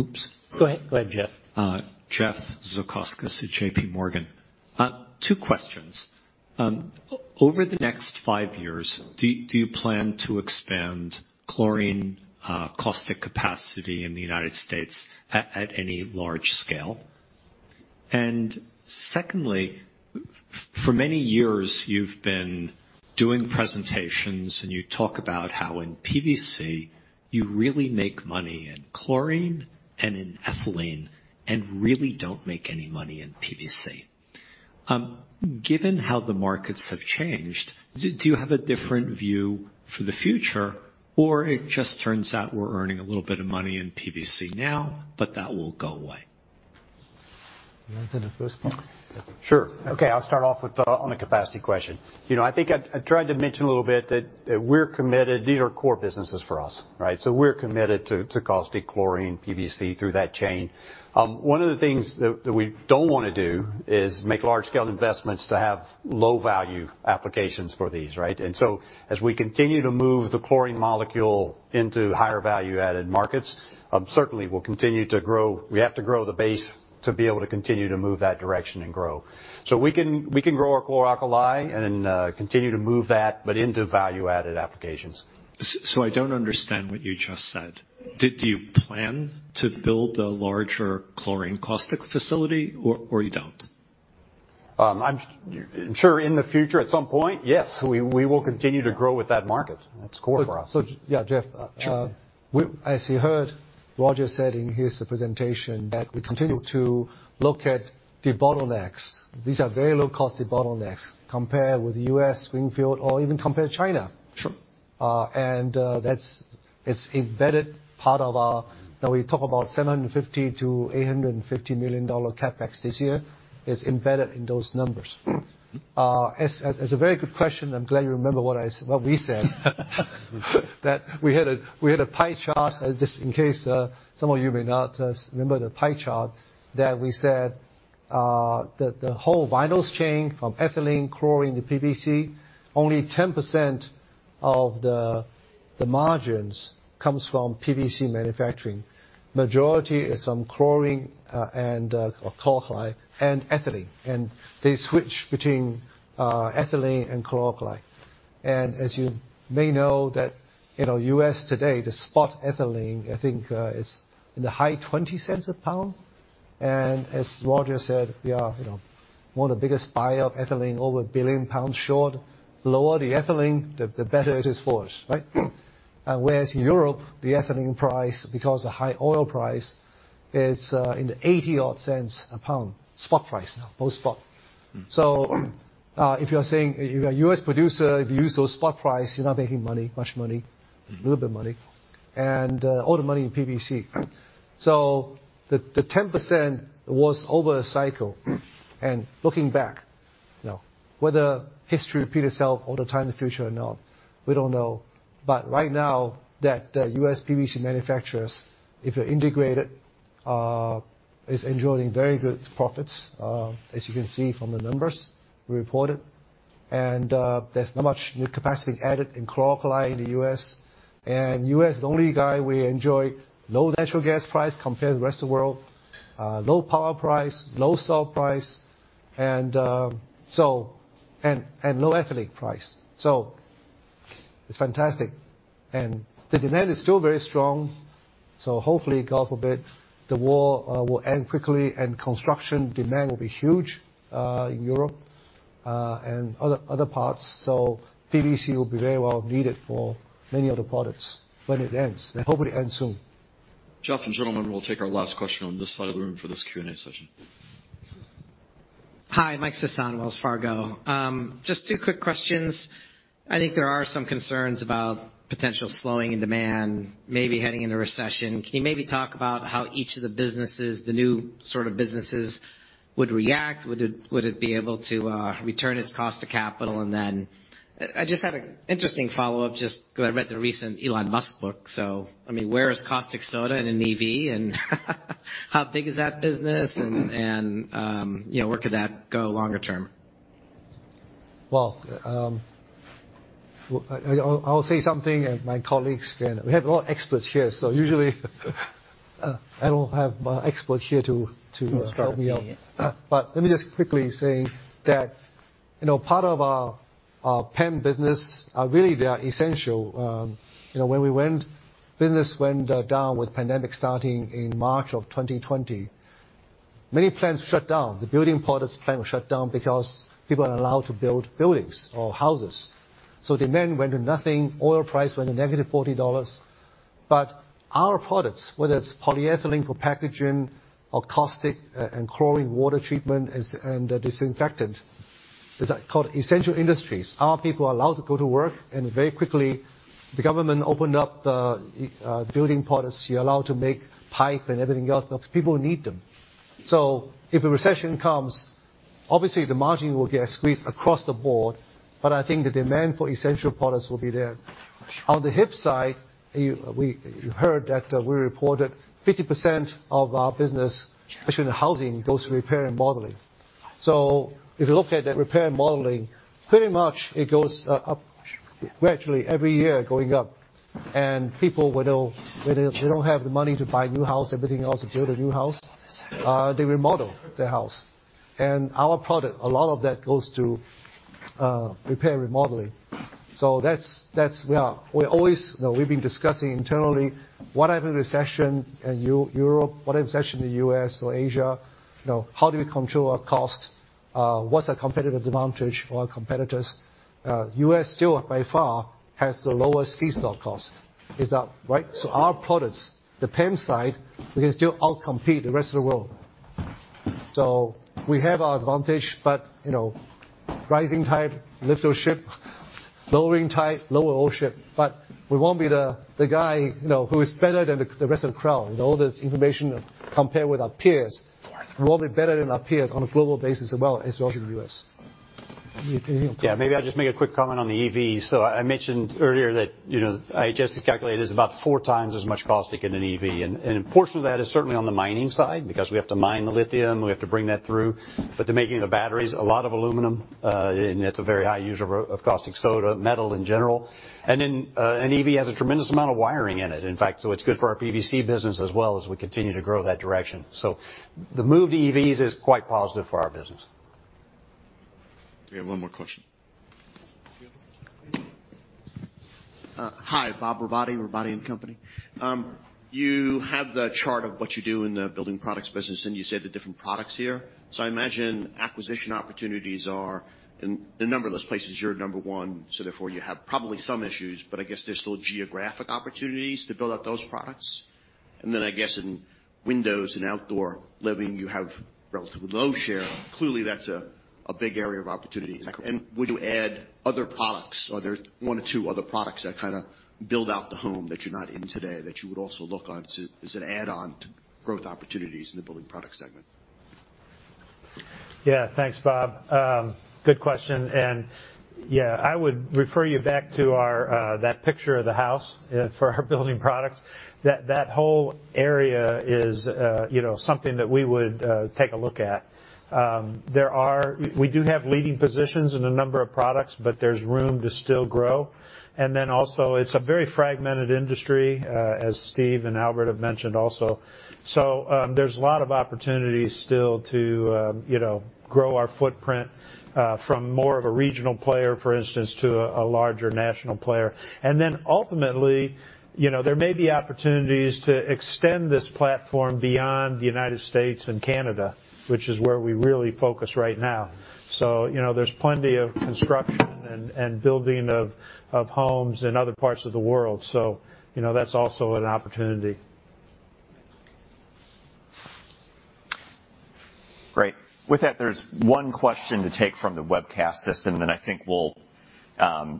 Oops. Go ahead. Go ahead, Jeff. Jeffrey Zekauskas at JPMorgan. two questions. Over the next five years, do you plan to expand chlorine, caustic capacity in the U.S. at any large scale? Secondly, for many years you've been doing presentations and you talk about how in PVC you really make money in chlorine and in ethylene and really don't make any money in PVC. Given how the markets have changed, do you have a different view for the future, or it just turns out we're earning a little bit of money in PVC now, but that will go away? You wanna take the first one? Sure. Okay, I'll start off on the capacity question. You know, I think I tried to mention a little bit that we're committed. These are core businesses for us, right? We're committed to caustic chlorine, PVC through that chain. One of the things that we don't wanna do is make large-scale investments to have low value applications for these, right? As we continue to move the chlorine molecule into higher value-added markets, certainly we'll continue to grow. We have to grow the base to be able to continue to move that direction and grow. We can grow our chlor-alkali and continue to move that, but into value-added applications. I don't understand what you just said. Did you plan to build a larger chlorine caustic facility or you don't? I'm sure in the future, at some point, yes, we will continue to grow with that market. That's core for us. Yeah, Jeff. Sure. As you heard, Roger said in his presentation that we continue to look at the bottlenecks. These are very low cost bottlenecks compared with U.S. greenfield or even compared to China. Sure. That's it. It's embedded part of our. Now we talk about $750 million-$850 million CapEx this year. It's embedded in those numbers. Mm-hmm. It's a very good question. I'm glad you remember what we said. That we had a pie chart. Just in case, some of you may not remember the pie chart that we said, that the whole vinyls chain from ethylene, chlorine to PVC, only 10% of the margins comes from PVC manufacturing. Majority is from chlorine, and chlor-alkali and ethylene, and they switch between ethylene and chlor-alkali. As you may know that, you know, U.S. today, the spot ethylene, I think, is in the high $0.20 a pound. As Roger said, we are, you know, one of the biggest buyer of ethylene, over 1 billion pounds short. Lower the ethylene, the better it is for us, right? Mm-hmm. Whereas Europe, the ethylene price, because of high oil price, it's in the 80-odd cents a pound. Spot price now, post-spot. If you're a U.S. producer, if you use those spot price, you're not making much money, a little bit of money, and all the money in PVC. The 10% was over a cycle. Looking back, you know, whether history repeat itself all the time in the future or not, we don't know. Right now that the U.S. PVC manufacturers, if they're integrated, is enjoying very good profits, as you can see from the numbers we reported. There's not much new capacity added in chlor-alkali in the U.S. U.S. is the only guy we enjoy low natural gas price compared to the rest of the world, low power price, low salt price, and low ethylene price. It's fantastic. The demand is still very strong, so hopefully, God forbid, the war will end quickly and construction demand will be huge in Europe and other parts. PVC will be very well needed for many of the products when it ends, and hopefully it ends soon. Gentlemen. We'll take our last question on this side of the room for this Q&A session. Hi, Michael Sison, Wells Fargo. Just two quick questions. I think there are some concerns about potential slowing in demand, maybe heading into recession. Can you maybe talk about how each of the businesses, the new sort of businesses would react? Would it be able to return its cost to capital? And then I just had an interesting follow-up just because I read the recent Elon Musk book. I mean, where is caustic soda in an EV and how big is that business and you know, where could that go longer term? Well, I'll say something and my colleagues can. We have a lot of experts here, so usually I will have my experts here to help me out. To help you, yeah. Let me just quickly say that, you know, part of our PEM business are really essential. You know, business went down with pandemic starting in March 2020, many plants shut down. The building products plant was shut down because people aren't allowed to build buildings or houses. Demand went to nothing. Oil price went to negative $40. Our products, whether it's polyethylene for packaging or caustic and chlorine water treatment and disinfectant, is called essential industries. Our people are allowed to go to work, and very quickly the government opened up the building products. You're allowed to make pipe and everything else because people need them. If a recession comes, obviously the margin will get squeezed across the board, but I think the demand for essential products will be there. On the HIP side, you heard that we reported 50% of our business, especially in housing, goes to repair and remodeling. If you look at that repair and remodeling, pretty much it goes up gradually every year going up. People, when they don't have the money to buy a new house or to build a new house, they remodel their house. Our product, a lot of that goes to repair and remodeling. That's. We're always, you know, we've been discussing internally what happens in recession in Europe. What happens in recession in the U.S. or Asia? You know, how do we control our cost. What's our competitive advantage over our competitors. U.S. still by far has the lowest feedstock cost. It's up, right? Our products, the PAM side, we can still outcompete the rest of the world. We have our advantage, but you know, rising tide lifts all ships. Lowering tide lowers all ships. We wanna be the guy, you know, who is better than the rest of the crowd. With all this information compared with our peers, we wanna be better than our peers on a global basis as well as in the US. Yeah. Maybe I'll just make a quick comment on the EV. I mentioned earlier that, you know, IHS calculated it's about four times as much caustic in an EV. A portion of that is certainly on the mining side, because we have to mine the lithium, we have to bring that through. The making of the batteries, a lot of aluminum, and it's a very high user of caustic soda metal in general. An EV has a tremendous amount of wiring in it, in fact, so it's good for our PVC business as well as we continue to grow that direction. The move to EVs is quite positive for our business. We have one more question. Hi. Robert Robotti. You have the chart of what you do in the building products business, and you said the different products here. I imagine acquisition opportunities are in a number of those places. You're number one, so therefore you have probably some issues, but I guess there's still geographic opportunities to build out those products. In windows and outdoor living, you have relatively low share. Clearly, that's a big area of opportunity. Would you add other products? Are there one or two other products that kinda build out the home that you're not in today that you would also look onto as an add-on to growth opportunities in the Building Products segment? Yeah. Thanks, Bob. Good question. Yeah, I would refer you back to our, that picture of the house, for our Building Products. That whole area is, you know, something that we would, take a look at. We do have leading positions in a number of products, but there's room to still grow. Then also, it's a very fragmented industry, as Steve and Albert have mentioned also. There's a lot of opportunities still to, you know, grow our footprint, from more of a regional player, for instance, to a larger national player. Then ultimately, you know, there may be opportunities to extend this platform beyond the United States and Canada, which is where we really focus right now. You know, there's plenty of construction and building of homes in other parts of the world, so you know, that's also an opportunity. Great. With that, there's one question to take from the webcast system, then I think we'll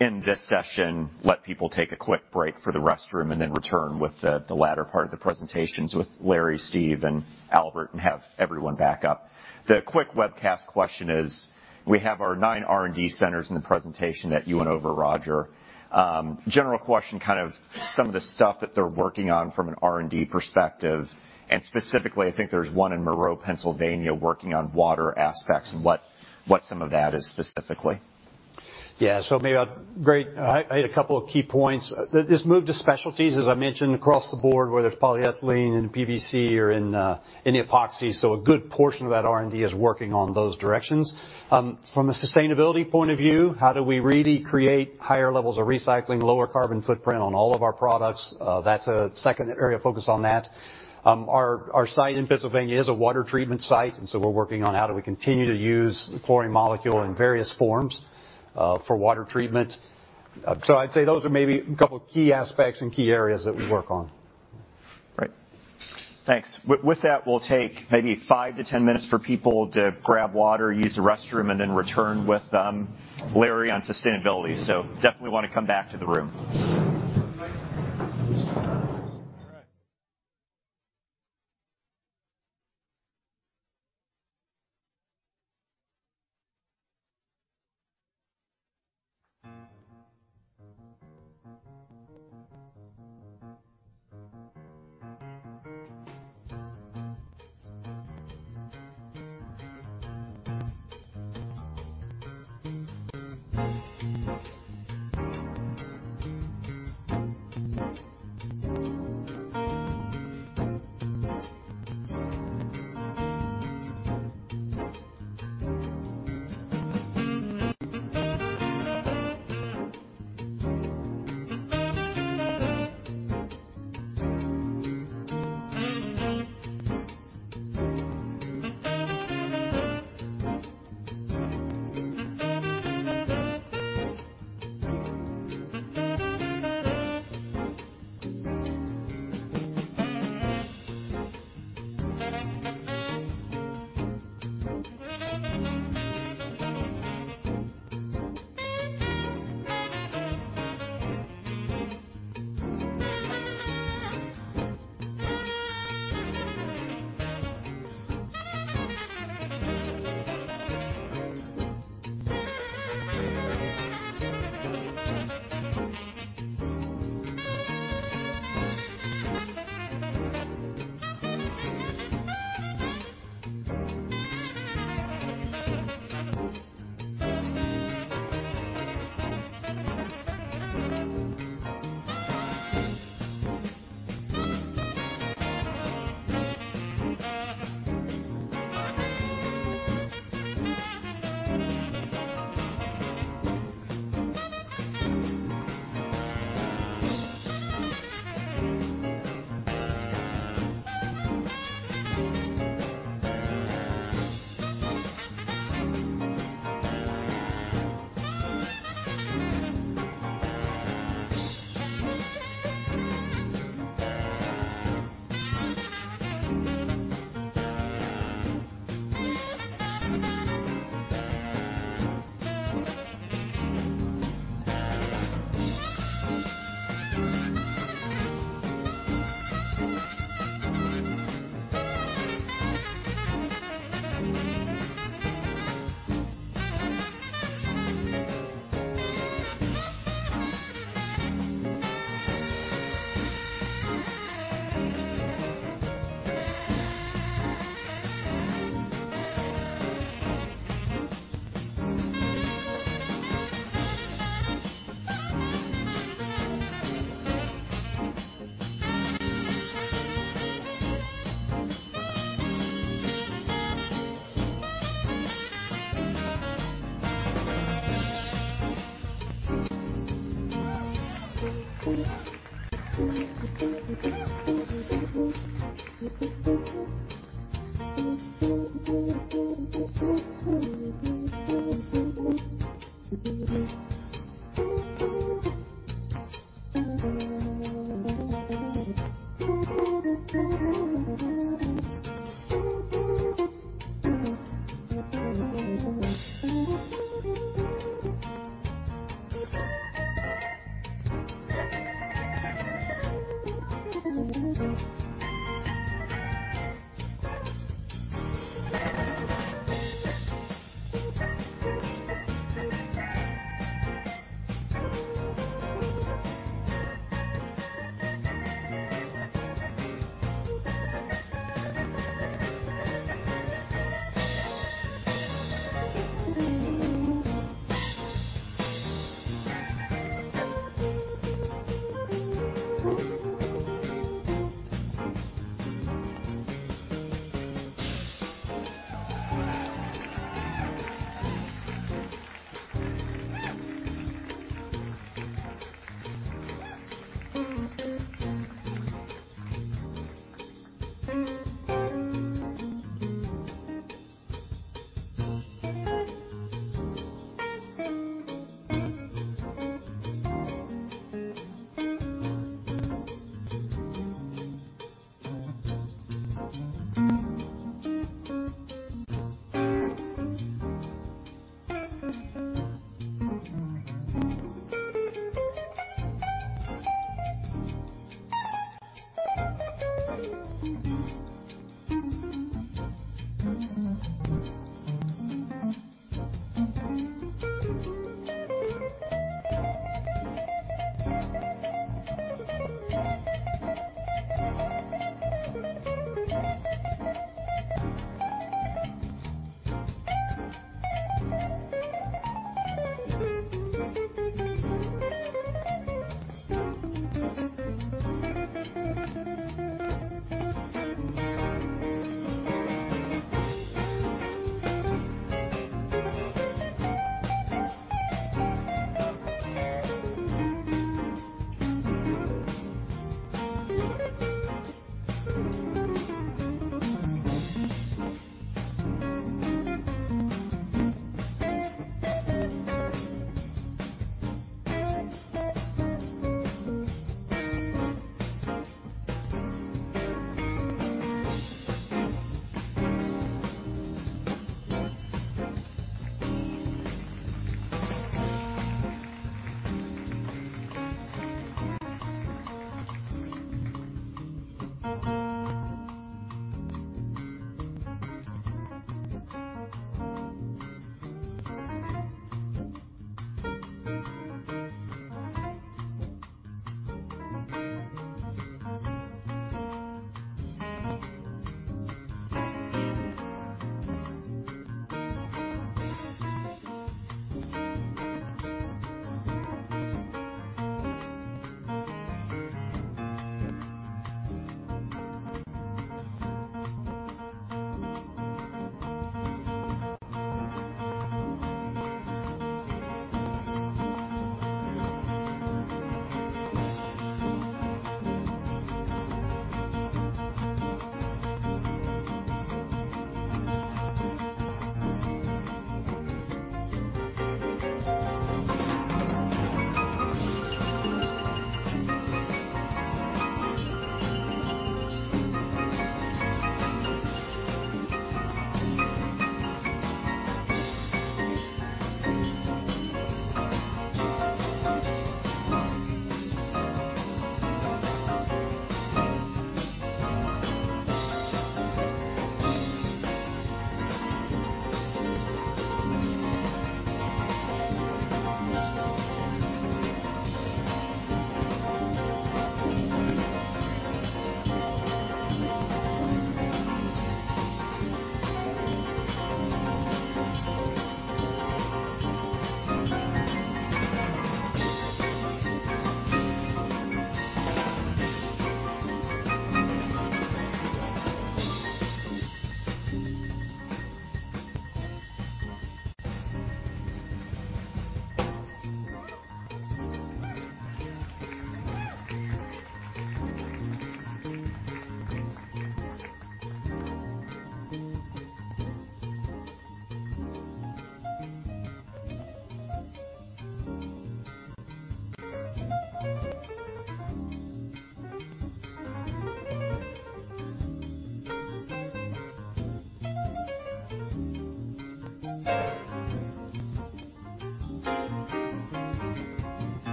end this session, let people take a quick break for the restroom, and then return with the latter part of the presentations with Larry, Steve, and Albert, and have everyone back up. The quick webcast question is, we have our nine R&D centers in the presentation that you went over, Roger. General question, kind of some of the stuff that they're working on from an R&D perspective, and specifically, I think there's one in Monroeville, Pennsylvania working on water aspects and what some of that is specifically. Great. I had a couple of key points. This move to specialties, as I mentioned, across the board, whether it's polyethylene and PVC or in the epoxy, so a good portion of that R&D is working on those directions. From a sustainability point of view, how do we really create higher levels of recycling, lower carbon footprint on all of our products? That's a second area of focus on that. Our site in Pennsylvania is a water treatment site, and so we're working on how do we continue to use the chlorine molecule in various forms for water treatment. I'd say those are maybe a couple of key aspects and key areas that we work on. Right. Thanks. With that, we'll take maybe 5-10 minutes for people to grab water, use the restroom, and then return with Larry on sustainability. Definitely wanna come back to the room.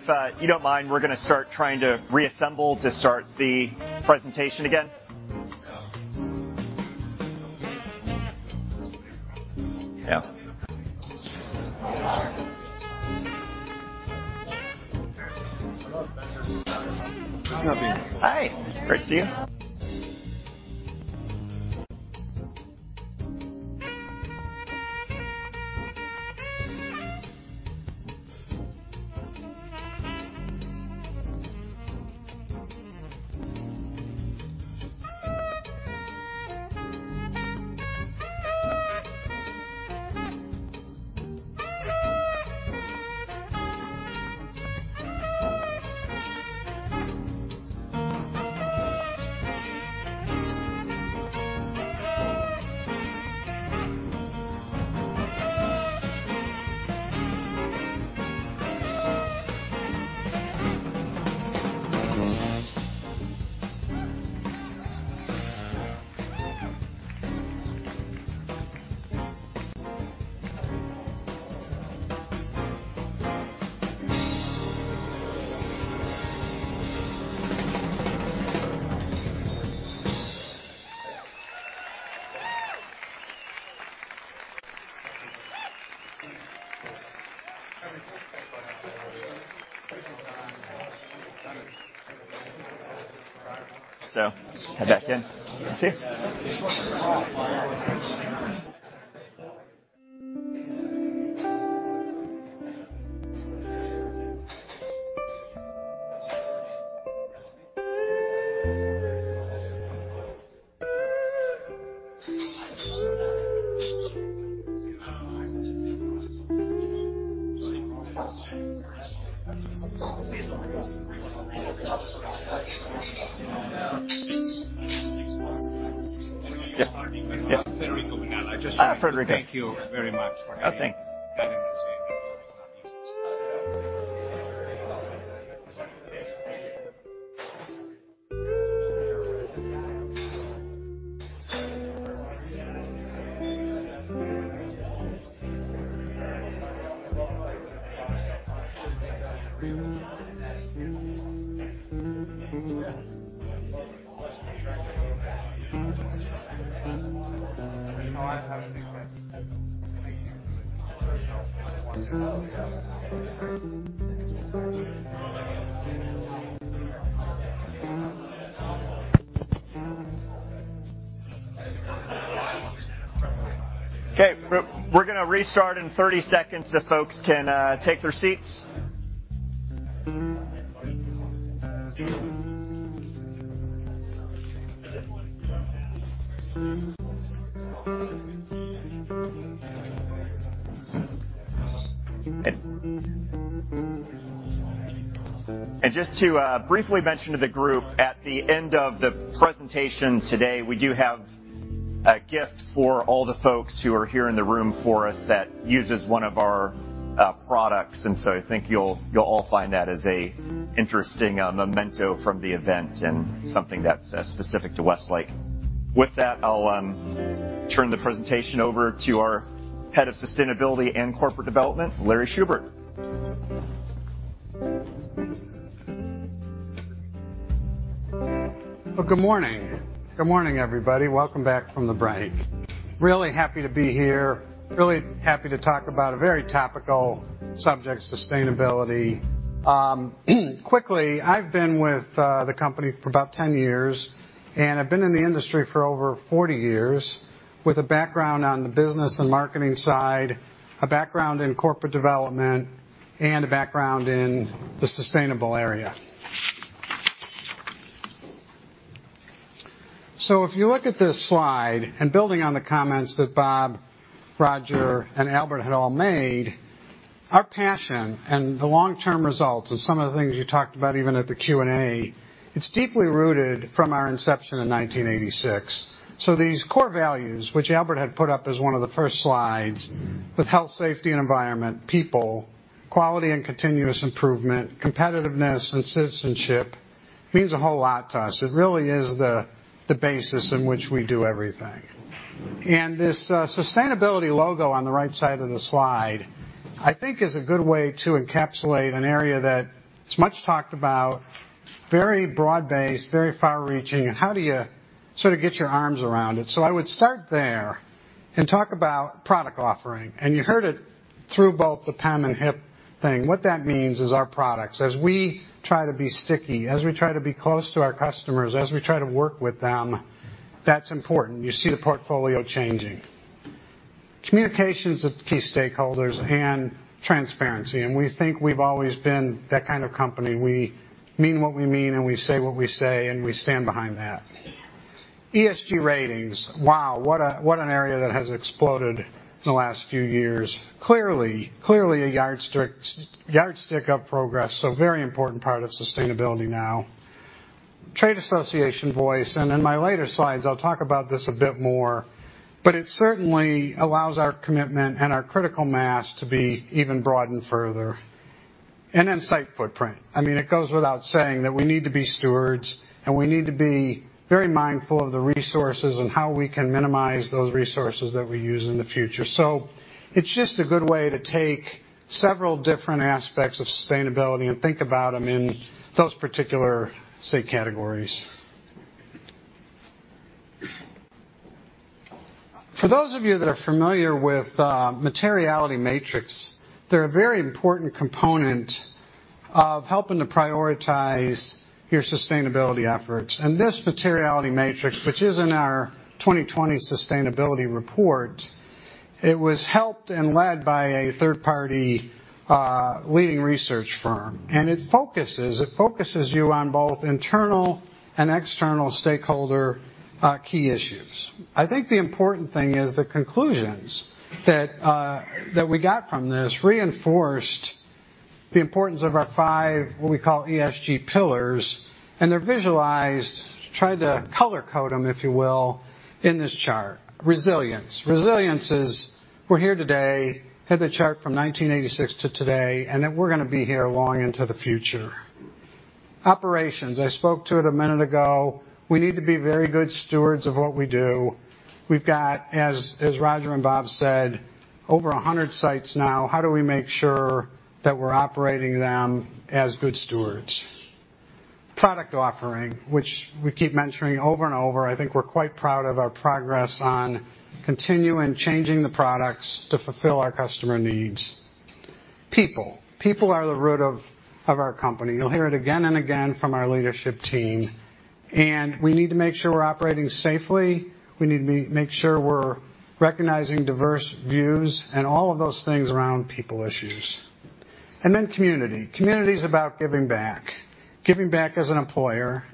Everyone, if you don't mind, we're gonna start trying to reassemble to start the presentation again. Yeah. Hi. Great to see you. Let's head back in. Good to see you. Yeah. Yeah. Federico. Federico. Thank you very much for having me. Oh, thank you. Having the same. Okay. We're gonna restart in 30 seconds if folks can take their seats. Just to briefly mention to the group, at the end of the presentation today, we do have a gift for all the folks who are here in the room for us that uses one of our products. I think you'll all find that as an interesting memento from the event and something that's specific to Westlake. With that, I'll turn the presentation over to our head of sustainability and corporate development, Larry Schubert. Well, good morning. Good morning, everybody. Welcome back from the break. Really happy to be here. Really happy to talk about a very topical subject, sustainability. Quickly, I've been with the company for about 10 years, and I've been in the industry for over 40 years with a background on the business and marketing side, a background in corporate development, and a background in the sustainable area. If you look at this slide, and building on the comments that Bob, Roger, and Albert had all made, our passion and the long-term results of some of the things you talked about even at the Q&A, it's deeply rooted from our inception in 1986. These core values, which Albert had put up as one of the first slides, with health, safety and environment, people, quality and continuous improvement, competitiveness and citizenship, means a whole lot to us. It really is the basis in which we do everything. This sustainability logo on the right side of the slide, I think is a good way to encapsulate an area that it's much talked about, very broad-based, very far-reaching, and how do you sort of get your arms around it. I would start there and talk about product offering. You heard it through both the PAM and HIP thing. What that means is our products. As we try to be sticky, as we try to be close to our customers, as we try to work with them, that's important. You see the portfolio changing. Communications of key stakeholders and transparency, and we think we've always been that kind of company. We mean what we mean, and we say what we say, and we stand behind that. ESG ratings. Wow, what an area that has exploded in the last few years. Clearly a yardstick of progress, a very important part of sustainability now. Trade association voice, in my later slides, I'll talk about this a bit more, but it certainly allows our commitment and our critical mass to be even broadened further. Site footprint. I mean, it goes without saying that we need to be stewards, and we need to be very mindful of the resources and how we can minimize those resources that we use in the future. It's just a good way to take several different aspects of sustainability and think about them in those particular, say, categories. For those of you that are familiar with materiality matrix, they're a very important component of helping to prioritize your sustainability efforts. This materiality matrix, which is in our 2020 sustainability report, it was helped and led by a third-party, leading research firm. It focuses you on both internal and external stakeholder key issues. I think the important thing is the conclusions that we got from this reinforced the importance of our five, what we call ESG pillars, and they're visualized. Tried to color-code them, if you will, in this chart. Resilience. Resilience is we're here today, had the chart from 1986 to today, and that we're gonna be here long into the future. Operations, I spoke to it a minute ago, we need to be very good stewards of what we do. We've got, as Roger and Bob said, over 100 sites now. How do we make sure that we're operating them as good stewards? Product offering, which we keep mentioning over and over. I think we're quite proud of our progress on continuing changing the products to fulfill our customer needs. People. People are the root of our company. You'll hear it again and again from our leadership team. We need to make sure we're operating safely. We need to make sure we're recognizing diverse views and all of those things around people issues. Community. Community is about giving back. Giving back as an employer,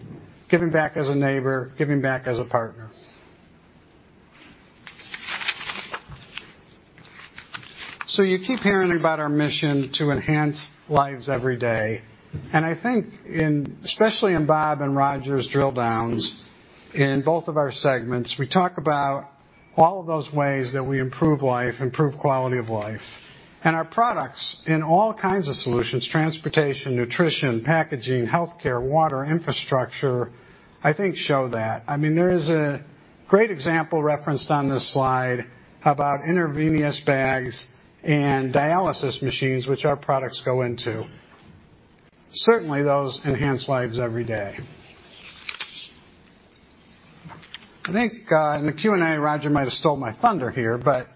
giving back as a neighbor, giving back as a partner. You keep hearing about our mission to enhance lives every day. I think in, especially in Bob and Roger's drill downs, in both of our segments, we talk about all of those ways that we improve life, improve quality of life. Our products in all kinds of solutions, transportation, nutrition, packaging, healthcare, water, infrastructure, I think show that. I mean, there is a great example referenced on this slide about intravenous bags and dialysis machines, which our products go into. Certainly, those enhance lives every day. I think, in the Q&A, Roger might have stole my thunder here, but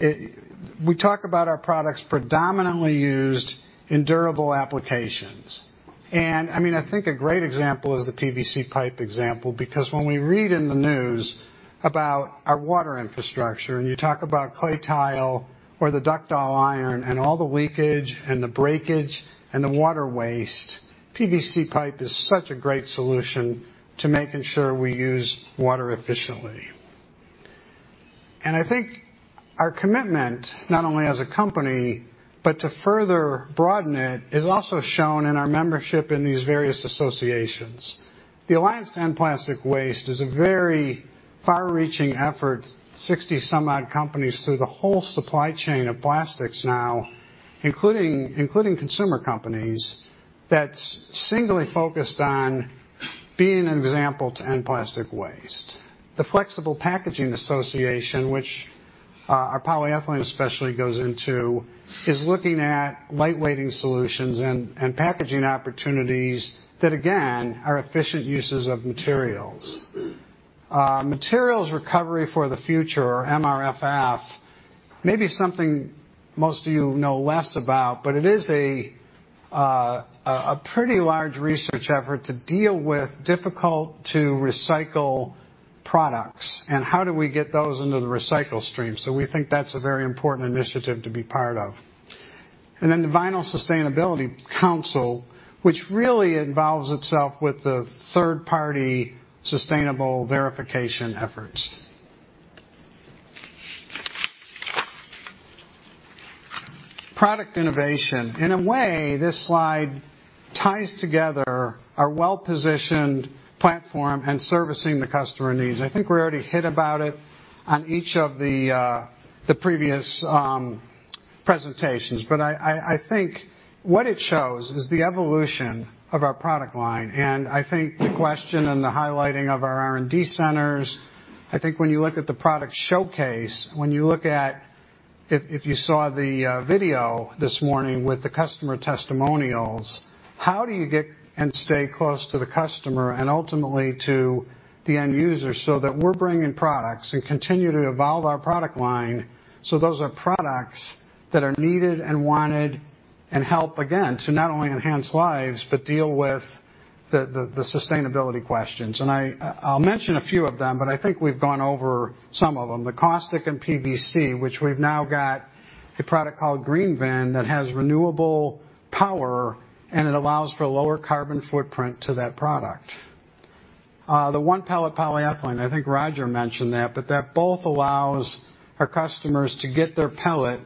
we talk about our products predominantly used in durable applications. I mean, I think a great example is the PVC pipe example, because when we read in the news about our water infrastructure, and you talk about clay tile or the ductile iron and all the leakage and the breakage and the water waste, PVC pipe is such a great solution to making sure we use water efficiently. I think our commitment, not only as a company, but to further broaden it, is also shown in our membership in these various associations. The Alliance to End Plastic Waste is a very far-reaching effort, 60-some-odd companies through the whole supply chain of plastics now, including consumer companies, that's singly focused on being an example to end plastic waste. The Flexible Packaging Association, which our polyethylene especially goes into, is looking at lightweighting solutions and packaging opportunities that again are efficient uses of materials. Materials Recovery for the Future or MRFF may be something most of you know less about, but it is a pretty large research effort to deal with difficult to recycle products and how do we get those into the recycle stream. We think that's a very important initiative to be part of. The Vinyl Sustainability Council, which really involves itself with the third-party sustainable verification efforts. Product innovation. In a way, this slide ties together our well-positioned platform and servicing the customer needs. I think we already hit about it on each of the previous presentations. I think what it shows is the evolution of our product line. I think the question and the highlighting of our R&D centers. I think when you look at the product showcase, when you look at if you saw the video this morning with the customer testimonials, how do you get and stay close to the customer and ultimately to the end user so that we're bringing products and continue to evolve our product line so those are products that are needed and wanted and help, again, to not only enhance lives, but deal with the sustainability questions. I'll mention a few of them, but I think we've gone over some of them. The caustic and PVC, which we've now got a product called GreenVin that has renewable power, and it allows for lower carbon footprint to that product. The One Pellet Solution, I think Roger mentioned that, but that both allows our customers to get their pellet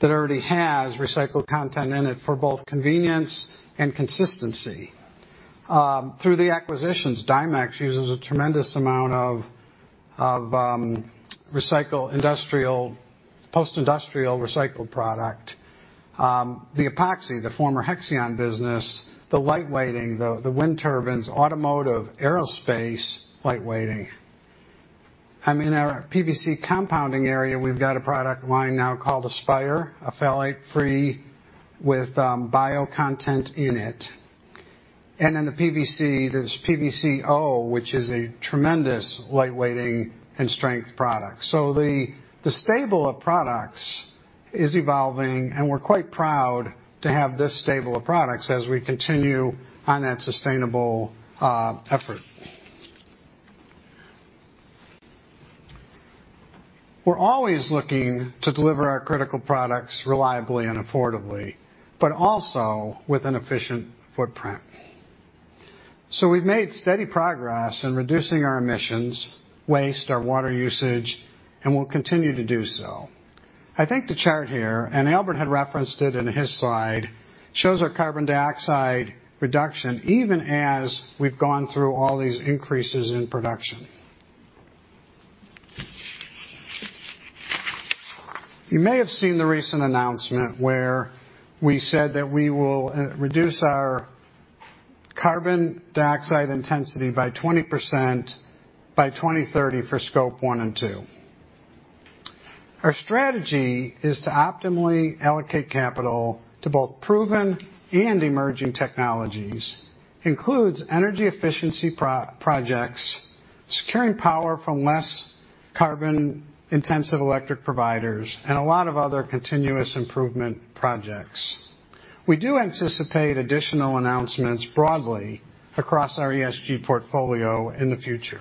that already has recycled content in it for both convenience and consistency. Through the acquisitions, Dimex uses a tremendous amount of post-industrial recycled product. The Epoxy, the former Hexion business, the lightweighting, the wind turbines, automotive, aerospace lightweighting. I mean, our PVC compounding area, we've got a product line now called Aspire, a phthalate-free with bio-content in it. In the PVC, there's PVCO, which is a tremendous lightweighting and strength product. The stable of products is evolving, and we're quite proud to have this stable of products as we continue on that sustainable effort. We're always looking to deliver our critical products reliably and affordably, but also with an efficient footprint. We've made steady progress in reducing our emissions, waste, our water usage, and we'll continue to do so. I think the chart here, and Albert had referenced it in his slide, shows our carbon dioxide reduction even as we've gone through all these increases in production. You may have seen the recent announcement where we said that we will reduce our carbon dioxide intensity by 20% by 2030 for Scope 1 and 2. Our strategy is to optimally allocate capital to both proven and emerging technologies, including energy efficiency projects, securing power from less carbon-intensive electric providers, and a lot of other continuous improvement projects. We do anticipate additional announcements broadly across our ESG portfolio in the future.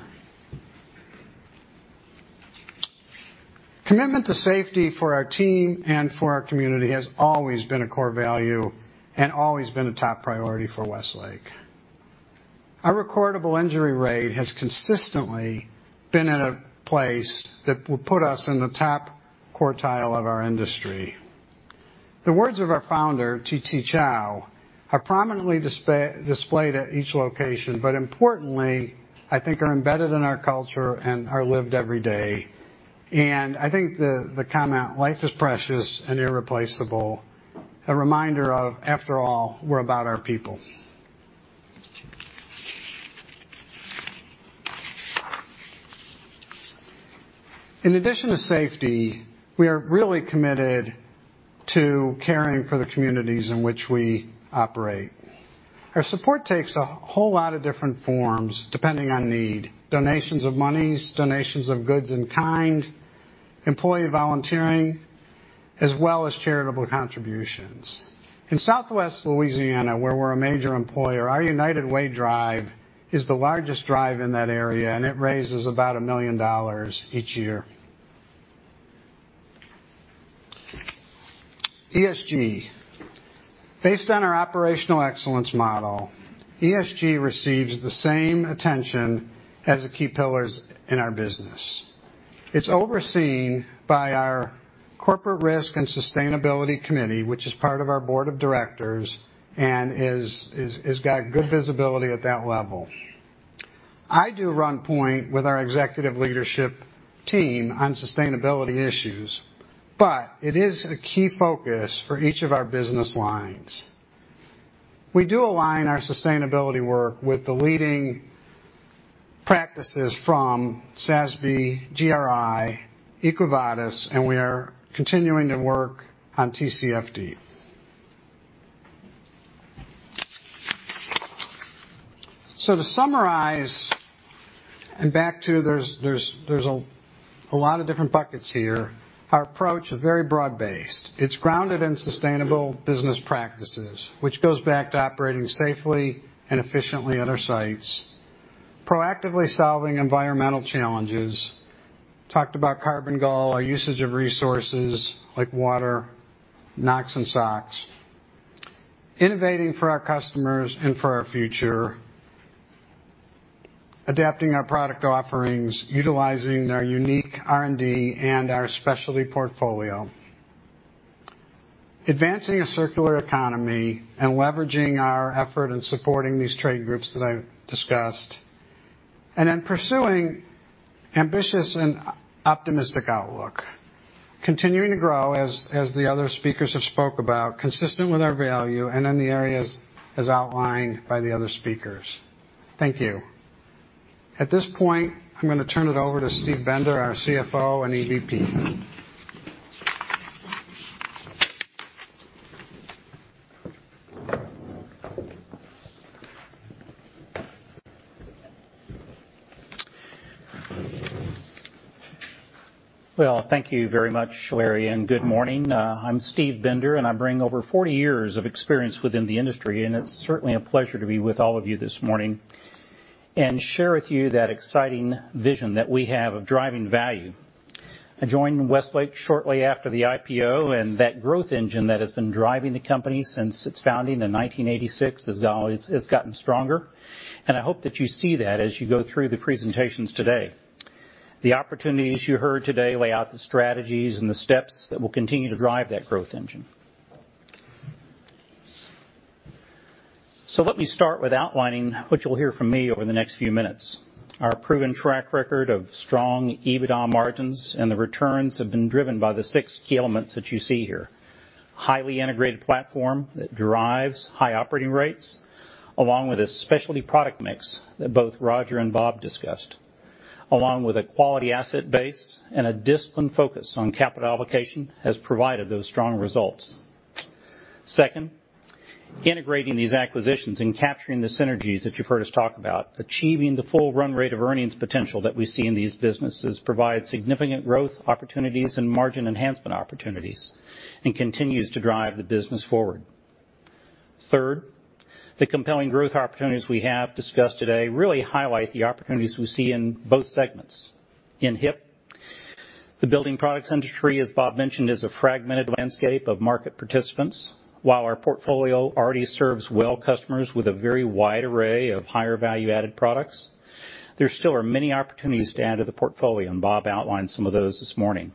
Commitment to safety for our team and for our community has always been a core value and always been a top priority for Westlake. Our recordable injury rate has consistently been at a place that will put us in the top quartile of our industry. The words of our founder, T. T. Chao, are prominently displayed at each location, but importantly, I think are embedded in our culture and are lived every day. I think the comment, "Life is precious and irreplaceable," a reminder of, after all, we're about our people. In addition to safety, we are really committed to caring for the communities in which we operate. Our support takes a whole lot of different forms depending on need, donations of monies, donations of goods in kind, employee volunteering, as well as charitable contributions. In Southwest Louisiana, where we're a major employer, our United Way drive is the largest drive in that area, and it raises about $1 million each year. ESG. Based on our operational excellence model, ESG receives the same attention as the key pillars in our business. It's overseen by our corporate risk and sustainability committee, which is part of our board of directors and has got good visibility at that level. I do run point with our executive leadership team on sustainability issues, but it is a key focus for each of our business lines. We do align our sustainability work with the leading practices from EcoVadis, and we are continuing to work on TCFD. To summarize and back to this. There's a lot of different buckets here. Our approach is very broad-based. It's grounded in sustainable business practices, which goes back to operating safely and efficiently at our sites, proactively solving environmental challenges. Talked about carbon goal, our usage of resources like water, NOx and SOx. Innovating for our customers and for our future. Adapting our product offerings, utilizing our unique R&D and our specialty portfolio. Advancing a circular economy and leveraging our effort in supporting these trade groups that I've discussed. Then pursuing ambitious and optimistic outlook. Continuing to grow, as the other speakers have spoke about, consistent with our value and in the areas as outlined by the other speakers. Thank you. At this point, I'm gonna turn it over to Steve Bender, our CFO and EVP. Well, thank you very much, Larry, and good morning. I'm Steve Bender, and I bring over 40 years of experience within the industry, and it's certainly a pleasure to be with all of you this morning and share with you that exciting vision that we have of driving value. I joined Westlake shortly after the IPO, and that growth engine that has been driving the company since its founding in 1986 has gotten stronger. I hope that you see that as you go through the presentations today. The opportunities you heard today lay out the strategies and the steps that will continue to drive that growth engine. Let me start with outlining what you'll hear from me over the next few minutes. Our proven track record of strong EBITDA margins and the returns have been driven by the six key elements that you see here. Highly integrated platform that drives high operating rates, along with a specialty product mix that both Roger and Bob discussed, along with a quality asset base and a disciplined focus on capital allocation, has provided those strong results. Second, integrating these acquisitions and capturing the synergies that you've heard us talk about, achieving the full run rate of earnings potential that we see in these businesses provides significant growth opportunities and margin enhancement opportunities and continues to drive the business forward. Third, the compelling growth opportunities we have discussed today really highlight the opportunities we see in both segments. In HIP, the building products industry, as Bob mentioned, is a fragmented landscape of market participants. While our portfolio already serves well customers with a very wide array of higher value-added products, there still are many opportunities to add to the portfolio, and Bob outlined some of those this morning.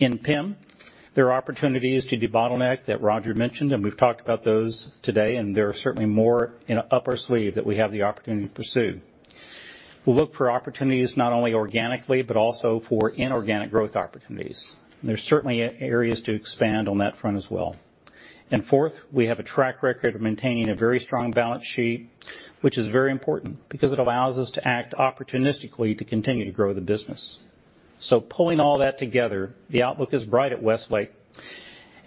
In PEM, there are opportunities to debottleneck that Roger mentioned, and we've talked about those today, and there are certainly more in our upstream that we have the opportunity to pursue. We'll look for opportunities not only organically, but also for inorganic growth opportunities. There's certainly areas to expand on that front as well. Fourth, we have a track record of maintaining a very strong balance sheet, which is very important because it allows us to act opportunistically to continue to grow the business. Pulling all that together, the outlook is bright at Westlake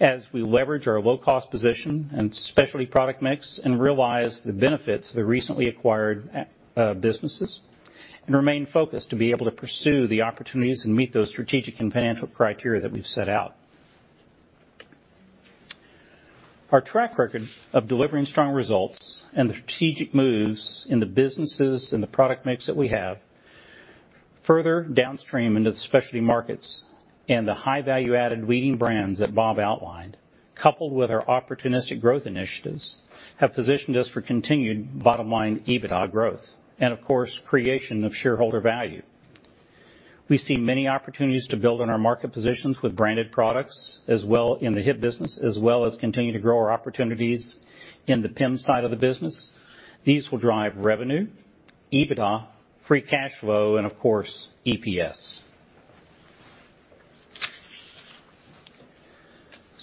as we leverage our low-cost position and specialty product mix and realize the benefits of the recently acquired businesses and remain focused to be able to pursue the opportunities and meet those strategic and financial criteria that we've set out. Our track record of delivering strong results and the strategic moves in the businesses and the product mix that we have further downstream into the specialty markets and the high value-added leading brands that Bob outlined, coupled with our opportunistic growth initiatives, have positioned us for continued bottom-line EBITDA growth and of course, creation of shareholder value. We see many opportunities to build on our market positions with branded products as well in the HIP business, as well as continue to grow our opportunities in the PEM side of the business. These will drive revenue, EBITDA, free cash flow and of course, EPS.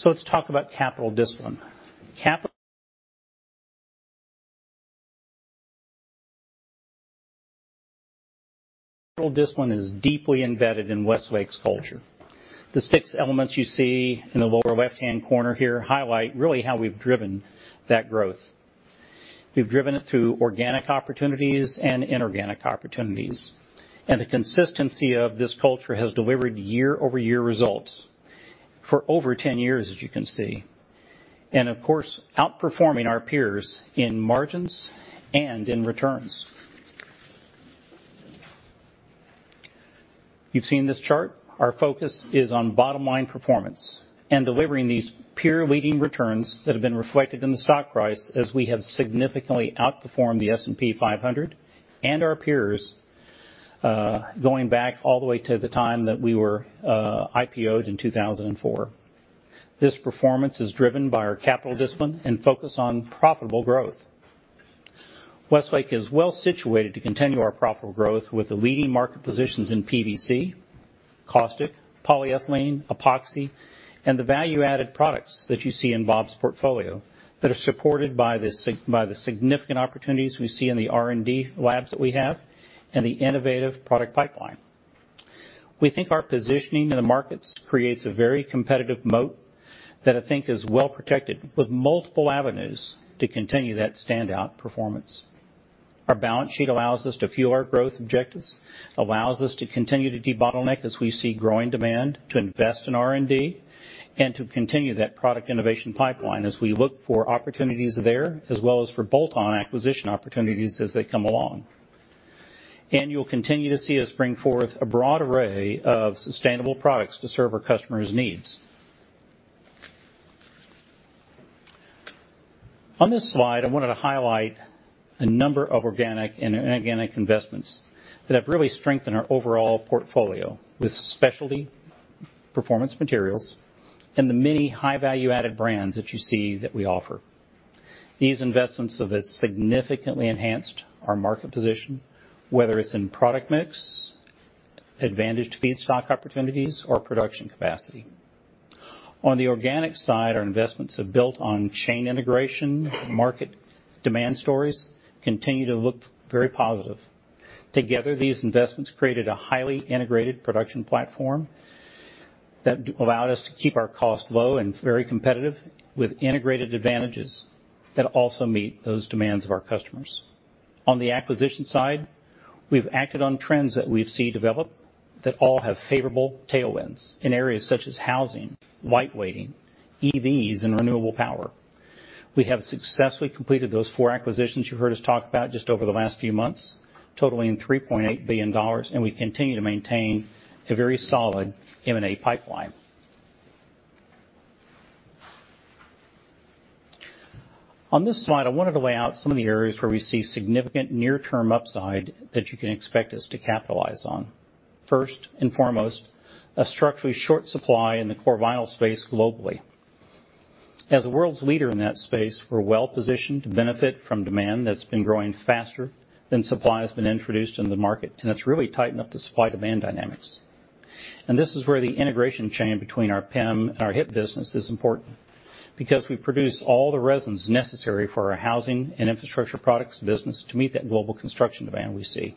Let's talk about capital discipline. Capital discipline is deeply embedded in Westlake's culture. The six elements you see in the lower left-hand corner here highlight really how we've driven that growth. We've driven it through organic opportunities and inorganic opportunities. The consistency of this culture has delivered year-over-year results for over 10 years, as you can see. Of course, outperforming our peers in margins and in returns. You've seen this chart. Our focus is on bottom-line performance and delivering these peer leading returns that have been reflected in the stock price as we have significantly outperformed the S&P 500 and our peers, going back all the way to the time that we were IPO'd in 2004. This performance is driven by our capital discipline and focus on profitable growth. Westlake is well situated to continue our profitable growth with the leading market positions in PVC, caustic, polyethylene, epoxy, and the value-added products that you see in Bob's portfolio that are supported by the significant opportunities we see in the R&D labs that we have and the innovative product pipeline. We think our positioning in the markets creates a very competitive moat that I think is well protected with multiple avenues to continue that standout performance. Our balance sheet allows us to fuel our growth objectives, allows us to continue to debottleneck as we see growing demand, to invest in R&D, and to continue that product innovation pipeline as we look for opportunities there, as well as for bolt-on acquisition opportunities as they come along. You'll continue to see us bring forth a broad array of sustainable products to serve our customers' needs. On this slide, I wanted to highlight a number of organic and inorganic investments that have really strengthened our overall portfolio with specialty performance materials and the many high value-added brands that you see that we offer. These investments have significantly enhanced our market position, whether it's in product mix, advantaged feedstock opportunities or production capacity. On the organic side, our investments have built on chain integration. Market demand stories continue to look very positive. Together, these investments created a highly integrated production platform that allowed us to keep our costs low and very competitive, with integrated advantages that also meet those demands of our customers. On the acquisition side, we've acted on trends that we see develop that all have favorable tailwinds in areas such as housing, lightweighting, EVs and renewable power. We have successfully completed those four acquisitions you heard us talk about just over the last few months, totaling $3.8 billion, and we continue to maintain a very solid M&A pipeline. On this slide, I wanted to lay out some of the areas where we see significant near-term upside that you can expect us to capitalize on. First and foremost, a structurally short supply in the core vinyl space globally. As the world's leader in that space, we're well-positioned to benefit from demand that's been growing faster than supply has been introduced into the market, and it's really tightened up the supply-demand dynamics. This is where the integration chain between our PEM and our HIP business is important because we produce all the resins necessary for our housing and infrastructure products business to meet that global construction demand we see.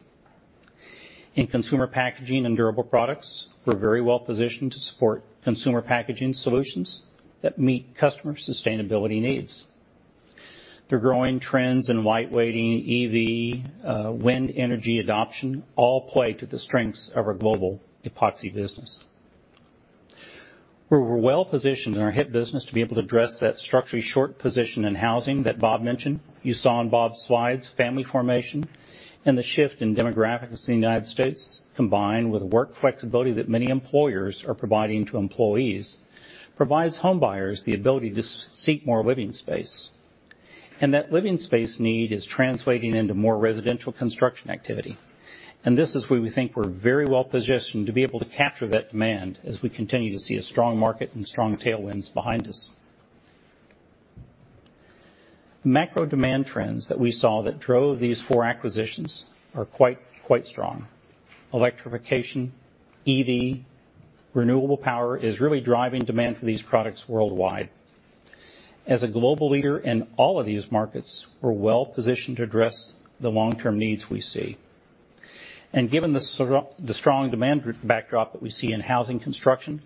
In consumer packaging and durable products, we're very well-positioned to support consumer packaging solutions that meet customer sustainability needs. The growing trends in lightweighting, EV, wind energy adoption all play to the strengths of our global Epoxy business. We're well-positioned in our HIP business to be able to address that structurally short position in housing that Bob mentioned. You saw in Bob's slides family formation and the shift in demographics in the U.S., combined with work flexibility that many employers are providing to employees, provides homebuyers the ability to seek more living space. That living space need is translating into more residential construction activity. This is where we think we're very well-positioned to be able to capture that demand as we continue to see a strong market and strong tailwinds behind us. The macro demand trends that we saw that drove these four acquisitions are quite strong. Electrification, EV, renewable power is really driving demand for these products worldwide. As a global leader in all of these markets, we're well-positioned to address the long-term needs we see. Given the strong demand backdrop that we see in housing construction,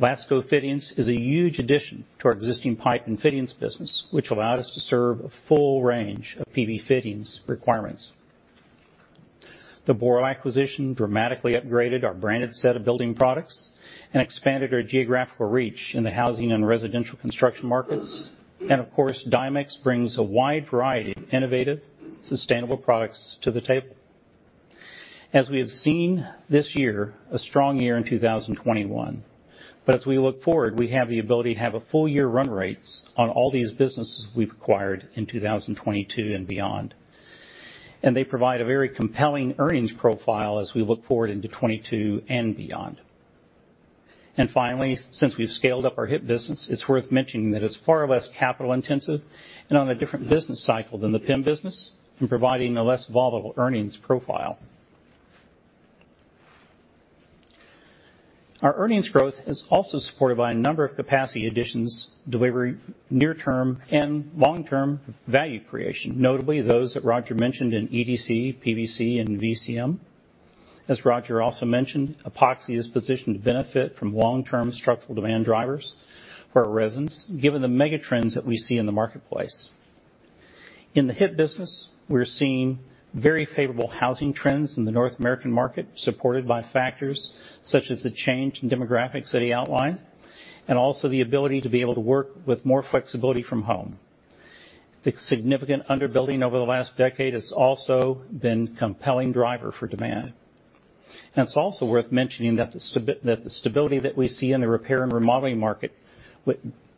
LASCO Fittings is a huge addition to our existing pipe and fittings business, which allowed us to serve a full range of PVC fittings requirements. The Boral acquisition dramatically upgraded our branded set of building products and expanded our geographical reach in the housing and residential construction markets. Of course, Dimex brings a wide variety of innovative, sustainable products to the table. As we have seen this year, a strong year in 2021. As we look forward, we have the ability to have a full year run rates on all these businesses we've acquired in 2022 and beyond. They provide a very compelling earnings profile as we look forward into 2022 and beyond. Finally, since we've scaled up our HIP business, it's worth mentioning that it's far less capital-intensive and on a different business cycle than the PEM business in providing a less volatile earnings profile. Our earnings growth is also supported by a number of capacity additions delivering near-term and long-term value creation, notably those that Roger mentioned in EDC, PVC, and VCM. As Roger also mentioned, Epoxy is positioned to benefit from long-term structural demand drivers for our resins, given the mega trends that we see in the marketplace. In the HIP business, we're seeing very favorable housing trends in the North American market, supported by factors such as the change in demographics that he outlined, and also the ability to be able to work with more flexibility from home. The significant underbuilding over the last decade has also been compelling driver for demand. It's also worth mentioning that the stability that we see in the repair and remodeling market,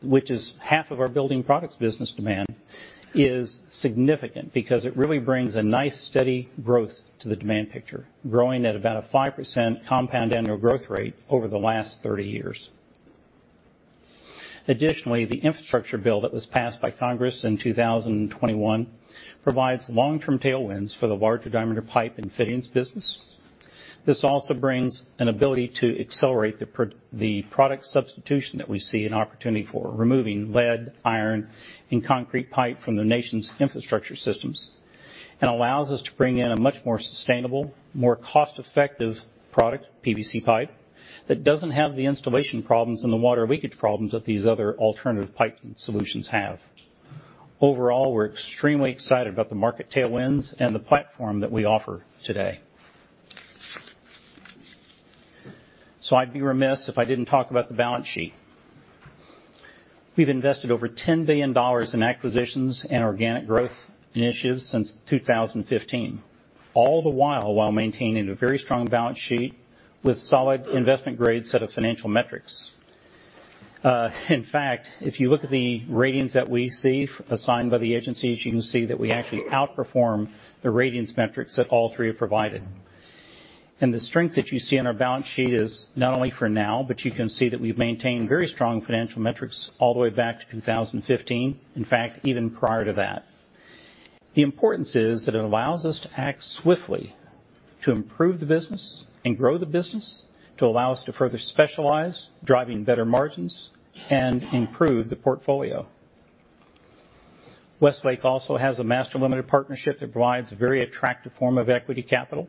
which is half of our building products business demand, is significant because it really brings a nice, steady growth to the demand picture, growing at about a 5% compound annual growth rate over the last 30 years. Additionally, the infrastructure bill that was passed by Congress in 2021 provides long-term tailwinds for the larger diameter pipe and fittings business. This also brings an ability to accelerate the product substitution that we see an opportunity for removing lead, iron, and concrete pipe from the nation's infrastructure systems and allows us to bring in a much more sustainable, more cost-effective product, PVC pipe, that doesn't have the installation problems and the water leakage problems that these other alternative pipe solutions have. Overall, we're extremely excited about the market tailwinds and the platform that we offer today. I'd be remiss if I didn't talk about the balance sheet. We've invested over $10 billion in acquisitions and organic growth initiatives since 2015, all the while maintaining a very strong balance sheet with solid investment grade set of financial metrics. In fact, if you look at the ratings that we see assigned by the agencies, you can see that we actually outperform the ratings metrics that all three have provided. The strength that you see on our balance sheet is not only for now, but you can see that we've maintained very strong financial metrics all the way back to 2015, in fact, even prior to that. The importance is that it allows us to act swiftly to improve the business and grow the business to allow us to further specialize, driving better margins and improve the portfolio. Westlake also has a master limited partnership that provides a very attractive form of equity capital.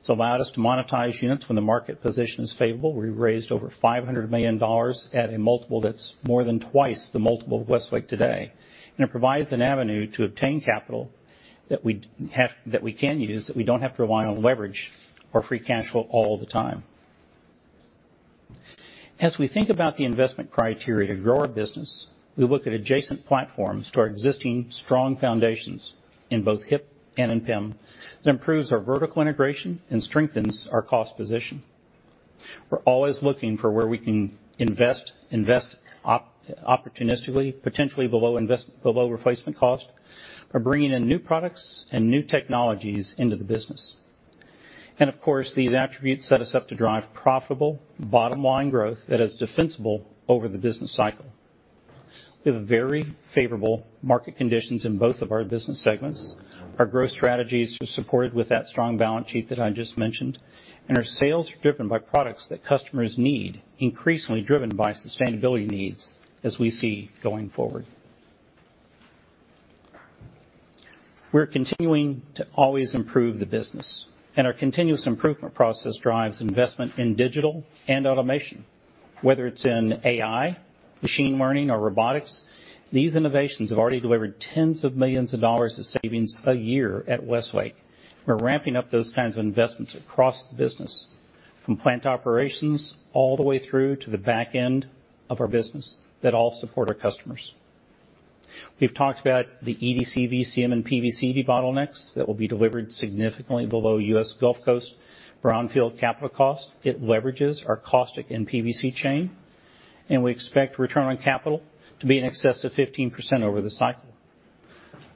It's allowed us to monetize units when the market position is favorable. We raised over $500 million at a multiple that's more than twice the multiple of Westlake today. It provides an avenue to obtain capital that we can use, that we don't have to rely on leverage or free cash flow all the time. As we think about the investment criteria to grow our business, we look at adjacent platforms to our existing strong foundations in both HIP and in PEM that improves our vertical integration and strengthens our cost position. We're always looking for where we can invest opportunistically, potentially below replacement cost by bringing in new products and new technologies into the business. Of course, these attributes set us up to drive profitable bottom-line growth that is defensible over the business cycle. We have a very favorable market conditions in both of our business segments. Our growth strategies are supported with that strong balance sheet that I just mentioned, and our sales are driven by products that customers need, increasingly driven by sustainability needs as we see going forward. We're continuing to always improve the business, and our continuous improvement process drives investment in digital and automation, whether it's in AI, machine learning or robotics. These innovations have already delivered $ tens of millions of savings a year at Westlake. We're ramping up those kinds of investments across the business, from plant operations all the way through to the back end of our business that all support our customers. We've talked about the EDC, VCM, and PVC debottlenecks that will be delivered significantly below U.S. Gulf Coast brownfield capital costs. It leverages our caustic and PVC chain, and we expect return on capital to be in excess of 15% over the cycle.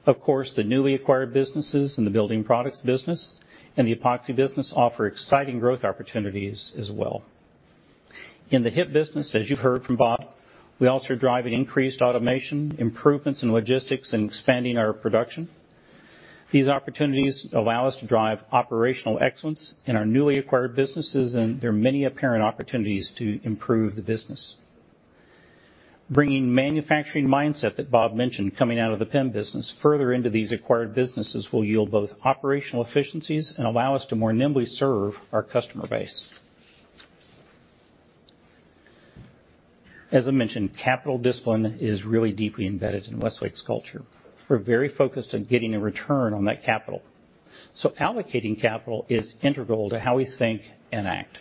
Of course, the newly acquired businesses in the building products business and the Epoxy business offer exciting growth opportunities as well. In the HIP business, as you heard from Bob, we also are driving increased automation, improvements in logistics, and expanding our production. These opportunities allow us to drive operational excellence in our newly acquired businesses, and there are many apparent opportunities to improve the business. Bringing manufacturing mindset that Bob mentioned coming out of the PEM business further into these acquired businesses will yield both operational efficiencies and allow us to more nimbly serve our customer base. As I mentioned, capital discipline is really deeply embedded in Westlake's culture. We're very focused on getting a return on that capital. Allocating capital is integral to how we think and act.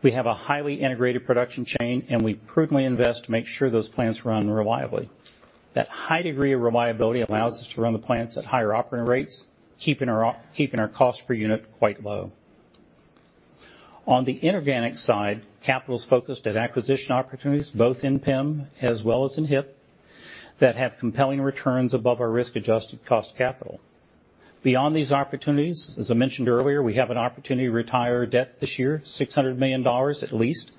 We have a highly integrated production chain, and we prudently invest to make sure those plants run reliably. That high degree of reliability allows us to run the plants at higher operating rates, keeping our cost per unit quite low. On the inorganic side, capital is focused at acquisition opportunities, both in PEM as well as in HIP, that have compelling returns above our risk-adjusted cost of capital. Beyond these opportunities, as I mentioned earlier, we have an opportunity to retire debt this year, $600 million at least,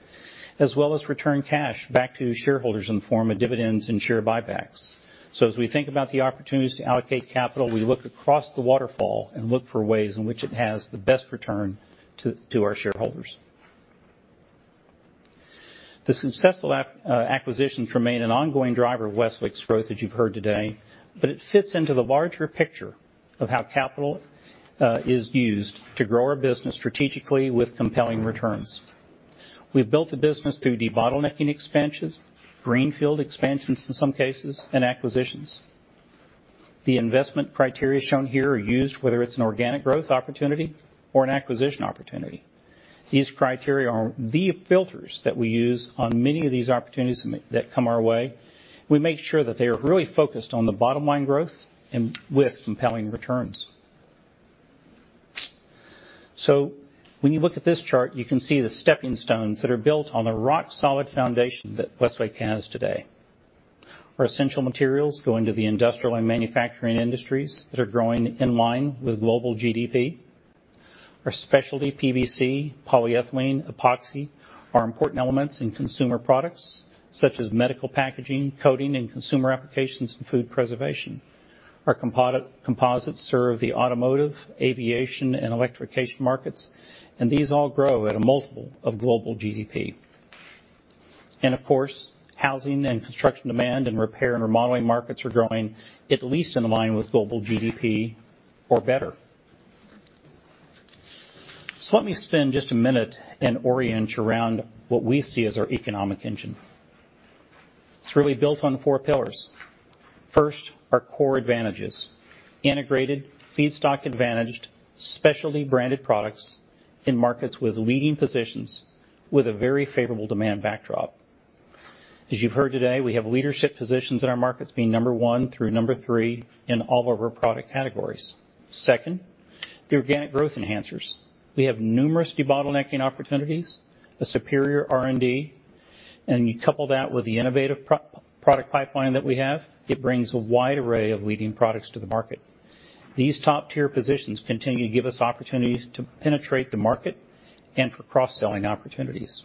as well as return cash back to shareholders in the form of dividends and share buybacks. As we think about the opportunities to allocate capital, we look across the waterfall and look for ways in which it has the best return to our shareholders. The successful acquisitions remain an ongoing driver of Westlake's growth, as you've heard today, but it fits into the larger picture of how capital is used to grow our business strategically with compelling returns. We've built the business through debottlenecking expansions, greenfield expansions in some cases, and acquisitions. The investment criteria shown here are used whether it's an organic growth opportunity or an acquisition opportunity. These criteria are the filters that we use on many of these opportunities that come our way. We make sure that they are really focused on the bottom line growth and with compelling returns. When you look at this chart, you can see the stepping stones that are built on the rock-solid foundation that Westlake has today. Our essential materials go into the industrial and manufacturing industries that are growing in line with global GDP. Our specialty PVC, polyethylene, Epoxy are important elements in consumer products such as medical packaging, coating, and consumer applications for food preservation. Our composites serve the automotive, aviation, and electrification markets, and these all grow at a multiple of global GDP. Of course, housing and construction demand and repair and remodeling markets are growing at least in line with global GDP or better. Let me spend just a minute and orient around what we see as our economic engine. It's really built on four pillars. First, our core advantages, integrated feedstock advantaged, specialty branded products in markets with leading positions with a very favorable demand backdrop. As you've heard today, we have leadership positions in our markets being number 1 through number 3 in all of our product categories. Second, the organic growth enhancers. We have numerous debottlenecking opportunities, a superior R&D, and you couple that with the innovative proprietary product pipeline that we have, it brings a wide array of leading products to the market. These top-tier positions continue to give us opportunities to penetrate the market and for cross-selling opportunities.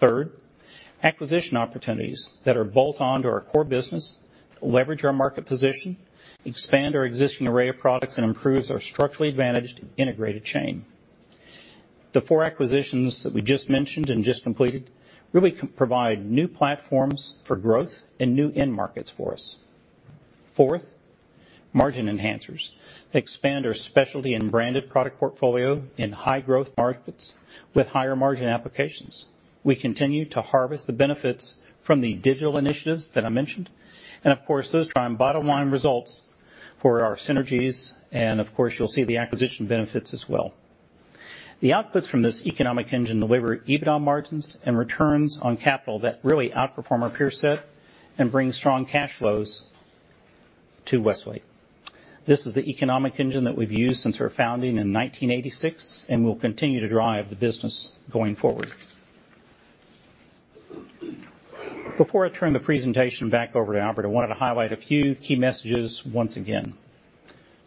Third, acquisition opportunities that are bolt-on to our core business, leverage our market position, expand our existing array of products, and improves our structurally advantaged integrated chain. The four acquisitions that we just mentioned and just completed really provide new platforms for growth and new end markets for us. Fourth, margin enhancers expand our specialty and branded product portfolio in high growth markets with higher margin applications. We continue to harvest the benefits from the digital initiatives that I mentioned. Of course, those drive bottom line results for our synergies and, of course, you'll see the acquisition benefits as well. The outputs from this economic engine deliver EBITDA margins and returns on capital that really outperform our peer set and bring strong cash flows to Westlake. This is the economic engine that we've used since our founding in 1986, and will continue to drive the business going forward. Before I turn the presentation back over to Albert, I wanted to highlight a few key messages once again.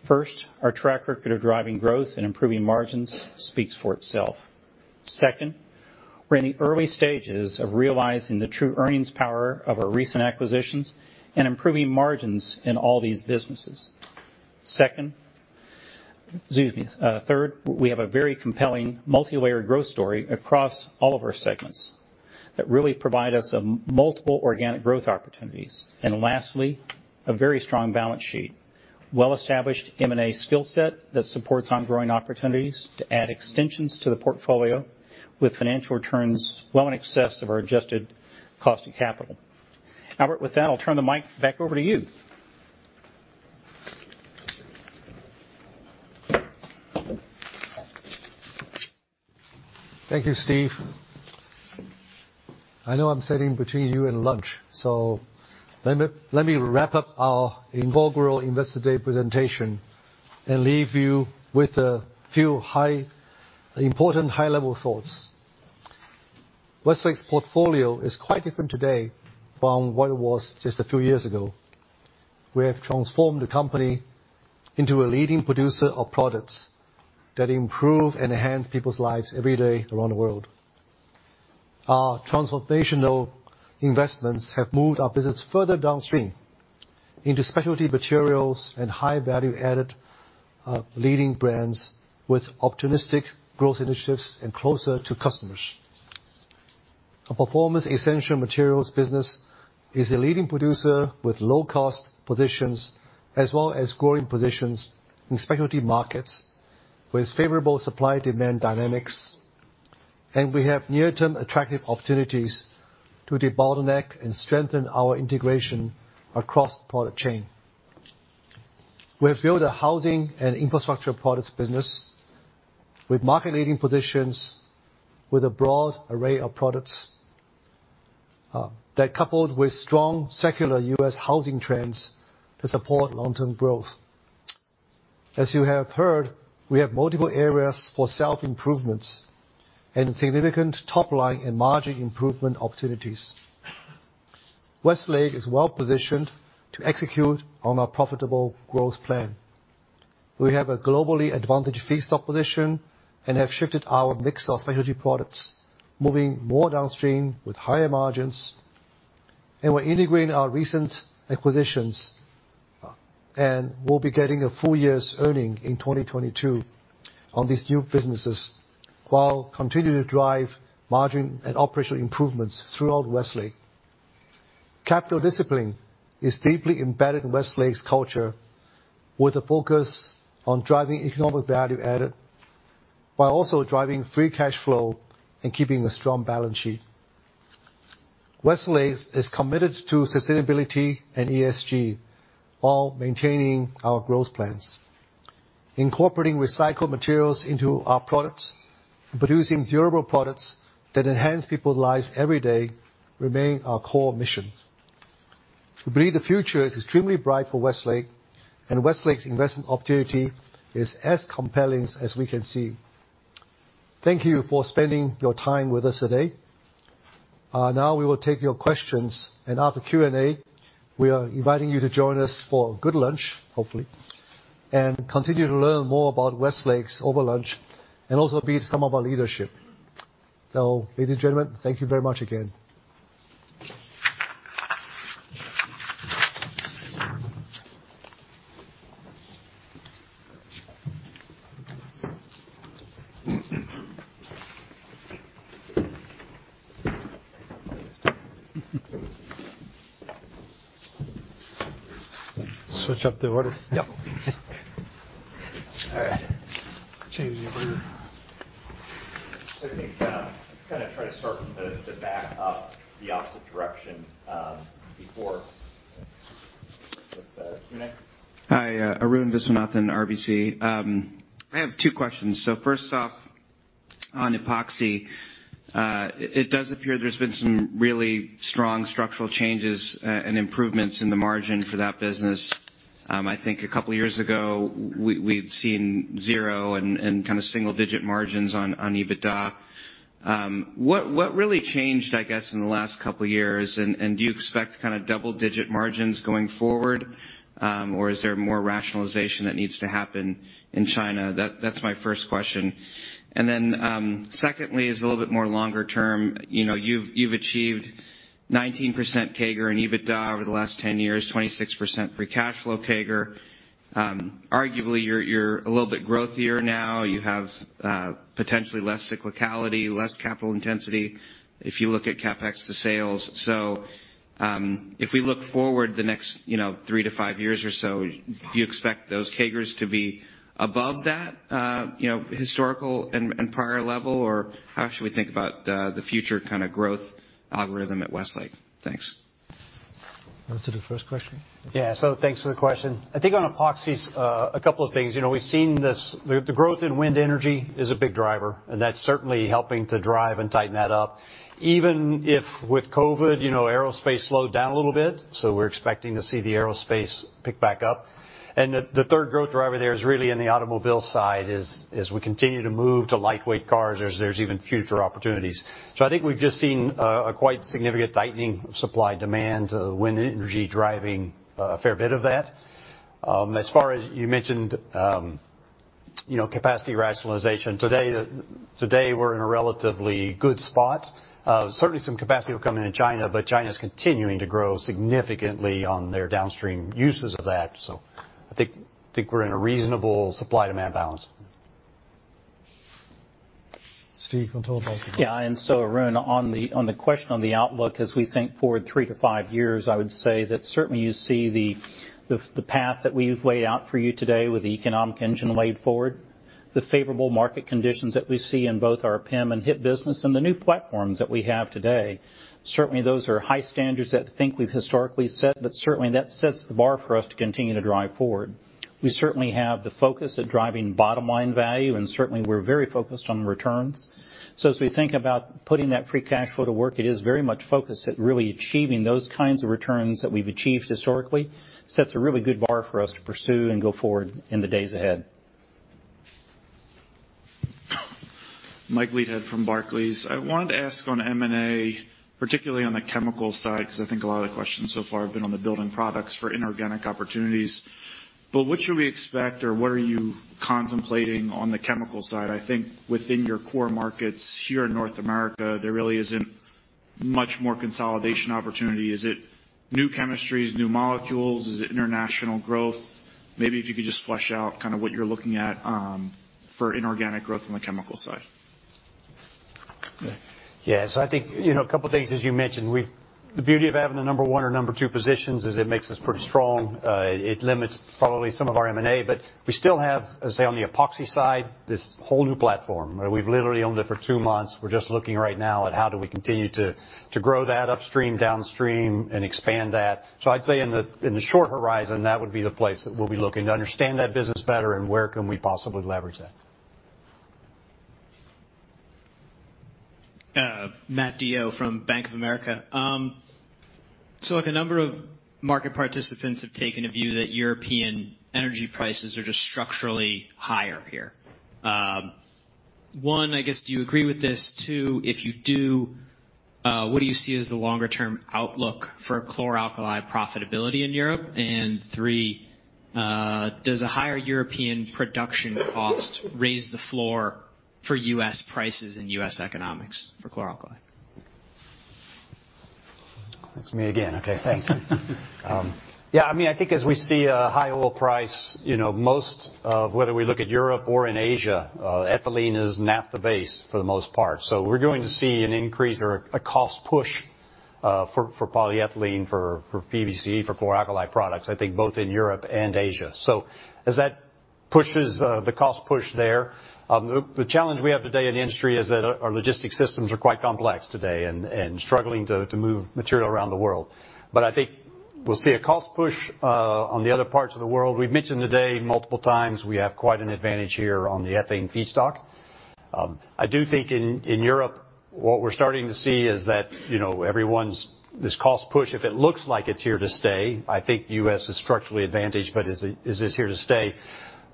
First, our track record of driving growth and improving margins speaks for itself. Second, we're in the early stages of realizing the true earnings power of our recent acquisitions and improving margins in all these businesses. Excuse me. Third, we have a very compelling multi-layered growth story across all of our segments that really provide us multiple organic growth opportunities. Lastly, a very strong balance sheet, well-established M&A skill set that supports ongoing opportunities to add extensions to the portfolio with financial returns well in excess of our adjusted cost of capital. Albert, with that, I'll turn the mic back over to you. Thank you, Steve. I know I'm sitting between you and lunch, so let me wrap up our inaugural Investor Day presentation and leave you with a few important high-level thoughts. Westlake's portfolio is quite different today from what it was just a few years ago. We have transformed the company into a leading producer of products that improve and enhance people's lives every day around the world. Our transformational investments have moved our business further downstream into specialty materials and high value-added leading brands with opportunistic growth initiatives and closer to customers. Our Performance Essential Materials business is a leading producer with low cost positions as well as growing positions in specialty markets with favorable supply-demand dynamics. We have near-term attractive opportunities to debottleneck and strengthen our integration across the product chain. We have built a housing and infrastructure products business with market-leading positions with a broad array of products, that coupled with strong secular U.S. housing trends to support long-term growth. As you have heard, we have multiple areas for self-improvement and significant top-line and margin improvement opportunities. Westlake is well positioned to execute on our profitable growth plan. We have a globally advantaged feedstock position and have shifted our mix of specialty products, moving more downstream with higher margins. We're integrating our recent acquisitions, and we'll be getting a full year's earnings in 2022 on these new businesses while continuing to drive margin and operational improvements throughout Westlake. Capital discipline is deeply embedded in Westlake's culture, with a focus on driving economic value added while also driving free cash flow and keeping a strong balance sheet. Westlake is committed to sustainability and ESG while maintaining our growth plans. Incorporating recycled materials into our products and producing durable products that enhance people's lives every day remain our core mission. We believe the future is extremely bright for Westlake, and Westlake's investment opportunity is as compelling as we can see. Thank you for spending your time with us today. Now we will take your questions. After Q&A, we are inviting you to join us for good lunch, hopefully, and continue to learn more about Westlake's over lunch, and also meet some of our leadership. Ladies, gentlemen, thank you very much again. Switch up the order. Yep. All right. Changing order. I think kinda try to start from the back, the opposite direction, before with Q&A. Hi, Arun Viswanathan, RBC. I have two questions. First off, on Epoxy, it does appear there's been some really strong structural changes and improvements in the margin for that business. I think a couple years ago we'd seen zero and kind of single-digit margins on EBITDA. What really changed, I guess, in the last couple years? Do you expect kind of double-digit margins going forward, or is there more rationalization that needs to happen in China? That's my first question. Then, secondly is a little bit more longer term. You know, you've achieved 19% CAGR in EBITDA over the last 10 years, 26% free cash flow CAGR. Arguably, you're a little bit growthier now. You have potentially less cyclicality, less capital intensity if you look at CapEx to sales. If we look forward the next 3 to 5 years or so, do you expect those CAGRs to be above that historical and prior level, or how should we think about the future kinda growth algorithm at Westlake? Thanks. Answer the first question? Thanks for the question. I think on epoxies, a couple of things. We've seen this. The growth in wind energy is a big driver, and that's certainly helping to drive and tighten that up. Even with COVID, aerospace slowed down a little bit. We're expecting to see the aerospace pick back up. The third growth driver there is really in the automobile side. We continue to move to lightweight cars. There's even future opportunities. I think we've just seen a quite significant tightening of supply-demand. Wind energy driving a fair bit of that. As far as you mentioned, capacity rationalization. Today we're in a relatively good spot. Certainly some capacity will come in in China, but China's continuing to grow significantly on their downstream uses of that. I think we're in a reasonable supply-demand balance. Steve, want to talk about. Yeah. Arun, on the question on the outlook, as we think forward 3-5 years, I would say that certainly you see the path that we've laid out for you today with the economic engine laid forward, the favorable market conditions that we see in both our PEM and HIP business and the new platforms that we have today. Certainly, those are high standards that I think we've historically set, but certainly that sets the bar for us to continue to drive forward. We certainly have the focus of driving bottom line value, and certainly we're very focused on returns. So as we think about putting that free cash flow to work, it is very much focused at really achieving those kinds of returns that we've achieved historically. Sets a really good bar for us to pursue and go forward in the days ahead. Michael Leithead from Barclays. I wanted to ask on M&A, particularly on the chemical side, 'cause I think a lot of the questions so far have been on the building products for inorganic opportunities. What should we expect or what are you contemplating on the chemical side? I think within your core markets here in North America, there really isn't much more consolidation opportunity. Is it new chemistries, new molecules? Is it international growth? Maybe if you could just flesh out kind of what you're looking at for inorganic growth on the chemical side. Yeah, I think, you know, a couple things, as you mentioned. The beauty of having the number one or number two positions is it makes us pretty strong. It limits probably some of our M&A, but we still have, let's say, on the epoxy side, this whole new platform. We've literally owned it for two months. We're just looking right now at how do we continue to grow that upstream, downstream, and expand that. I'd say in the short horizon, that would be the place that we'll be looking to understand that business better and where can we possibly leverage that. Matthew Zhao from Bank of America. Look, a number of market participants have taken a view that European energy prices are just structurally higher here. One, I guess, do you agree with this? Two, if you do, what do you see as the longer term outlook for chlor-alkali profitability in Europe? Three, does a higher European production cost raise the floor for U.S. prices and U.S. economics for chlor-alkali? It's me again. Okay, thanks. Yeah, I mean, I think as we see a high oil price, you know, most of where we look at Europe or in Asia, ethylene is naphtha base for the most part. We're going to see an increase or a cost push for polyethylene, for PVC, for chlor-alkali products, I think both in Europe and Asia. As that pushes, the challenge we have today in the industry is that our logistics systems are quite complex today and struggling to move material around the world. I think we'll see a cost push on the other parts of the world. We've mentioned today multiple times, we have quite an advantage here on the ethane feedstock. I do think in Europe, what we're starting to see is that, you know, this cost push, if it looks like it's here to stay, I think U.S. is structurally advantaged, but is it, is this here to stay?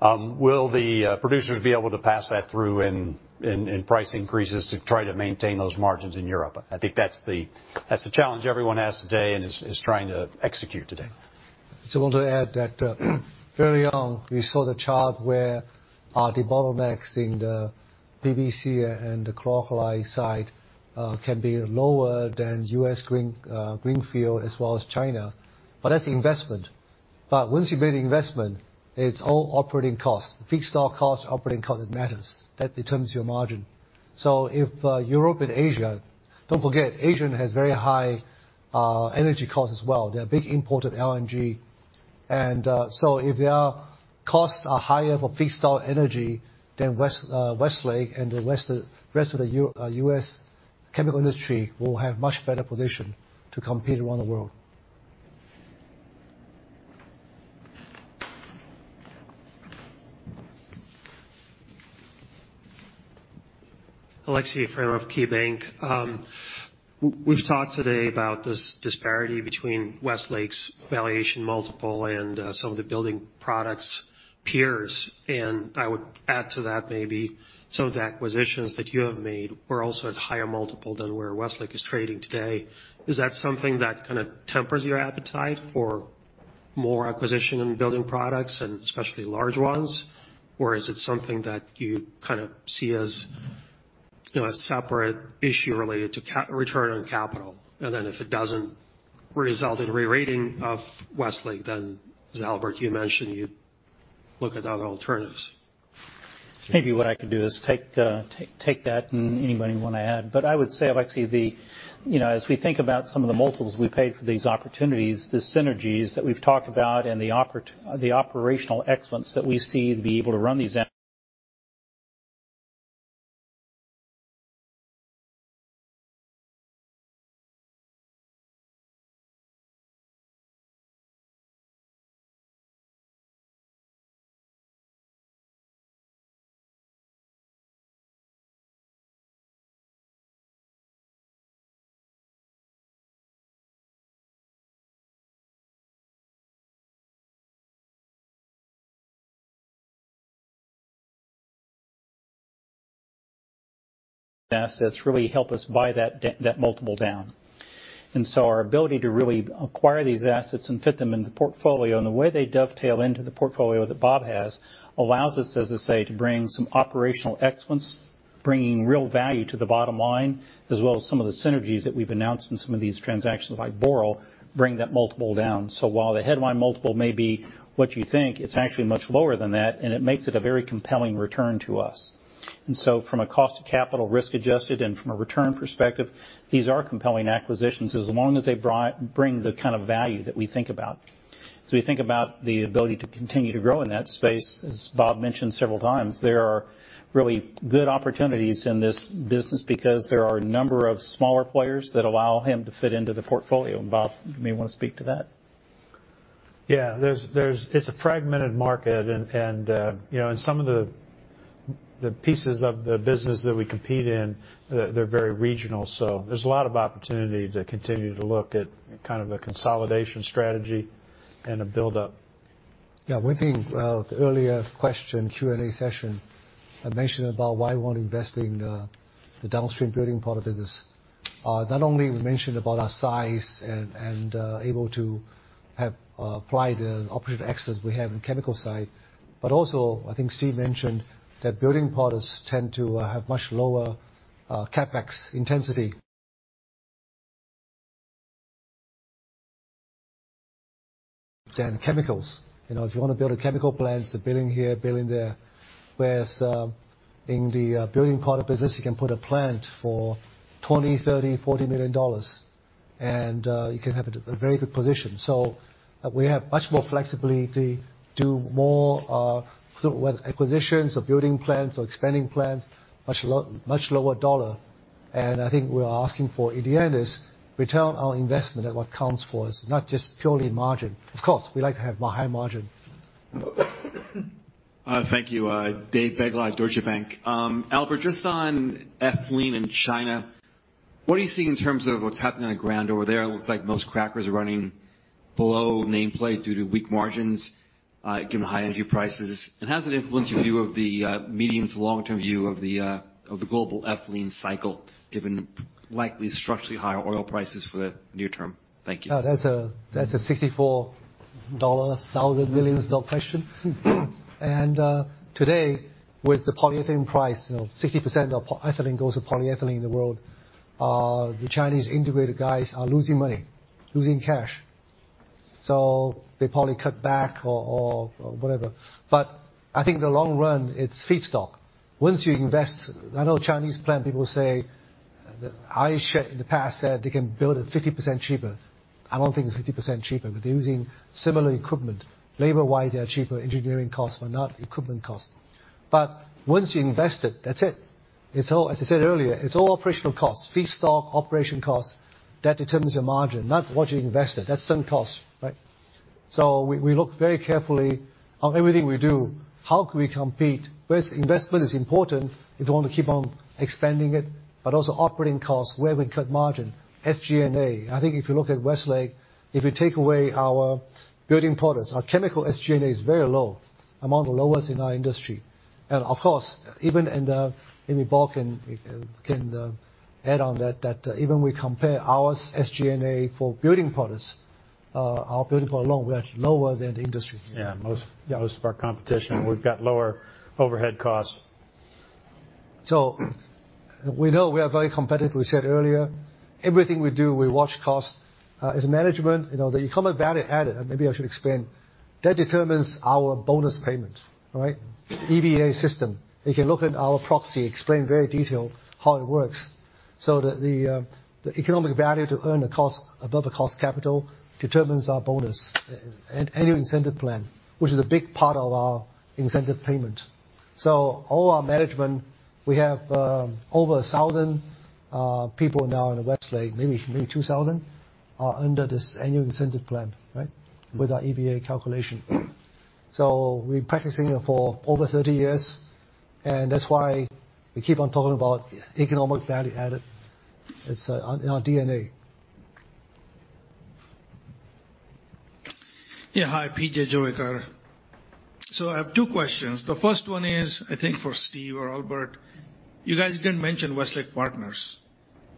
Will the producers be able to pass that through in price increases to try to maintain those margins in Europe? I think that's the challenge everyone has today and is trying to execute today. I want to add that early on, we saw the chart where the bottlenecks in the PVC and the chlor-alkali side can be lower than U.S. greenfield as well as China. That's investment. Once you've made investment, it's all operating costs. Feedstock costs, operating cost matters. That determines your margin. If Europe and Asia, don't forget, Asia has very high energy costs as well. They're a big importer of LNG. If their costs are higher for feedstock energy, then Westlake and the rest of the U.S. chemical industry will have much better position to compete around the world. Aleksey Yefremov of KeyBank. We've talked today about this disparity between Westlake's valuation multiple and some of the building products peers, and I would add to that maybe some of the acquisitions that you have made were also at higher multiple than where Westlake is trading today. Is that something that kinda tempers your appetite for more acquisition in building products and especially large ones? Or is it something that you kind of see as, you know, a separate issue related to return on capital? If it doesn't result in re-rating of Westlake, Albert, you mentioned you'd look at other alternatives. Maybe what I can do is take that and anybody want to add. I would say, Aleksey, you know, as we think about some of the multiples we paid for these opportunities, the synergies that we've talked about and the operational excellence that we see to be able to run these assets really help us buy that multiple down. Our ability to really acquire these assets and fit them in the portfolio, and the way they dovetail into the portfolio that Bob has, allows us, as I say, to bring some operational excellence, bringing real value to the bottom line, as well as some of the synergies that we've announced in some of these transactions, like Boral, bring that multiple down. While the headline multiple may be what you think, it's actually much lower than that, and it makes it a very compelling return to us. From a cost of capital risk adjusted and from a return perspective, these are compelling acquisitions as long as they bring the kind of value that we think about. We think about the ability to continue to grow in that space. As Bob mentioned several times, there are really good opportunities in this business because there are a number of smaller players that allow him to fit into the portfolio. Bob, you may wanna speak to that. Yeah, there's. It's a fragmented market and you know, and some of the pieces of the business that we compete in, they're very regional. There's a lot of opportunity to continue to look at kind of a consolidation strategy and a build up. Yeah. One thing, the earlier question, Q&A session, I mentioned about why we want to invest in the downstream building product business. Not only we mentioned about our size and able to apply the operational excellence we have in chemical side, but also I think Steve mentioned that building products tend to have much lower CapEx intensity than chemicals. You know, if you wanna build a chemical plant, it's $1 billion here, $1 billion there. Whereas in the building product business, you can put a plant for $20 million, $30 million, $40 million, and you can have a very good position. We have much more flexibility to do more, whether acquisitions or building plants or expanding plants, much lower dollar. I think what we are asking for in the end is return on investment and what counts for us, not just purely margin. Of course, we like to have high margin. Thank you. David Begleiter, Deutsche Bank. Albert, just on ethylene in China, what are you seeing in terms of what's happening on the ground over there? It looks like most crackers are running below nameplate due to weak margins, given high energy prices. How does it influence your view of the medium to long-term view of the global ethylene cycle, given likely structurally higher oil prices for the near term? Thank you. Yeah. That's a $64,000 question. Today, with the polyethylene price, you know, 60% of ethylene goes to polyethylene in the world. The Chinese integrated guys are losing money, losing cash. So they probably cut back or whatever. I think in the long run, it's feedstock. Once you invest, I know Chinese plant people say that I said in the past they can build it 50% cheaper. I don't think it's 50% cheaper, but they're using similar equipment. Labor-wise, they are cheaper. Engineering costs are not. Equipment costs. But once you invest it, that's it. It's all, as I said earlier, operational costs. Feedstock, operating costs, that determines your margin, not what you invested. That's sunk cost, right? So we look very carefully on everything we do. How can we compete? Whereas investment is important if you want to keep on expanding it, but also operating costs, where we cut margin, SG&A. I think if you look at Westlake, if you take away our building products, our chemical SG&A is very low, among the lowest in our industry. Of course, maybe Bob can add on that even we compare our SG&A for building products, our building products are low. We're lower than the industry. Yeah. Yeah. Most of our competition, we've got lower overhead costs. We know we are very competitive. We said earlier, everything we do, we watch costs. As management, you know the Economic Value Added, and maybe I should explain. That determines our bonus payment, right? EVA system. You can look at our proxy, which explains in great detail how it works. The economic value added above the cost of capital determines our bonus, an annual incentive plan, which is a big part of our incentive payment. All our management, we have over 1,000 people now in Westlake, maybe 2,000, are under this annual incentive plan, right? With our EVA calculation. We're practicing it for over 30 years, and that's why we keep on talking about Economic Value Added. It's in our DNA. Yeah. Hi, P.J. Juvekar. I have two questions. The first one is, I think for Steve or Albert. You guys didn't mention Westlake Chemical Partners.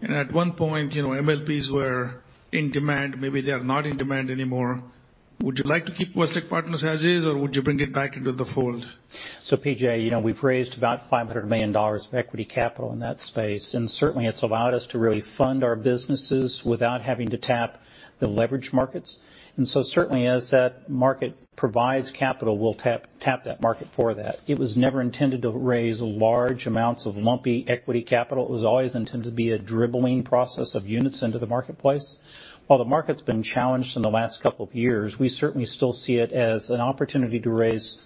At one point, you know, MLPs were in demand. Maybe they are not in demand anymore. Would you like to keep Westlake Chemical Partners as is, or would you bring it back into the fold? P.J., you know, we've raised about $500 million of equity capital in that space, and certainly, it's allowed us to really fund our businesses without having to tap the leverage markets. Certainly, as that market provides capital, we'll tap that market for that. It was never intended to raise large amounts of lumpy equity capital. It was always intended to be a dribbling process of units into the marketplace. While the market's been challenged in the last couple of years, we certainly still see it as an opportunity to raise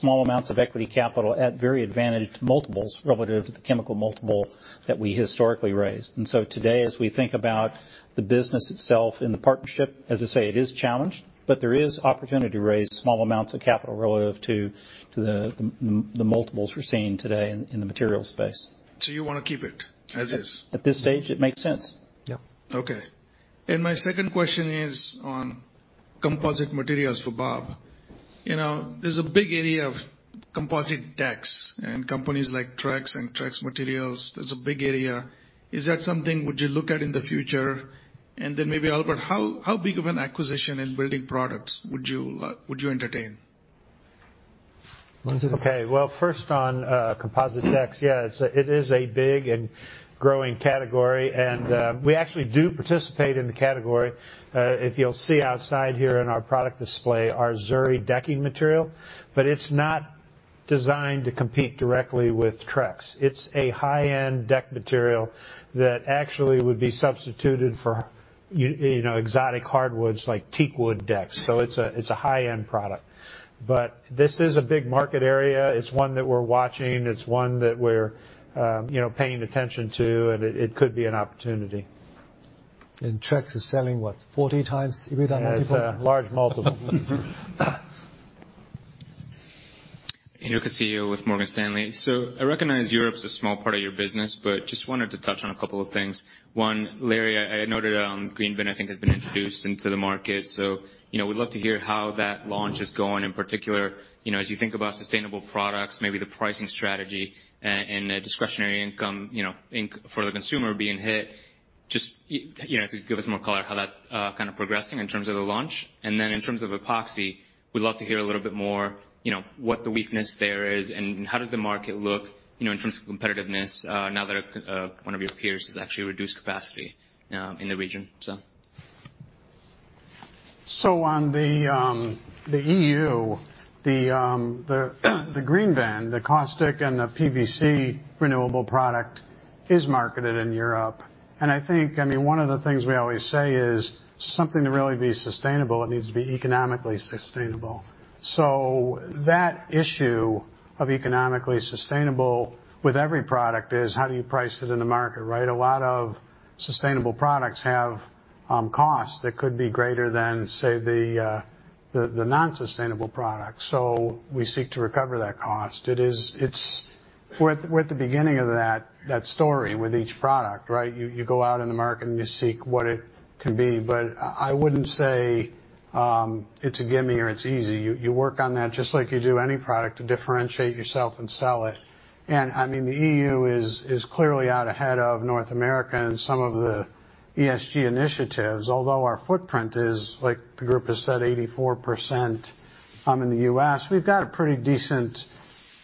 small amounts of equity capital at very advantaged multiples relative to the chemical multiple that we historically raised. Today, as we think about the business itself and the partnership, as I say, it is challenged, but there is opportunity to raise small amounts of capital relative to the multiples we're seeing today in the materials space. You wanna keep it as is? At this stage, it makes sense. Yeah. Okay. My second question is on- Composite materials for Bob. You know, there's a big area of composite decks in companies like Trex and Trex. That's a big area. Is that something you would look at in the future? Maybe, Albert, how big of an acquisition in building products would you entertain? Okay. Well, first on composite decks, yeah, it is a big and growing category. We actually do participate in the category. If you'll see outside here in our product display, our Zuri decking material, but it's not designed to compete directly with Trex. It's a high-end deck material that actually would be substituted for, you know, exotic hardwoods like teak wood decks. It's a high-end product. This is a big market area, it's one that we're watching, it's one that we're, you know, paying attention to, and it could be an opportunity. Trex is selling, what? 40x EBITDA multiple. Yeah, it's a large multiple. Andres Castillo with Morgan Stanley. I recognize Europe's a small part of your business, but just wanted to touch on a couple of things. One, Larry, I noted on GreenVin, I think, has been introduced into the market, so, you know, we'd love to hear how that launch is going, in particular. You know, as you think about sustainable products, maybe the pricing strategy and the discretionary income, you know, income for the consumer being hit. Just, you know, if you could give us more color how that's kind of progressing in terms of the launch. And then in terms of Epoxy, we'd love to hear a little bit more, you know, what the weakness there is, and how does the market look, you know, in terms of competitiveness, now that one of your peers has actually reduced capacity in the region? In the E.U., the GreenVin, the caustic and the PVC renewable product is marketed in Europe. I think, I mean, one of the things we always say is, something to really be sustainable, it needs to be economically sustainable. That issue of economically sustainable with every product is how do you price it in the market, right? A lot of sustainable products have costs that could be greater than, say, the non-sustainable products. We seek to recover that cost. We're at the beginning of that story with each product, right? You go out in the market, and you seek what it can be. I wouldn't say it's a gimme or it's easy. You work on that just like you do any product to differentiate yourself and sell it. I mean, the EU is clearly out ahead of North America in some of the ESG initiatives. Although our footprint is, like the group has said, 84% in the U.S., we've got a pretty decent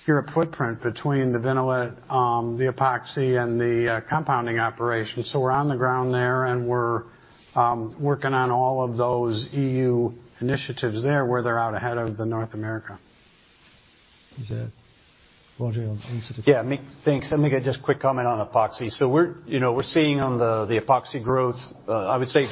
Europe footprint between the Vinnolit, the Epoxy, and the compounding operation. We're on the ground there, and we're working on all of those EU initiatives there where they're out ahead of North America. Is it Roger? Thanks. Let me give just quick comment on Epoxy. We're seeing on the Epoxy growth. I would say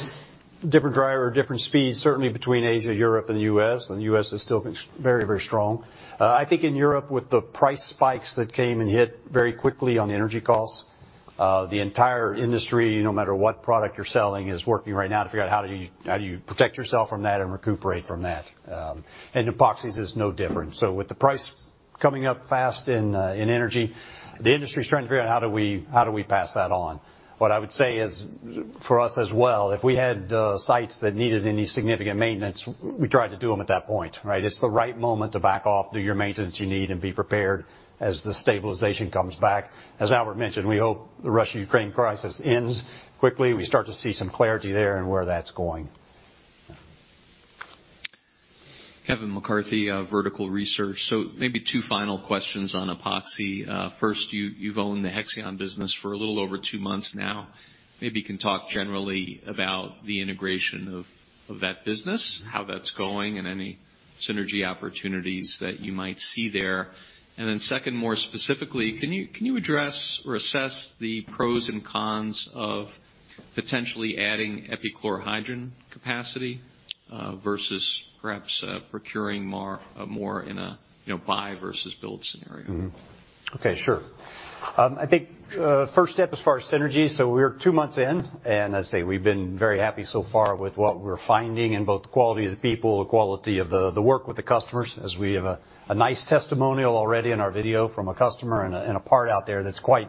different driver, different speeds, certainly between Asia, Europe, and the U.S. The U.S. is still very, very strong. I think in Europe, with the price spikes that came and hit very quickly on the energy costs, the entire industry, no matter what product you're selling, is working right now to figure out how do you protect yourself from that and recuperate from that. Epoxies is no different. With the price coming up fast in energy, the industry's trying to figure out how do we pass that on. What I would say is for us as well, if we had sites that needed any significant maintenance, we tried to do them at that point, right? It's the right moment to back off, do your maintenance you need, and be prepared as the stabilization comes back. As Albert mentioned, we hope the Russia-Ukraine crisis ends quickly, and we start to see some clarity there in where that's going. Kevin McCarthy, Vertical Research. Maybe two final questions on Epoxy. First, you've owned the Hexion business for a little over two months now. Maybe you can talk generally about the integration of that business. Mm-hmm. How that's going and any synergy opportunities that you might see there. Then second, more specifically, can you address or assess the pros and cons of potentially adding epichlorohydrin capacity versus perhaps procuring more in a, you know, buy versus build scenario? I think first step as far as synergy, we're two months in, and as I say, we've been very happy so far with what we're finding in both the quality of the people, the quality of the work with the customers, as we have a nice testimonial already in our video from a customer and a part out there that's quite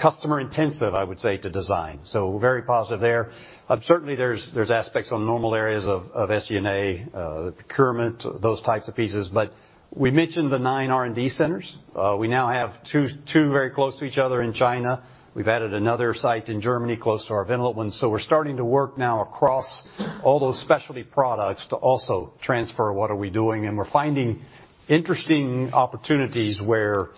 customer intensive, I would say, to design. Very positive there. Certainly there's aspects on normal areas of SG&A, procurement, those types of pieces. We mentioned the nine R&D centers. We now have two very close to each other in China. We've added another site in Germany close to our Vinnolit. We're starting to work now across all those specialty products to also transfer what are we doing, and we're finding interesting opportunities where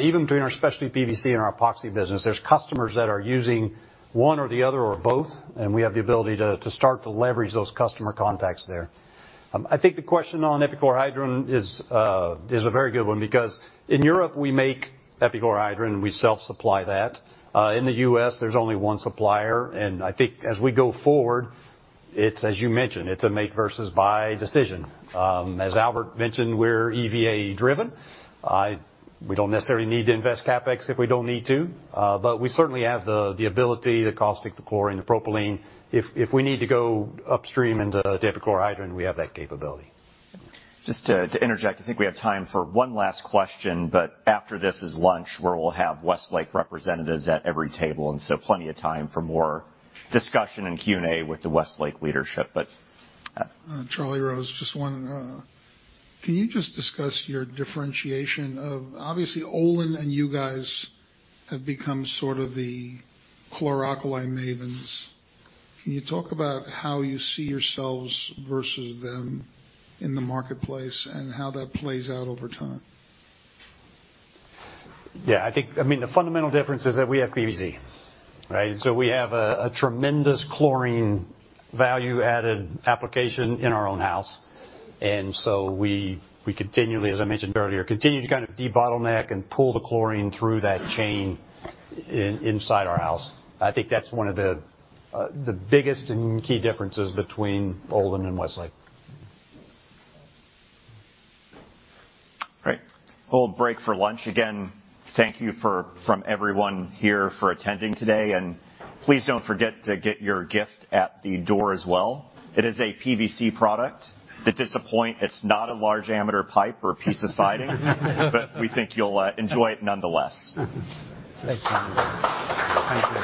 even between our specialty PVC and our Epoxy business, there's customers that are using one or the other or both, and we have the ability to start to leverage those customer contacts there. I think the question on epichlorohydrin is a very good one, because in Europe, we make epichlorohydrin. We self-supply that. In the U.S., there's only one supplier. I think as we go forward, it's as you mentioned, it's a make versus buy decision. As Albert mentioned, we're EVA-driven. We don't necessarily need to invest CapEx if we don't need to. But we certainly have the ability, the caustic, the chlorine, the propylene. If we need to go upstream into the epichlorohydrin, we have that capability. Just to interject, I think we have time for one last question, but after this is lunch, where we'll have Westlake representatives at every table, and so plenty of time for more discussion and Q&A with the Westlake leadership. Charlie Rose. Just one. Can you just discuss your differentiation. Obviously, Olin and you guys have become sort of the chlor-alkali mavens. Can you talk about how you see yourselves versus them in the marketplace and how that plays out over time? Yeah. I think, I mean, the fundamental difference is that we have PVC, right? We have a tremendous chlorine value-added application in our own house. We continually, as I mentioned earlier, continue to kind of debottleneck and pull the chlorine through that chain inside our house. I think that's one of the biggest and key differences between Olin and Westlake. Great. We'll break for lunch. Again, thank you from everyone here for attending today. Please don't forget to get your gift at the door as well. It is a PVC product. It's disappointing it's not a large diameter pipe or a piece of siding. We think you'll enjoy it nonetheless. Thanks. Thank you.